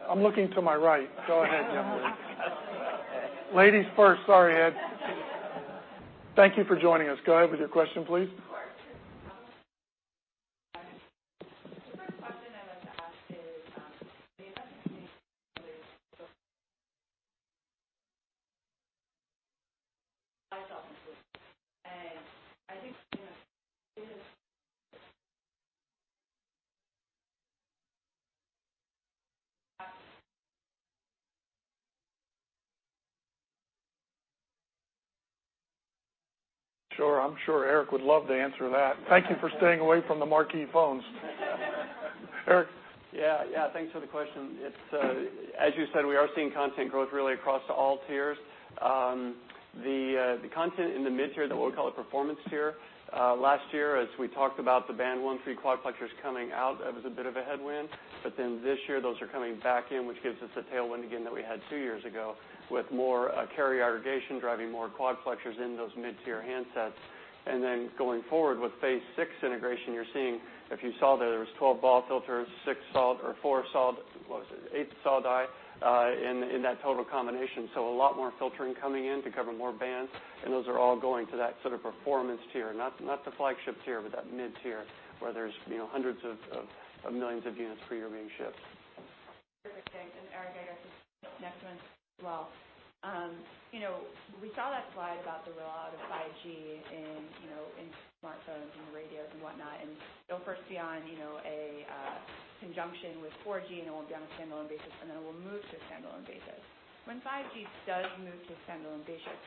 I'm looking to my right. Go ahead, Kimberly. Ladies first, sorry, Ed. Thank you for joining us. Go ahead with your question, please. Of course. Sure. The first question I'd like to ask is, the investment made I thought this was Sure. I'm sure Eric would love to answer that. Thank you for staying away from the marquee phones. Eric? Yeah. Thanks for the question. As you said, we are seeing content growth really across all tiers. The content in the mid-tier, what we call a performance tier, last year as we talked about the Band 13 quadplexers coming out, that was a bit of a headwind. This year, those are coming back in, which gives us a tailwind again that we had two years ago with more carrier aggregation driving more quadplexers in those mid-tier handsets. Going forward with Phase 6 integration, you're seeing, if you saw there was 12 BAW filters, 6 SAW or 4 SAW, what was it? 8 SAW die, in that total combination. A lot more filtering coming in to cover more bands, and those are all going to that sort of performance tier. Not the flagship tier, but that mid-tier where there's hundreds of millions of units per year being shipped. Perfect. Thanks. Eric, I guess this next one as well. We saw that slide about the rollout of 5G in smartphones and radios and whatnot, and it'll first be on a conjunction with 4G and it will be on a standalone basis, and then it will move to a standalone basis. When 5G does move to a standalone basis,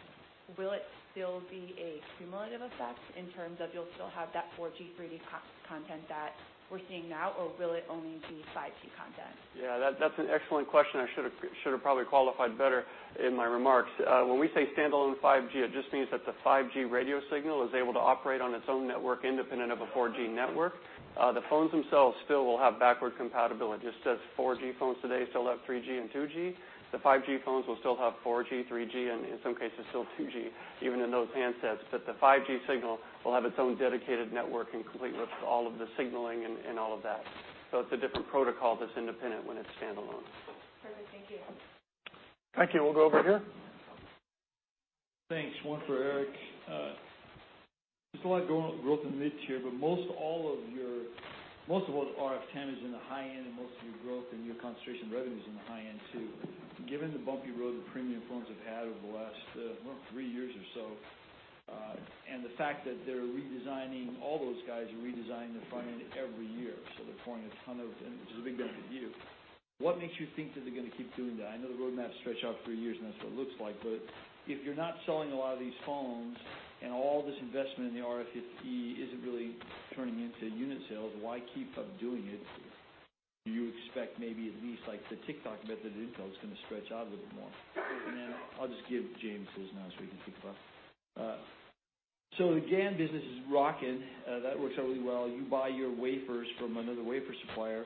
will it still be a cumulative effect in terms of you'll still have that 4G, 3G content that we're seeing now, or will it only be 5G content? Yeah, that's an excellent question. I should've probably qualified better in my remarks. When we say standalone 5G, it just means that the 5G radio signal is able to operate on its own network independent of a 4G network. The phones themselves still will have backward compatibility, just as 4G phones today still have 3G and 2G. The 5G phones will still have 4G, 3G, and in some cases, still 2G even in those handsets. The 5G signal will have its own dedicated network and complete with all of the signaling and all of that. It's a different protocol that's independent when it's standalone. Perfect. Thank you. Thank you. We'll go over here. Thanks. One for Eric. There's a lot of growth in mid-tier, but most of all the RF TAM is in the high-end and most of your growth and your concentration of revenue's in the high-end too. Given the bumpy road that premium phones have had over the last three years or so, the fact that they're redesigning, all those guys are redesigning their front end every year. They're throwing a ton of. This is a big benefit to you. What makes you think that they're gonna keep doing that? I know the roadmaps stretch out three years and that's what it looks like, but if you're not selling a lot of these phones and all this investment in the RFEE isn't really turning into unit sales, why keep up doing it? Do you expect maybe at least like the tick-tock method of Intel is gonna stretch out a little bit more? Then I'll just give James his now so he can think about it. The GaN business is rocking. That works out really well. You buy your wafers from another wafer supplier.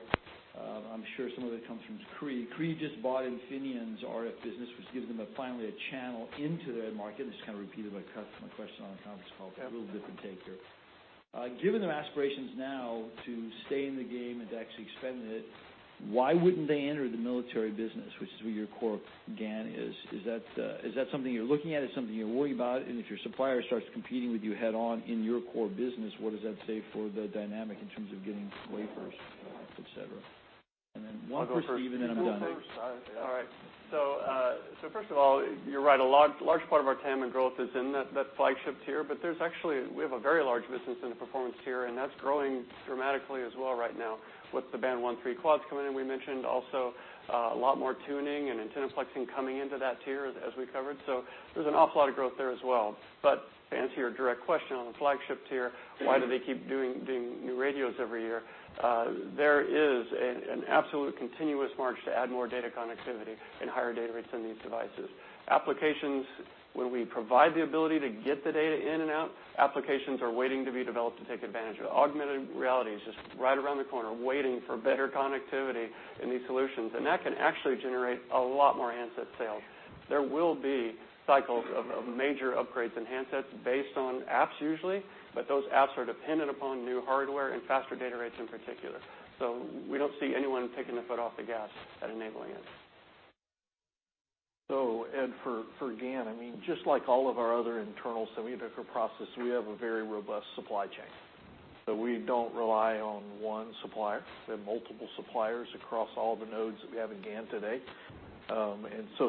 I'm sure some of that comes from Cree. Cree just bought Infineon's RF business, which gives them finally a channel into that market. This is kind of repeated my question on a conference call, so a little different take here. Given their aspirations now to stay in the game and to actually expand it, why wouldn't they enter the military business, which is who your core GaN is? Is that something you're looking at? Is it something you worry about? If your supplier starts competing with you head on in your core business, what does that say for the dynamic in terms of getting wafers, et cetera? Then one for Steve, and I'm done. I'll go first. You go first. First of all, you're right. A large part of our TAM and growth is in that flagship tier, but there's actually, we have a very large business in the performance tier, and that's growing dramatically as well right now with the Band 41 quads coming in. We mentioned also a lot more tuning and antenna flexing coming into that tier as we covered. There's an awful lot of growth there as well. To answer your direct question on the flagship tier, why do they keep doing new radios every year? There is an absolute continuous march to add more data connectivity and higher data rates in these devices. Applications where we provide the ability to get the data in and out, applications are waiting to be developed to take advantage of. Augmented reality is just right around the corner waiting for better connectivity in these solutions, and that can actually generate a lot more handset sales. There will be cycles of major upgrades in handsets based on apps usually, but those apps are dependent upon new hardware and faster data rates in particular. We don't see anyone taking the foot off the gas at enabling it. Ed, for GaN, just like all of our other internal semiconductor processes, we have a very robust supply chain. We don't rely on one supplier. We have multiple suppliers across all the nodes that we have in GaN today.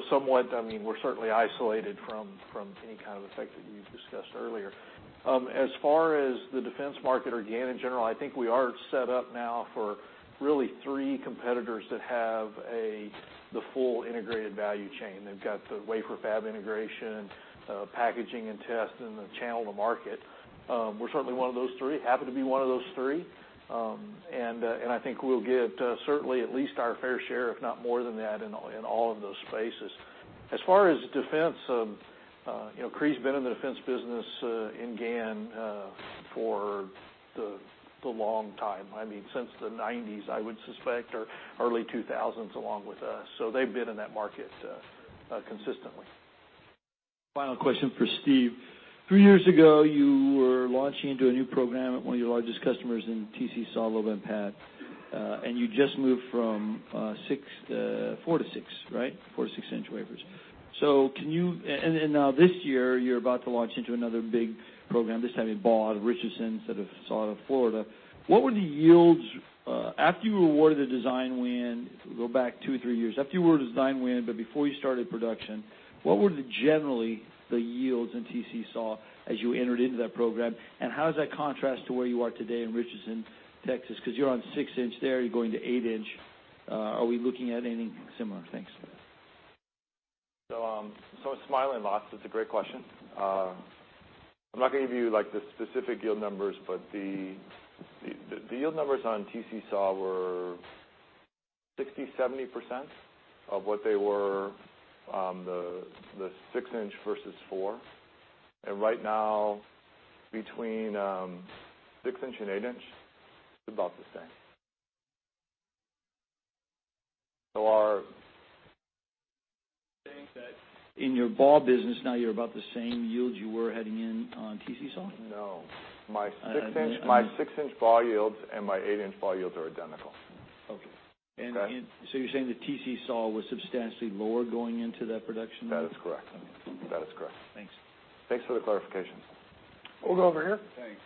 Somewhat, we're certainly isolated from any kind of effect that you've discussed earlier. As far as the defense market or GaN in general, I think we are set up now for really three competitors that have the full integrated value chain. They've got the wafer fab integration, packaging and test, and the channel to market. We're certainly one of those three, happy to be one of those three. I think we'll get certainly at least our fair share, if not more than that, in all of those spaces. As far as defense, Cree's been in the defense business in GaN for the long time, since the '90s, I would suspect, or early 2000s along with us. They've been in that market consistently. Final question for Steve. Three years ago, you were launching into a new program at one of your largest customers in TC SAW, Chelmsford, Mass. You just moved from 4 to 6 inch wafers. Now this year, you're about to launch into another big program. This time in BAW, Richardson, instead of SAW, Florida. After you were awarded the design win, if we go back two or three years, after you were design win, but before you started production, what were the generally the yields in TC SAW as you entered into that program, and how does that contrast to where you are today in Richardson, Texas? Because you're on 6-inch there, you're going to 8-inch. Are we looking at anything similar? Thanks. I'm smiling lots. It's a great question. I'm not going to give you the specific yield numbers, but the yield numbers on TC SAW were 60%, 70% of what they were, the 6-inch versus 4. Right now, between 6-inch and 8-inch, it's about the same. Are you saying that in your BAW business now you're about the same yield you were heading in on TC SAW? No. My 6-inch BAW yields and my 8-inch BAW yields are identical. Okay. Okay? You're saying the TC-SAW was substantially lower going into that production then? That is correct. Okay. That is correct. Thanks. Thanks for the clarification. We'll go over here. Thanks.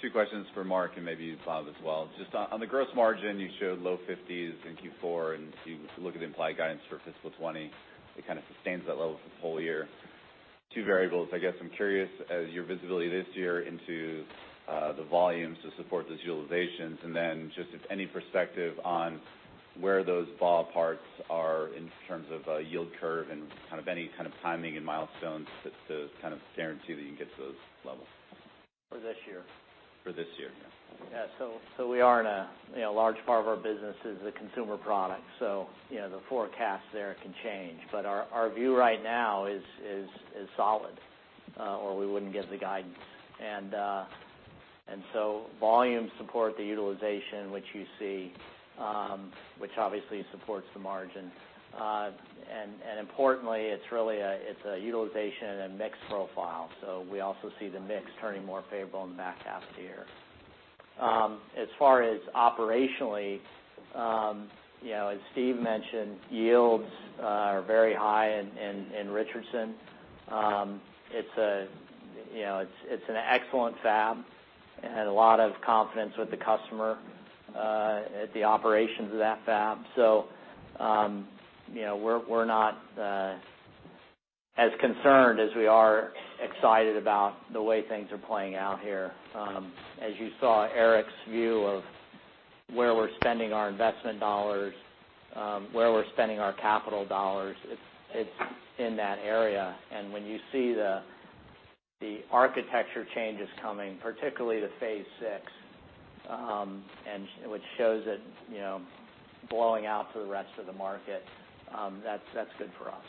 Two questions for Mark and maybe Bob as well. Just on the gross margin, you showed low 50s in Q4, and you look at the implied guidance for fiscal 2020, it kind of sustains that level for the full year. Two variables, I guess, I'm curious as your visibility this year into the volumes to support those utilizations, and then just if any perspective on where those BAW parts are in terms of a yield curve and any kind of timing and milestones to kind of guarantee that you can get to those levels. For this year? For this year, yeah. Yeah. We are in a large part of our business is the consumer product, so the forecast there can change. Our view right now is solid, or we wouldn't give the guidance. Volumes support the utilization, which you see, which obviously supports the margin. Importantly, it's a utilization and a mix profile. We also see the mix turning more favorable in the back half of the year. As far as operationally, as Steve mentioned, yields are very high in Richardson. It's an excellent fab, and a lot of confidence with the customer at the operations of that fab. We're not as concerned as we are excited about the way things are playing out here. As you saw Eric's view of where we're spending our investment dollars, where we're spending our capital dollars, it's in that area. When you see the architecture changes coming, particularly the Phase 6, which shows it blowing out for the rest of the market, that's good for us.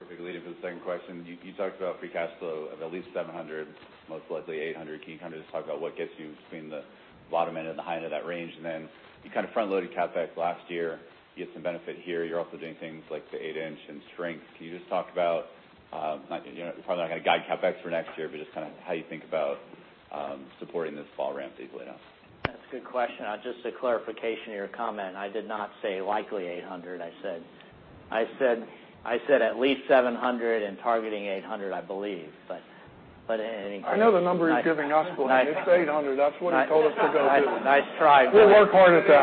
Perfect lead-in for the second question. You talked about free cash flow of at least $700, most likely $800. Can you kind of just talk about what gets you between the bottom end and the high end of that range? You kind of front-loaded CapEx last year. You get some benefit here. You're also doing things like the 8-inch and strength. Can you just talk about, you're probably not going to guide CapEx for next year, but just how you think about supporting this fall ramp these lead times. That's a good question. Just a clarification to your comment, I did not say likely $800. I said at least $700 and targeting $800, I believe. In any case. I know the number you're giving us, though. It's $800. That's what he told us to go do. Nice try. We'll work hard at that.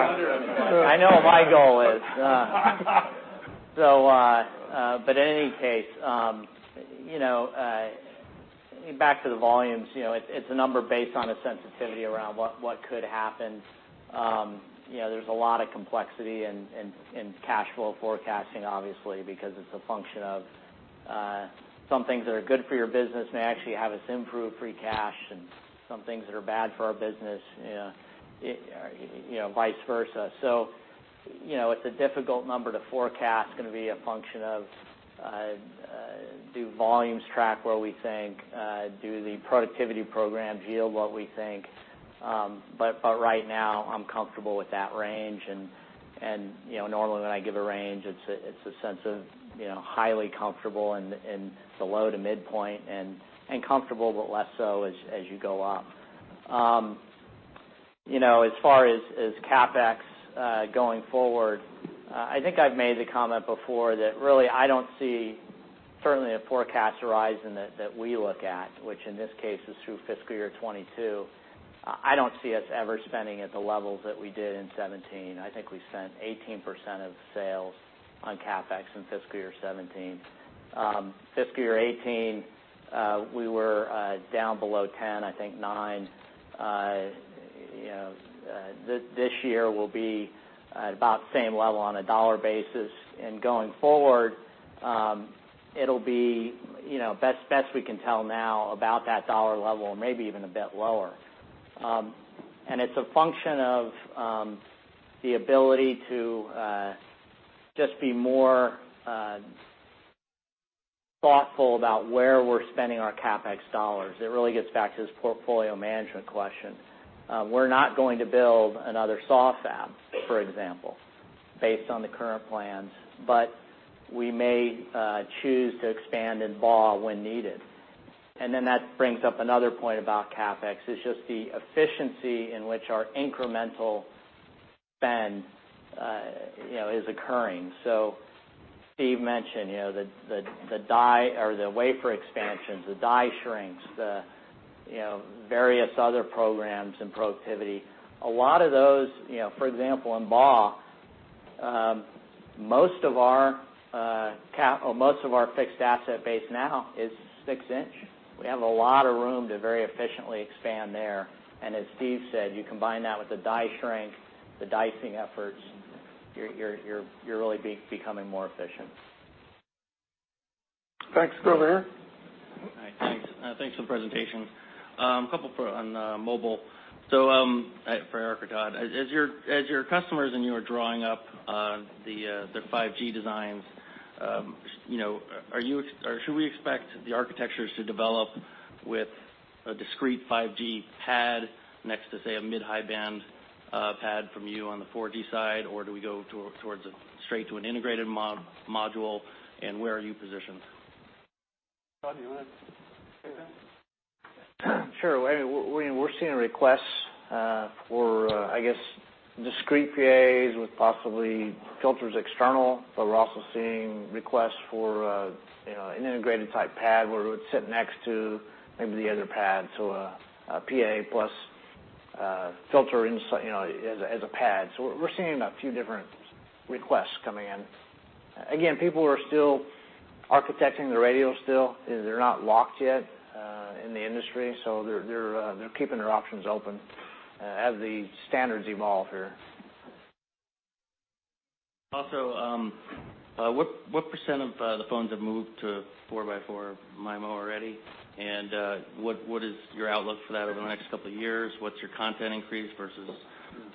I know what my goal is. In any case, back to the volumes, it's a number based on a sensitivity around what could happen. There's a lot of complexity in cash flow forecasting, obviously, because it's a function of some things that are good for your business may actually have us improve free cash, and some things that are bad for our business, vice versa. It's a difficult number to forecast. Going to be a function of do volumes track where we think? Do the productivity programs yield what we think? But right now, I'm comfortable with that range. Normally, when I give a range, it's a sense of highly comfortable in the low to midpoint, and comfortable, but less so as you go up. As far as CapEx going forward, I think I've made the comment before that really I don't see certainly a forecast horizon that we look at, which in this case is through fiscal year 2022. I don't see us ever spending at the levels that we did in 2017. I think we spent 18% of sales on CapEx in fiscal year 2017. Fiscal year 2018, we were down below 10, I think nine. This year will be about the same level on a dollar basis, going forward, it'll be, best we can tell now, about that dollar level or maybe even a bit lower. It's a function of the ability to just be more thoughtful about where we're spending our CapEx dollars. It really gets back to this portfolio management question. We're not going to build another SAW fab, for example, based on the current plans, but we may choose to expand in BAW when needed. That brings up another point about CapEx, is just the efficiency in which our incremental spend is occurring. Steve mentioned the wafer expansions, the die shrinks, the various other programs and productivity. A lot of those, for example, in BAW, most of our fixed asset base now is 6 inch. We have a lot of room to very efficiently expand there. As Steve said, you combine that with the die shrink, the dicing efforts, you're really becoming more efficient. Thanks. Go over here. Hi, thanks. Thanks for the presentation. A couple for on mobile. For Eric or Todd, as your customers and you are drawing up the 5G designs, should we expect the architectures to develop with a discrete 5G PAD next to, say, a mid-high band PAD from you on the 4G side, or do we go straight to an integrated module, and where are you positioned? Todd, do you want to take that? Sure. We're seeing requests for, I guess, discrete PAs with possibly filters external. We're also seeing requests for an integrated type PAD where it would sit next to maybe the other PAD, a PA plus a filter as a PAD. We're seeing a few different requests coming in. Again, people are still architecting the radio still. They're not locked yet in the industry, they're keeping their options open as the standards evolve here. What % of the phones have moved to 4x4 MIMO already, and what is your outlook for that over the next couple of years? What's your content increase versus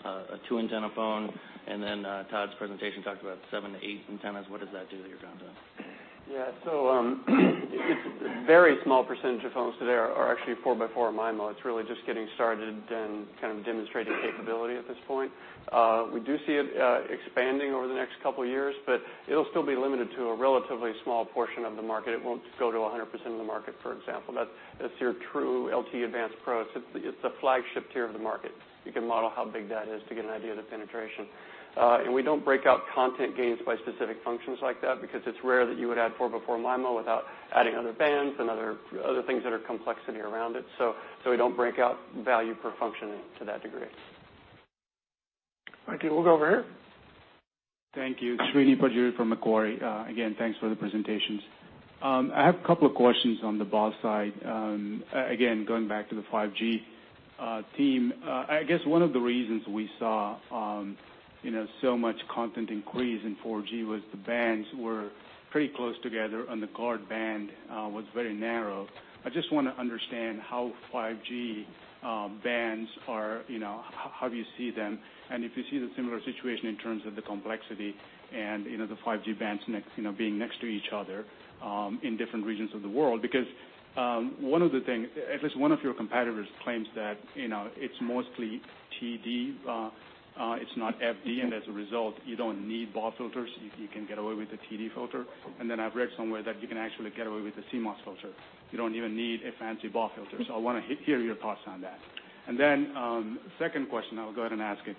a two antenna phone? Todd's presentation talked about seven to eight antennas. What does that do to your content? A very small percentage of phones today are actually 4x4 MIMO. It's really just getting started and kind of demonstrating capability at this point. We do see it expanding over the next couple of years, but it'll still be limited to a relatively small portion of the market. It won't go to 100% of the market, for example. That's your true LTE-Advanced Pro. It's the flagship tier of the market. You can model how big that is to get an idea of the penetration. We don't break out content gains by specific functions like that because it's rare that you would add 4x4 MIMO without adding other bands and other things that are complexity around it. We don't break out value per function to that degree. Okay, we'll go over here. Thank you. Srini Pajjuri from Macquarie. Again, thanks for the presentations. I have a couple of questions on the BAW side. Again, going back to the 5G team, I guess one of the reasons we saw so much content increase in 4G was the bands were pretty close together, and the guard band was very narrow. I just want to understand how 5G bands are, how do you see them, and if you see the similar situation in terms of the complexity and the 5G bands being next to each other in different regions of the world. Because one of the things, at least one of your competitors claims that it's mostly TD, it's not FD, and as a result, you don't need BAW filters. You can get away with a TD filter. Then I've read somewhere that you can actually get away with a CMOS filter. You don't even need a fancy BAW filter. I want to hear your thoughts on that. Then, second question, I'll go ahead and ask it.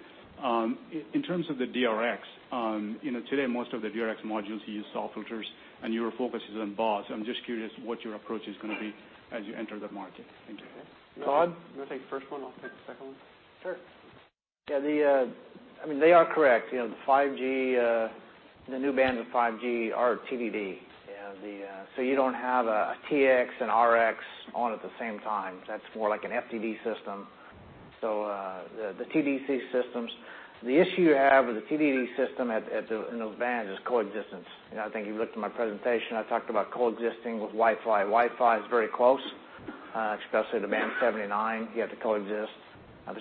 In terms of the DRX, today most of the DRX modules use SAW filters, and your focus is on BAW. I'm just curious what your approach is gonna be as you enter that market. Thank you. Todd, you wanna take the first one? I'll take the second one. Sure. Yeah, they are correct. The new bands of 5G are TDD. You don't have a TX and RX on at the same time. That's more like an FDD system. The TDD systems, the issue you have with the TDD system in those bands is coexistence. I think you looked at my presentation, I talked about coexisting with Wi-Fi. Wi-Fi is very close, especially Band 79, you have to coexist.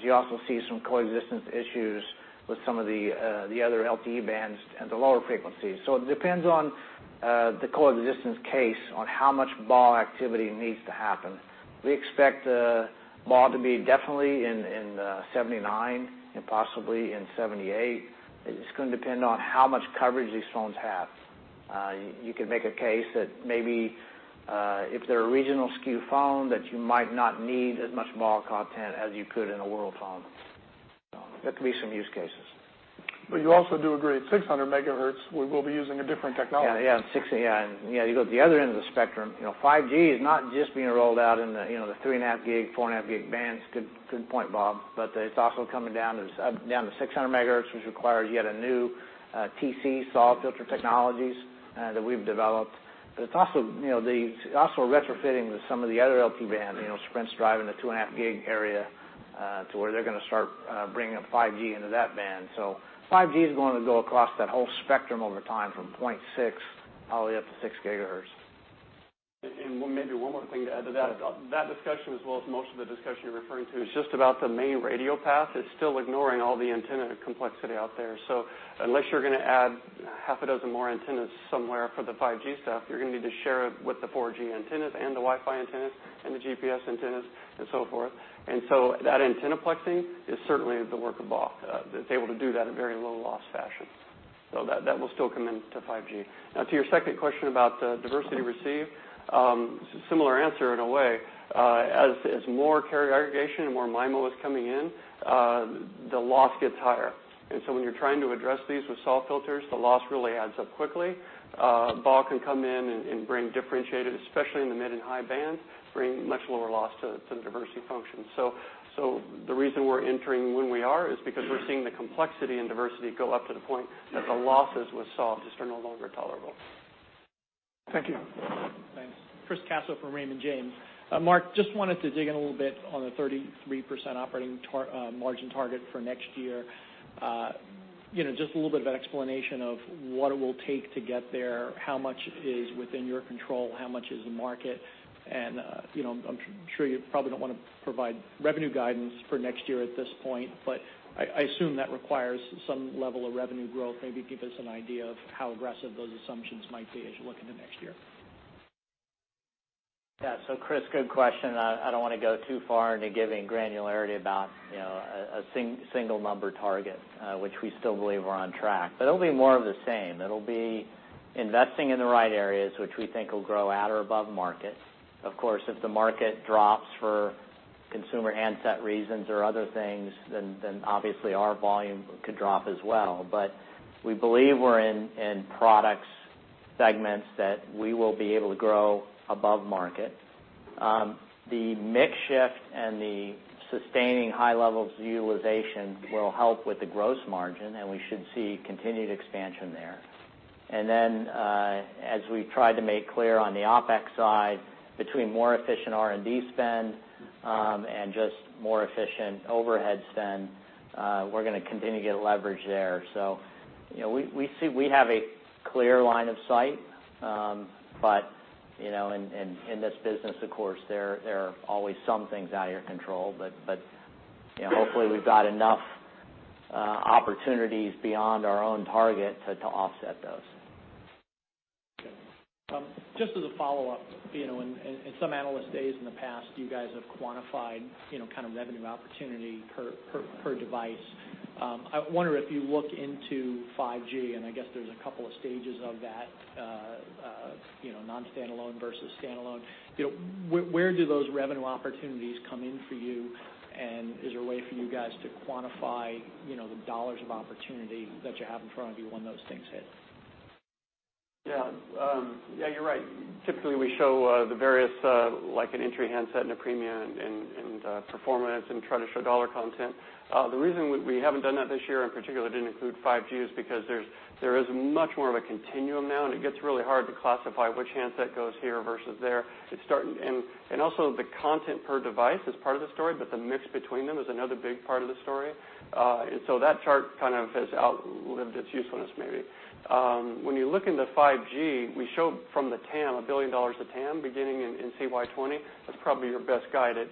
You also see some coexistence issues with some of the other LTE bands at the lower frequencies. It depends on The call of the distance case on how much BAW activity needs to happen. We expect the BAW to be definitely in the '79 and possibly in '78. It's just going to depend on how much coverage these phones have. You could make a case that maybe if they're a regional skew phone, that you might not need as much BAW content as you could in a world phone. There could be some use cases. You also do agree at 600 megahertz, we will be using a different technology. Yeah. You go to the other end of the spectrum. 5G is not just being rolled out in the 3.5 gig, 4.5 gig bands. Good point, Bob. It's also coming down to 600 megahertz, which requires yet a new TC SAW filter technologies that we've developed. It's also retrofitting with some of the other LP bands, Sprint's drive in the 2.5 gig area, to where they're going to start bringing up 5G into that band. 5G's going to go across that whole spectrum over time from 0.6 probably up to 6 gigahertz. Maybe one more thing to add to that. That discussion, as well as most of the discussion you're referring to, is just about the main radio path. It's still ignoring all the antenna complexity out there. Unless you're going to add half a dozen more antennas somewhere for the 5G stuff, you're going to need to share it with the 4G antennas and the Wi-Fi antennas and the GPS antennas and so forth. That antenna plexing is certainly the work of BAW, that's able to do that at very low loss fashion. That will still come into 5G. Now to your second question about the diversity receive, similar answer in a way. As more carrier aggregation and more MIMO is coming in, the loss gets higher. When you're trying to address these with SAW filters, the loss really adds up quickly. BAW can come in and bring differentiated, especially in the mid and high band, bring much lower loss to the diversity function. The reason we're entering when we are is because we're seeing the complexity and diversity go up to the point that the losses with SAW just are no longer tolerable. Thank you. Thanks. Chris Caso from Raymond James. Mark, just wanted to dig in a little bit on the 33% operating margin target for next year. Just a little bit of an explanation of what it will take to get there, how much is within your control, how much is the market, and I'm sure you probably don't want to provide revenue guidance for next year at this point, but I assume that requires some level of revenue growth. Maybe give us an idea of how aggressive those assumptions might be as you look into next year. Yeah. Chris, good question. I don't want to go too far into giving granularity about a single number target, which we still believe are on track, but it'll be more of the same. It'll be investing in the right areas, which we think will grow at or above market. Of course, if the market drops for consumer handset reasons or other things, obviously our volume could drop as well. We believe we're in product segments that we will be able to grow above market. The mix shift and the sustaining high levels utilization will help with the gross margin, and we should see continued expansion there. As we've tried to make clear on the OpEx side, between more efficient R&D spend, and just more efficient overhead spend, we're gonna continue to get leverage there. We have a clear line of sight, but in this business, of course, there are always some things out of your control. Hopefully we've got enough opportunities beyond our own target to offset those. Okay. Just as a follow-up, in some Analyst Days in the past, you guys have quantified kind of revenue opportunity per device. I wonder if you look into 5G, and I guess there's a couple of stages of that, non-standalone versus standalone. Where do those revenue opportunities come in for you? Is there a way for you guys to quantify the dollars of opportunity that you have in front of you when those things hit? Yeah. You're right. Typically, we show the various, like an entry handset and a premium and a performance and try to show dollar content. The reason we haven't done that this year, in particular, didn't include 5G, is because there is much more of a continuum now, and it gets really hard to classify which handset goes here versus there. Also the content per device is part of the story, but the mix between them is another big part of the story. That chart kind of has outlived its usefulness, maybe. When you look into 5G, we show from the TAM, $1 billion of TAM beginning in CY 2020. That's probably your best guide at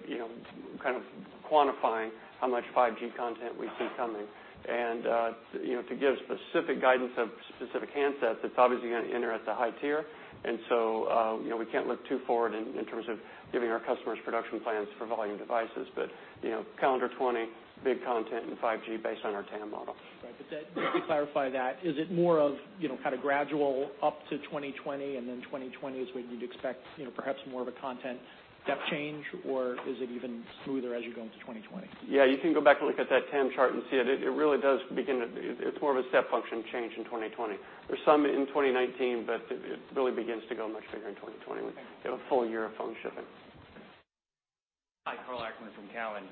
kind of quantifying how much 5G content we see coming. To give specific guidance of specific handsets, it's obviously going to enter at the high tier. We can't look too forward in terms of giving our customers production plans for volume devices. Calendar 2020, big content in 5G based on our TAM model. Right. Let me clarify that. Is it more of kind of gradual up to 2020, and then 2020 is when you'd expect perhaps more of a content step change, or is it even smoother as you go into 2020? Yeah, you can go back and look at that TAM chart and see it. It's more of a step function change in 2020. There's some in 2019, but it really begins to go much bigger in 2020 with a full year of phone shipping. Okay. Hi, Karl Ackerman from Cowen.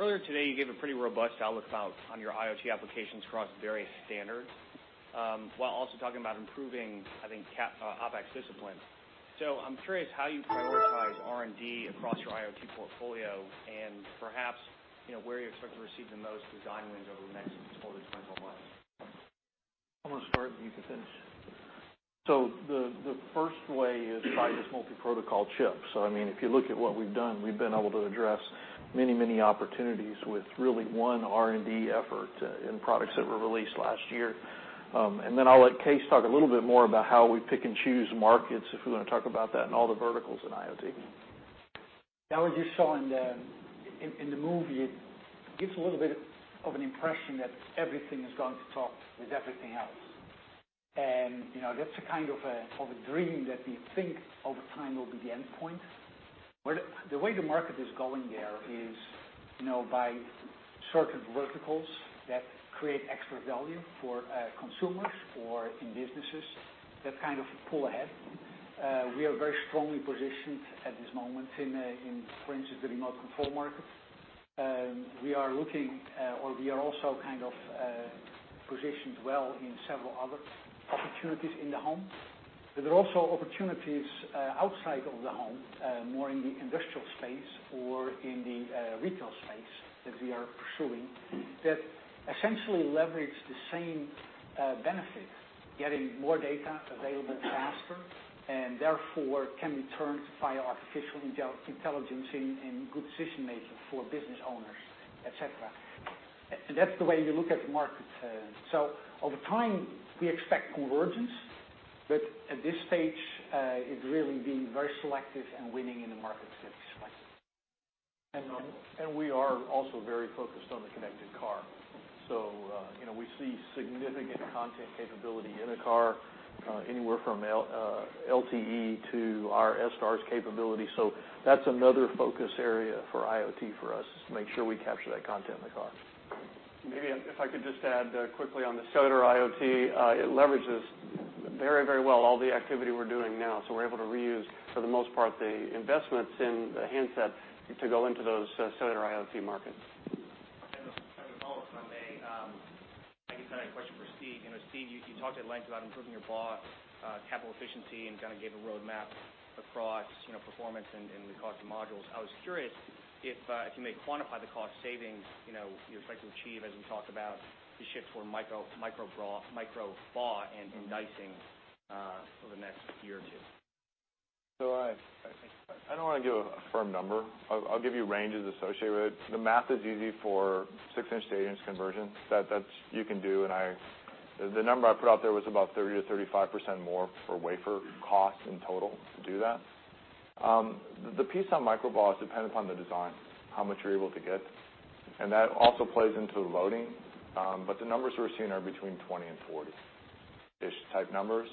Earlier today, you gave a pretty robust outlook on your IoT applications across various standards, while also talking about improving, I think, OpEx discipline. I'm curious how you prioritize R&D across your IoT portfolio and perhaps where you expect to receive the most design wins over the next 12 to 24 months. I'm gonna start and you can finish. The first way is by this multi-protocol chip. If you look at what we've done, we've been able to address many opportunities with really one R&D effort in products that were released last year. I'll let Cees talk a little bit more about how we pick and choose markets, if we want to talk about that in all the verticals in IoT. Now, as you saw in the movie, it gives a little bit of an impression that everything is going to talk with everything else. That's a kind of a dream that we think over time will be the endpoint, the way the market is going there is by certain verticals that create extra value for consumers or in businesses that kind of pull ahead. We are very strongly positioned at this moment in, for instance, the remote control market. We are also positioned well in several other opportunities in the home. There are also opportunities outside of the home, more in the industrial space or in the retail space that we are pursuing that essentially leverage the same benefit, getting more data available faster, and therefore can be turned via artificial intelligence in good decision-making for business owners, et cetera. That's the way we look at the market. Over time, we expect convergence, at this stage it's really being very selective and winning in the markets that we select. We are also very focused on the connected car. We see significant content capability in a car, anywhere from LTE to our C-V2X capability. That's another focus area for IoT for us, to make sure we capture that content in the car. Maybe if I could just add quickly on the cellular IoT. It leverages very well all the activity we're doing now. We're able to reuse, for the most part, the investments in the handset to go into those cellular IoT markets. Just kind of a follow up on a, I guess, kind of question for Steve. Steve, you talked at length about improving your wafer-on-wafer capital efficiency and kind of gave a roadmap across performance and the cost of modules. I was curious if you may quantify the cost savings you expect to achieve as we talk about the shift from micro wafer-on-wafer and in die-sizing over the next year or two. I don't want to give a firm number. I'll give you ranges associated with it. The math is easy for 6-inch to 8-inch conversion. That you can do, and the number I put out there was about 30%-35% more for wafer cost in total to do that. The piece on micro wafer-on-wafer is dependent upon the design, how much you're able to get, and that also plays into the loading. The numbers we're seeing are between 20 and 40-ish type numbers.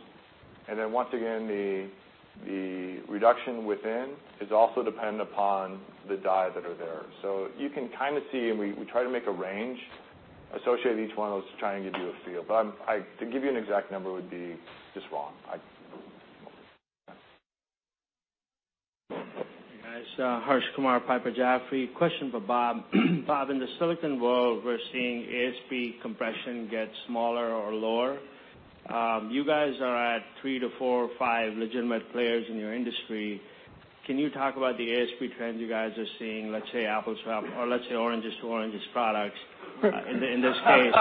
Once again, the reduction within is also dependent upon the die that are there. You can kind of see, and we try to make a range associated with each one of those to try and give you a feel. To give you an exact number would be just wrong. Hey, guys. Harsh Kumar, Piper Jaffray. Question for Bob. Bob, in the silicon world, we're seeing ASP compression get smaller or lower. You guys are at three to four or five legitimate players in your industry. Can you talk about the ASP trends you guys are seeing, let's say apples to apples, or let's say oranges to oranges products in this case?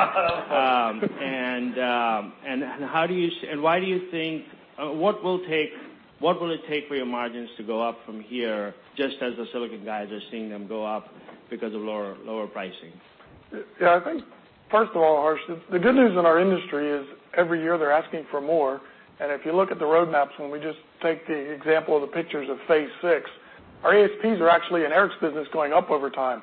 What will it take for your margins to go up from here just as the silicon guys are seeing them go up because of lower pricing? First of all, Harsh, the good news in our industry is every year they're asking for more, and if you look at the roadmaps, when we just take the example of the pictures of Phase 6, our ASPs are actually, in Eric's business, going up over time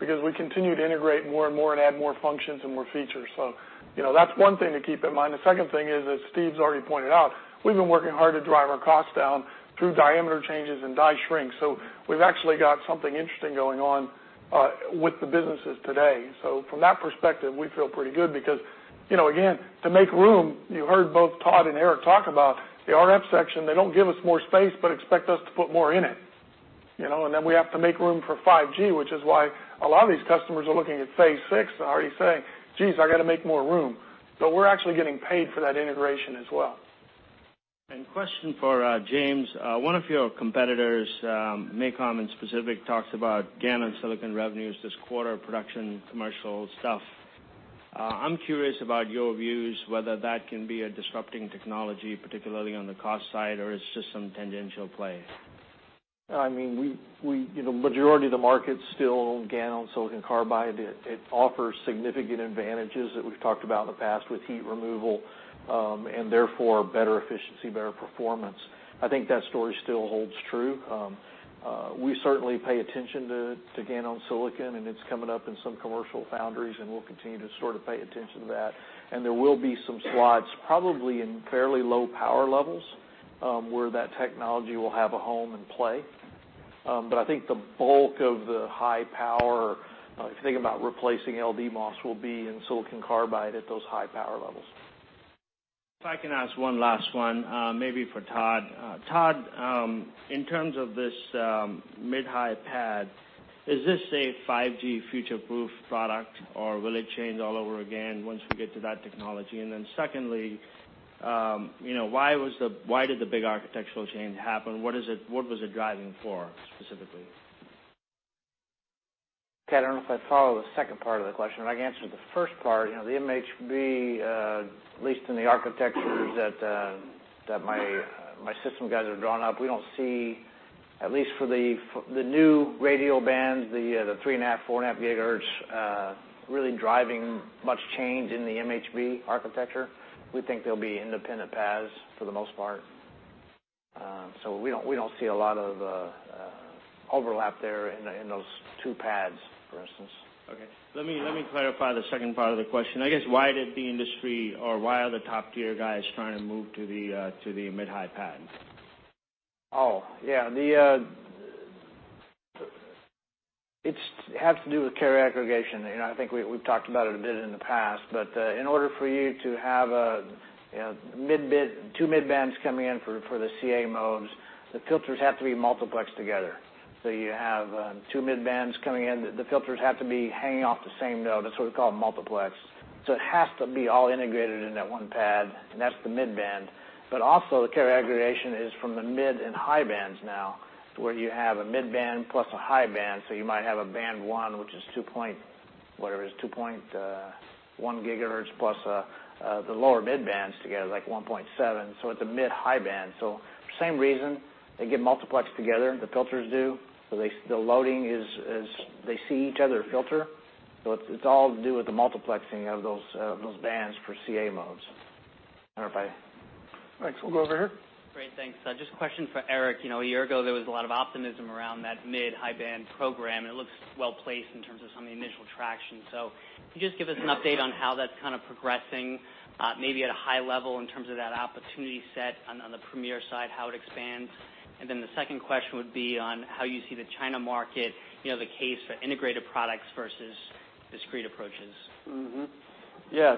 because we continue to integrate more and more and add more functions and more features. That's one thing to keep in mind. The second thing is, as Steve's already pointed out, we've been working hard to drive our costs down through diameter changes and die shrink. We've actually got something interesting going on with the businesses today. From that perspective, we feel pretty good because, again, to make room, you heard both Todd and Eric talk about the RF section, they don't give us more space, but expect us to put more in it. We have to make room for 5G, which is why a lot of these customers are looking at Phase 6 and already saying, "Geez, I got to make more room." We're actually getting paid for that integration as well. Question for James. One of your competitors, MACOM in specific, talks about GaN-on-silicon revenues this quarter, production, commercial stuff. I'm curious about your views whether that can be a disrupting technology, particularly on the cost side, or it's just some tangential play. The majority of the market's still GaN-on-silicon carbide. It offers significant advantages that we've talked about in the past with heat removal, and therefore better efficiency, better performance. I think that story still holds true. We certainly pay attention to GaN-on-silicon, and it's coming up in some commercial foundries, and we'll continue to sort of pay attention to that. There will be some slots, probably in fairly low power levels, where that technology will have a home and play. I think the bulk of the high power, if you think about replacing LDMOS, will be in silicon carbide at those high power levels. If I can ask one last one maybe for Todd. Todd, in terms of this mid-high PAD, is this a 5G future-proof product, or will it change all over again once we get to that technology? Secondly, why did the big architectural change happen? What was it driving for specifically? Okay. I don't know if I follow the second part of the question. If I can answer the first part. The MHB, at least in the architectures that my system guys have drawn up, we don't see, at least for the new radio bands, the 3.5, 4.5 gigahertz, really driving much change in the MHB architecture. We think they'll be independent paths for the most part. We don't see a lot of overlap there in those two PADs, for instance. Okay. Let me clarify the second part of the question. I guess, why did the industry, or why are the top tier guys trying to move to the mid-high PADs? Oh, yeah. It has to do with carrier aggregation. I think we've talked about it a bit in the past, but in order for you to have two mid bands coming in for the CA modes, the filters have to be multiplexed together. You have two mid bands coming in. The filters have to be hanging off the same node. That's what we call multiplex. It has to be all integrated into that one PAD, and that's the mid band. The carrier aggregation is from the mid and high bands now, to where you have a mid band plus a high band. You might have a Band 1, which is 2.1 gigahertz plus the lower mid bands together, like 1.7, so it's a mid-high band. For same reason, they get multiplexed together, the filters do. The loading is they see each other filter. It's all to do with the multiplexing of those bands for CA modes. Thanks. We'll go over here. Great. Thanks. Just a question for Eric. A year ago, there was a lot of optimism around that mid-high band program, and it looks well-placed in terms of some of the initial traction. Can you just give us an update on how that's progressing, maybe at a high level in terms of that opportunity set on the premier side, how it expands? The second question would be on how you see the China market, the case for integrated products versus discrete approaches. Yeah.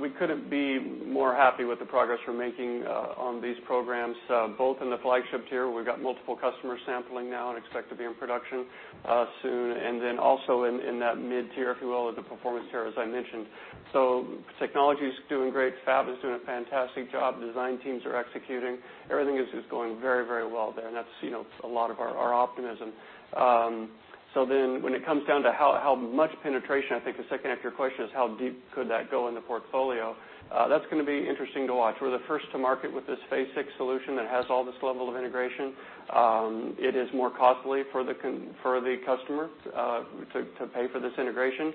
We couldn't be more happy with the progress we're making on these programs, both in the flagship tier, we've got multiple customer sampling now and expect to be in production soon. Also in that mid-tier, if you will, or the performance tier, as I mentioned. Technology's doing great, fab is doing a fantastic job, design teams are executing. Everything is just going very well there, and that's a lot of our optimism. When it comes down to how much penetration, I think the second half of your question is how deep could that go in the portfolio? That's going to be interesting to watch. We're the first to market with this Phase 6 solution that has all this level of integration. It is more costly for the customer to pay for this integration.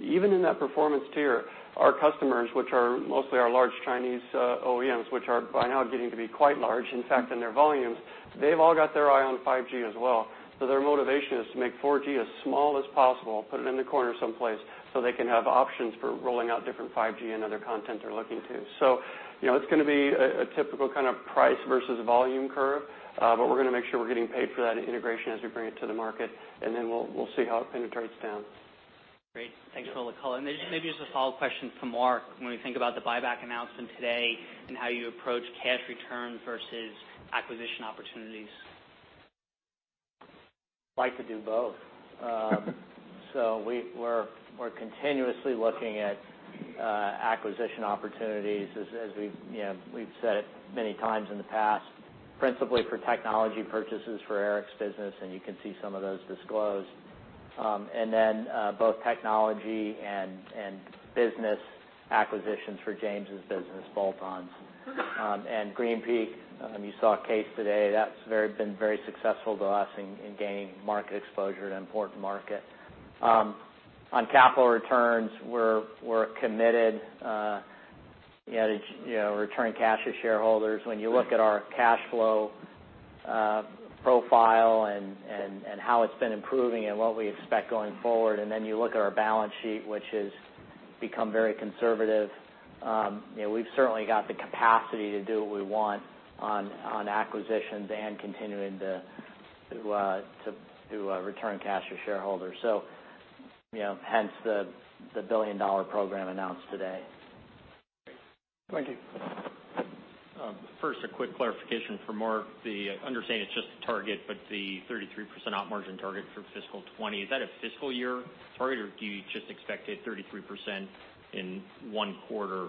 Even in that performance tier, our customers, which are mostly our large Chinese OEMs, which are by now getting to be quite large, in fact, in their volumes, they've all got their eye on 5G as well. Their motivation is to make 4G as small as possible, put it in the corner someplace, so they can have options for rolling out different 5G and other content they're looking to. It's going to be a typical kind of price versus volume curve, but we're going to make sure we're getting paid for that integration as we bring it to the market. We'll see how it penetrates down. Great. Thanks for the call. Maybe just a follow-up question for Mark. When we think about the buyback announcement today and how you approach cash return versus acquisition opportunities. I'd like to do both. We're continuously looking at acquisition opportunities, as we've said it many times in the past, principally for technology purchases for Eric's business, and you can see some of those disclosed. Both technology and business acquisitions for James' business bolt-ons. GreenPeak Technologies, you saw a case today, that's been very successful to us in gaining market exposure in an important market. On capital returns, we're committed to return cash to shareholders. When you look at our cash flow profile and how it's been improving and what we expect going forward, you look at our balance sheet, which has become very conservative, we've certainly got the capacity to do what we want on acquisitions and continuing to return cash to shareholders. Hence the billion-dollar program announced today. Great. Wendy. First, a quick clarification for Mark. I understand it's just a target, but the 33% op margin target for fiscal 2020, is that a fiscal year target, or do you just expect hit 33% in one quarter?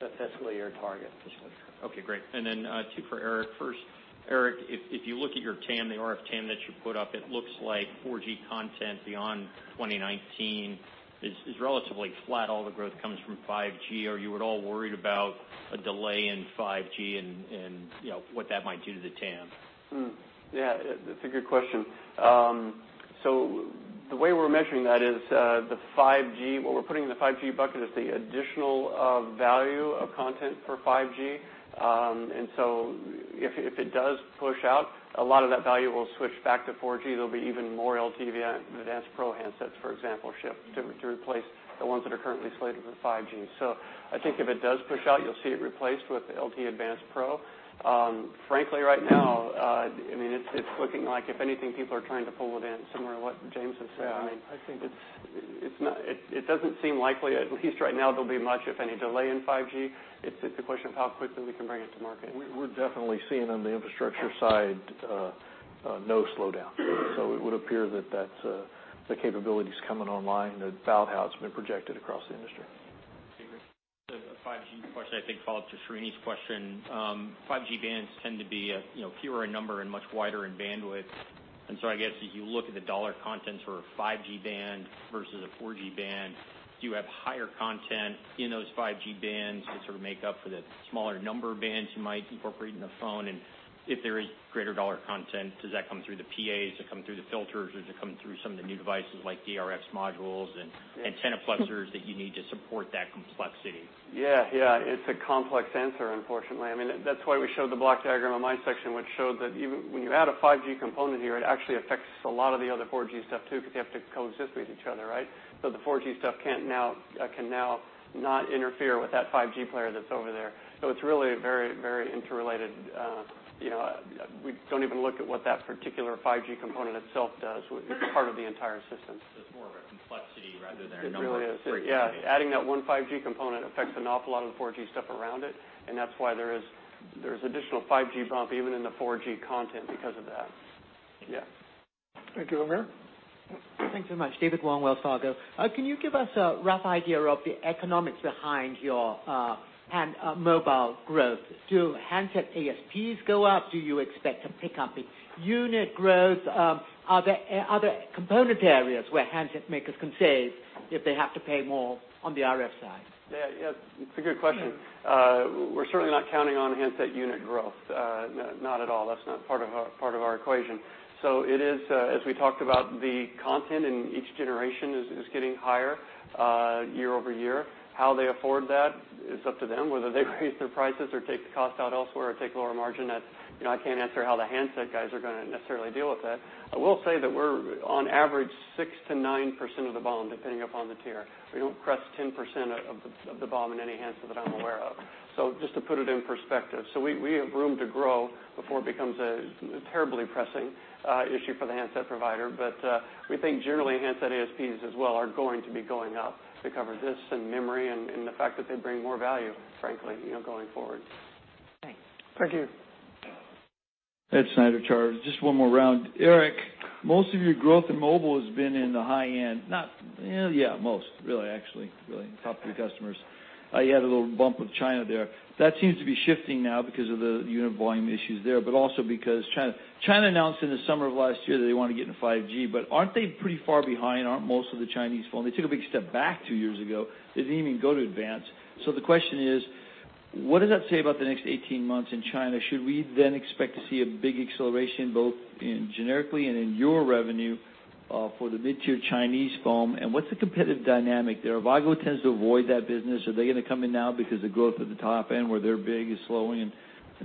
That's fiscal year target. Fiscal year. Okay, great. Then two for Eric first. Eric, if you look at your TAM, the RF TAM that you put up, it looks like 4G content beyond 2019 is relatively flat. All the growth comes from 5G. Are you at all worried about a delay in 5G and what that might do to the TAM? Yeah. That's a good question. The way we're measuring that is the 5G, what we're putting in the 5G bucket is the additional value of content for 5G. If it does push out, a lot of that value will switch back to 4G. There'll be even more LTE-Advanced Pro handsets, for example, shipped to replace the ones that are currently slated for 5G. I think if it does push out, you'll see it replaced with LTE-Advanced Pro. Frankly, right now, it's looking like if anything, people are trying to pull it in, similar to what James has said. Yeah. It doesn't seem likely, at least right now, there'll be much, if any, delay in 5G. It's a question of how quickly we can bring it to market. We're definitely seeing on the infrastructure side no slowdown. It would appear that that's the capabilities coming online about how it's been projected across the industry. A 5G question, I think, follow up to Srini's question. 5G bands tend to be fewer in number and much wider in bandwidth. I guess, as you look at the dollar content for a 5G band versus a 4G band, do you have higher content in those 5G bands to sort of make up for the smaller number of bands you might incorporate in the phone? If there is greater dollar content, does that come through the PAs, does it come through the filters, or does it come through some of the new devices like DRS modules and antenna flexors that you need to support that complexity? Yeah. It's a complex answer, unfortunately. That's why we showed the block diagram on my section, which showed that when you add a 5G component here, it actually affects a lot of the other 4G stuff too, because they have to coexist with each other, right? The 4G stuff can now not interfere with that 5G player that's over there. It's really very interrelated. We don't even look at what that particular 5G component itself does. It's part of the entire system. It's more of a complexity rather than a number of components. It really is. Yeah. Adding that one 5G component affects an awful lot of the 4G stuff around it, that's why there is additional 5G bump even in the 4G content because of that. Yeah. Thank you. Amir? Thanks so much. David Wong, Wells Fargo. Can you give us a rough idea of the economics behind your mobile growth? Do handset ASPs go up? Do you expect to pick up unit growth? Are there component areas where handset makers can save if they have to pay more on the RF side? Yeah. It's a good question. We're certainly not counting on handset unit growth. Not at all. That's not part of our equation. It is, as we talked about, the content in each generation is getting higher year-over-year. How they afford that is up to them, whether they raise their prices or take the cost out elsewhere or take lower margin. I can't answer how the handset guys are going to necessarily deal with that. I will say that we're on average 6%-9% of the BOM, depending upon the tier. We don't crest 10% of the BOM in any handset that I'm aware of. Just to put it in perspective. We have room to grow before it becomes a terribly pressing issue for the handset provider. We think generally handset ASPs as well are going to be going up to cover this and memory and the fact that they bring more value, frankly, going forward. Thanks. Thank you. Ed Snyder, Charter Equity Research. Just one more round. Eric, most of your growth in mobile has been in the high-end. Most, really, actually, really top-tier customers. You had a little bump with China there. That seems to be shifting now because of the unit volume issues there, but also because China announced in the summer of last year that they want to get into 5G. Aren't they pretty far behind? Aren't most of the Chinese phone-- They took a big step back two years ago. They didn't even go to advanced. The question is, what does that say about the next 18 months in China? Should we expect to see a big acceleration, both generically and in your revenue, for the mid-tier Chinese phone? What's the competitive dynamic there? Avago tends to avoid that business. Are they going to come in now because the growth at the top end where they're big is slowing, and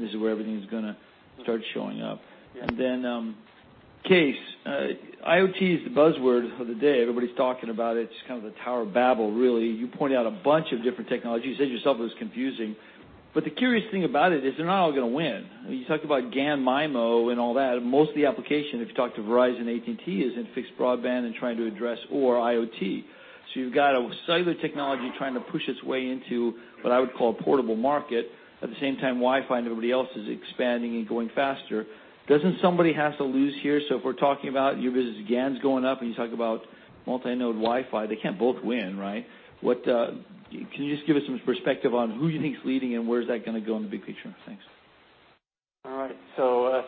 this is where everything's gonna start showing up? Yeah. Cees, IoT is the buzzword for the day. Everybody's talking about it. It's kind of the Tower of Babel, really. You pointed out a bunch of different technologies. You said yourself it was confusing. The curious thing about it is they're not all gonna win. You talked about GaN MIMO and all that. Most of the application, if you talk to Verizon, AT&T, is in fixed broadband and trying to address or IoT. You've got a cellular technology trying to push its way into what I would call a portable market. At the same time, Wi-Fi and everybody else is expanding and going faster. Doesn't somebody have to lose here? If we're talking about your business, GaN's going up, and you talk about multi-node Wi-Fi, they can't both win, right? Can you just give us some perspective on who you think's leading and where is that gonna go in the big picture? Thanks. All right.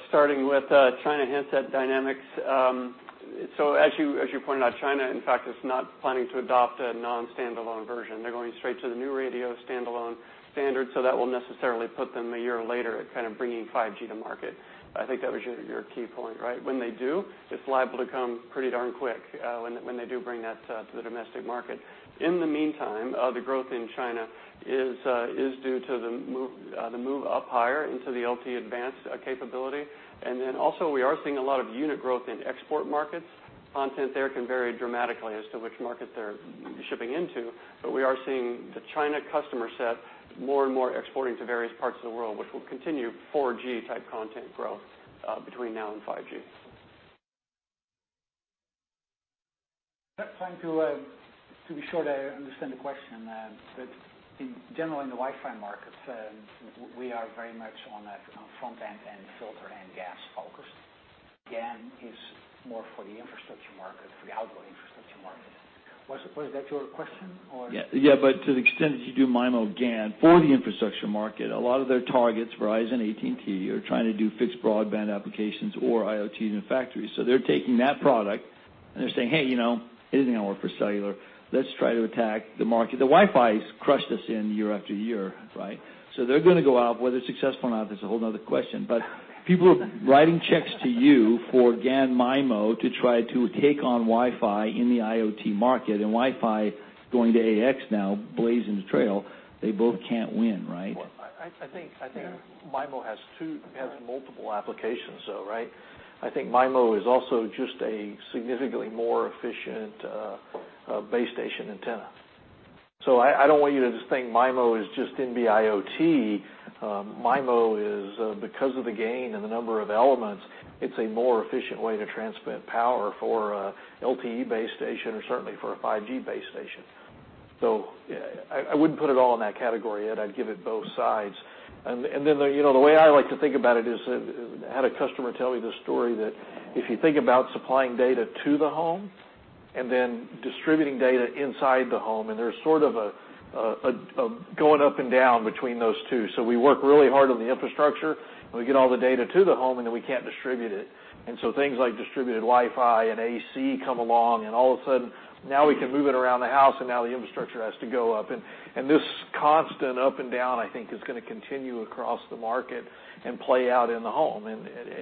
Starting with China handset dynamics. As you pointed out, China, in fact, is not planning to adopt a non-standalone version. They're going straight to the new radio standalone standard, that will necessarily put them a year later at kind of bringing 5G to market. I think that was your key point, right? When they do, it's liable to come pretty darn quick, when they do bring that to the domestic market. In the meantime, the growth in China is due to the move up higher into the LTE-Advanced capability. Also, we are seeing a lot of unit growth in export markets. Content there can vary dramatically as to which market they're shipping into. But we are seeing the China customer set more and more exporting to various parts of the world, which will continue 4G type content growth between now and 5G. Just trying to be sure that I understand the question, in general, in the Wi-Fi markets, we are very much on a front-end and filter and GaN focused. GaN is more for the infrastructure market, for the outdoor infrastructure market. Was that your question or? To the extent that you do MIMO GaN for the infrastructure market, a lot of their targets, Verizon, AT&T, are trying to do fixed broadband applications or IoTs in factories. They're taking that product, and they're saying, "Hey, it isn't gonna work for cellular. Let's try to attack the market." The Wi-Fi's crushed us in year after year, right? They're gonna go out. Whether it's successful or not is a whole another question. People are writing checks to you for GaN MIMO to try to take on Wi-Fi in the IoT market, and Wi-Fi going to AX now, blazing the trail, they both can't win, right? I think MIMO has multiple applications, though, right? I think MIMO is also just a significantly more efficient base station antenna. I don't want you to just think MIMO is just in the IoT. MIMO is, because of the gain and the number of elements, it's a more efficient way to transmit power for a LTE base station or certainly for a 5G base station. I wouldn't put it all in that category yet. I'd give it both sides. The way I like to think about it is, I had a customer tell me this story that if you think about supplying data to the home and then distributing data inside the home, and there's sort of a going up and down between those two. We work really hard on the infrastructure, we get all the data to the home, then we can't distribute it. Things like distributed Wi-Fi and AC come along, all of a sudden, now we can move it around the house, now the infrastructure has to go up. This constant up and down, I think, is going to continue across the market and play out in the home.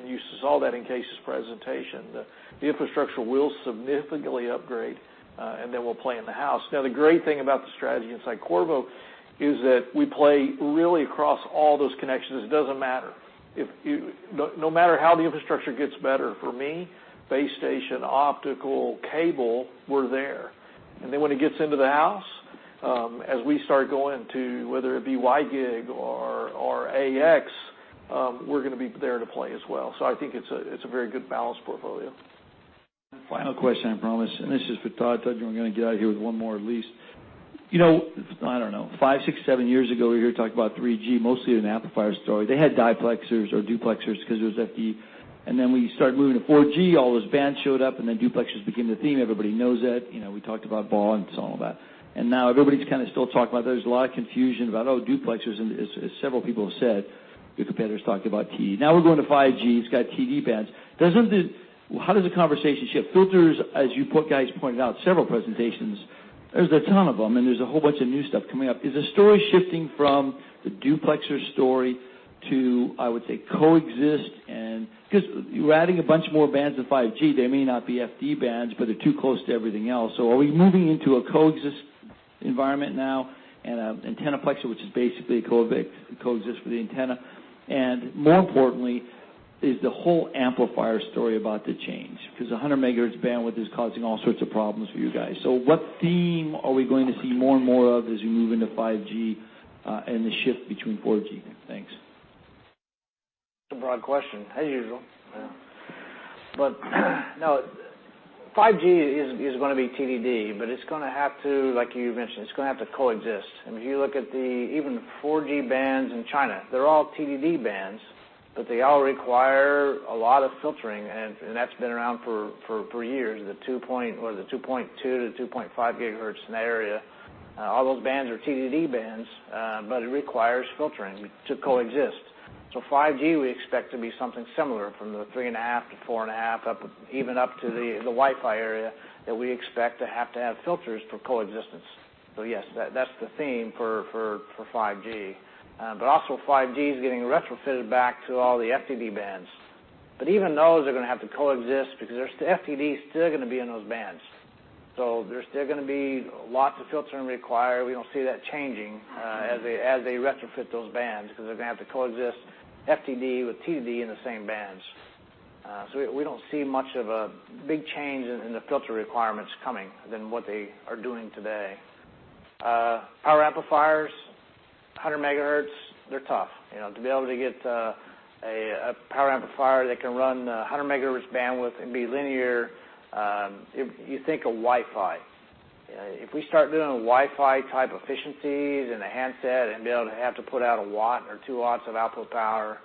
You saw that in Cees's presentation. The infrastructure will significantly upgrade, then we'll play in the house. The great thing about the strategy inside Qorvo is that we play really across all those connections. It doesn't matter. No matter how the infrastructure gets better for me, base station, optical, cable, we're there. When it gets into the house, as we start going to, whether it be WiGig or AX, we're going to be there to play as well. I think it's a very good balanced portfolio. Final question, I promise. This is for Todd. Todd, you're going to get out of here with one more at least. I don't know, five, six, seven years ago, we were here talking about 3G, mostly an amplifier story. They had diplexers or duplexers because it was FD. We started moving to 4G, all those bands showed up, duplexers became the theme. Everybody knows that. We talked about bands, all that. Now everybody's kind of still talking about, there's a lot of confusion about, oh, duplexers, as several people have said, the competitors talked about TDD. We're going to 5G, it's got TDD bands. How does the conversation shift? Filters, as you guys pointed out, several presentations, there's a ton of them, there's a whole bunch of new stuff coming up. Is the story shifting from the duplexer story to, I would say, coexist because we're adding a bunch more bands of 5G. They may not be FD bands, but they're too close to everything else. Are we moving into a coexist environment now and a antennaplexer, which is basically a coexist for the antenna? More importantly, is the whole amplifier story about to change? Because 100 megahertz bandwidth is causing all sorts of problems for you guys. What theme are we going to see more and more of as you move into 5G and the shift between 4G? Thanks. That's a broad question, as usual. No, 5G is going to be TDD, but it's going to have to, like you mentioned, it's going to have to coexist. If you look at the even 4G bands in China, they're all TDD bands, but they all require a lot of filtering, and that's been around for years, the 2.2 to 2.5 gigahertz in that area. All those bands are TDD bands, but it requires filtering to coexist. 5G, we expect to be something similar from the three and a half to four and a half, even up to the Wi-Fi area, that we expect to have to have filters for coexistence. Yes, that's the theme for 5G. Also 5G is getting retrofitted back to all the FDD bands. Even those are going to have to coexist because FDD is still going to be in those bands. There's still going to be lots of filtering required. We don't see that changing as they retrofit those bands because they're going to have to coexist FDD with TDD in the same bands. We don't see much of a big change in the filter requirements coming than what they are doing today. Power amplifiers, 100 megahertz, they're tough. To be able to get a power amplifier that can run 100 megahertz bandwidth and be linear, you think of Wi-Fi. If we start doing Wi-Fi type efficiencies in a handset and be able to have to put out a watt or 2 watts of output power,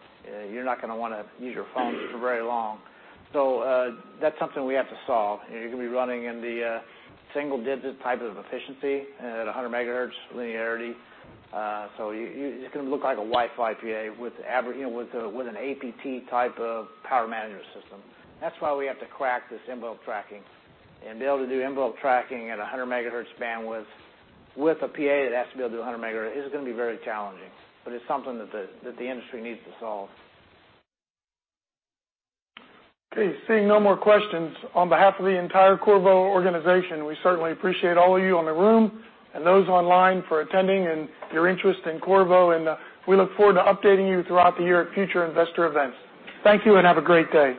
you're not going to want to use your phone for very long. That's something we have to solve. You're going to be running in the single-digit type of efficiency at 100 megahertz linearity. It's going to look like a Wi-Fi PA with an APT type of power management system. That's why we have to crack this envelope tracking and be able to do envelope tracking at 100 megahertz bandwidth with a PA that has to be able to do 100 megahertz. It is going to be very challenging, it's something that the industry needs to solve. Okay, seeing no more questions, on behalf of the entire Qorvo organization, we certainly appreciate all of you in the room and those online for attending and your interest in Qorvo, we look forward to updating you throughout the year at future investor events. Thank you, have a great day.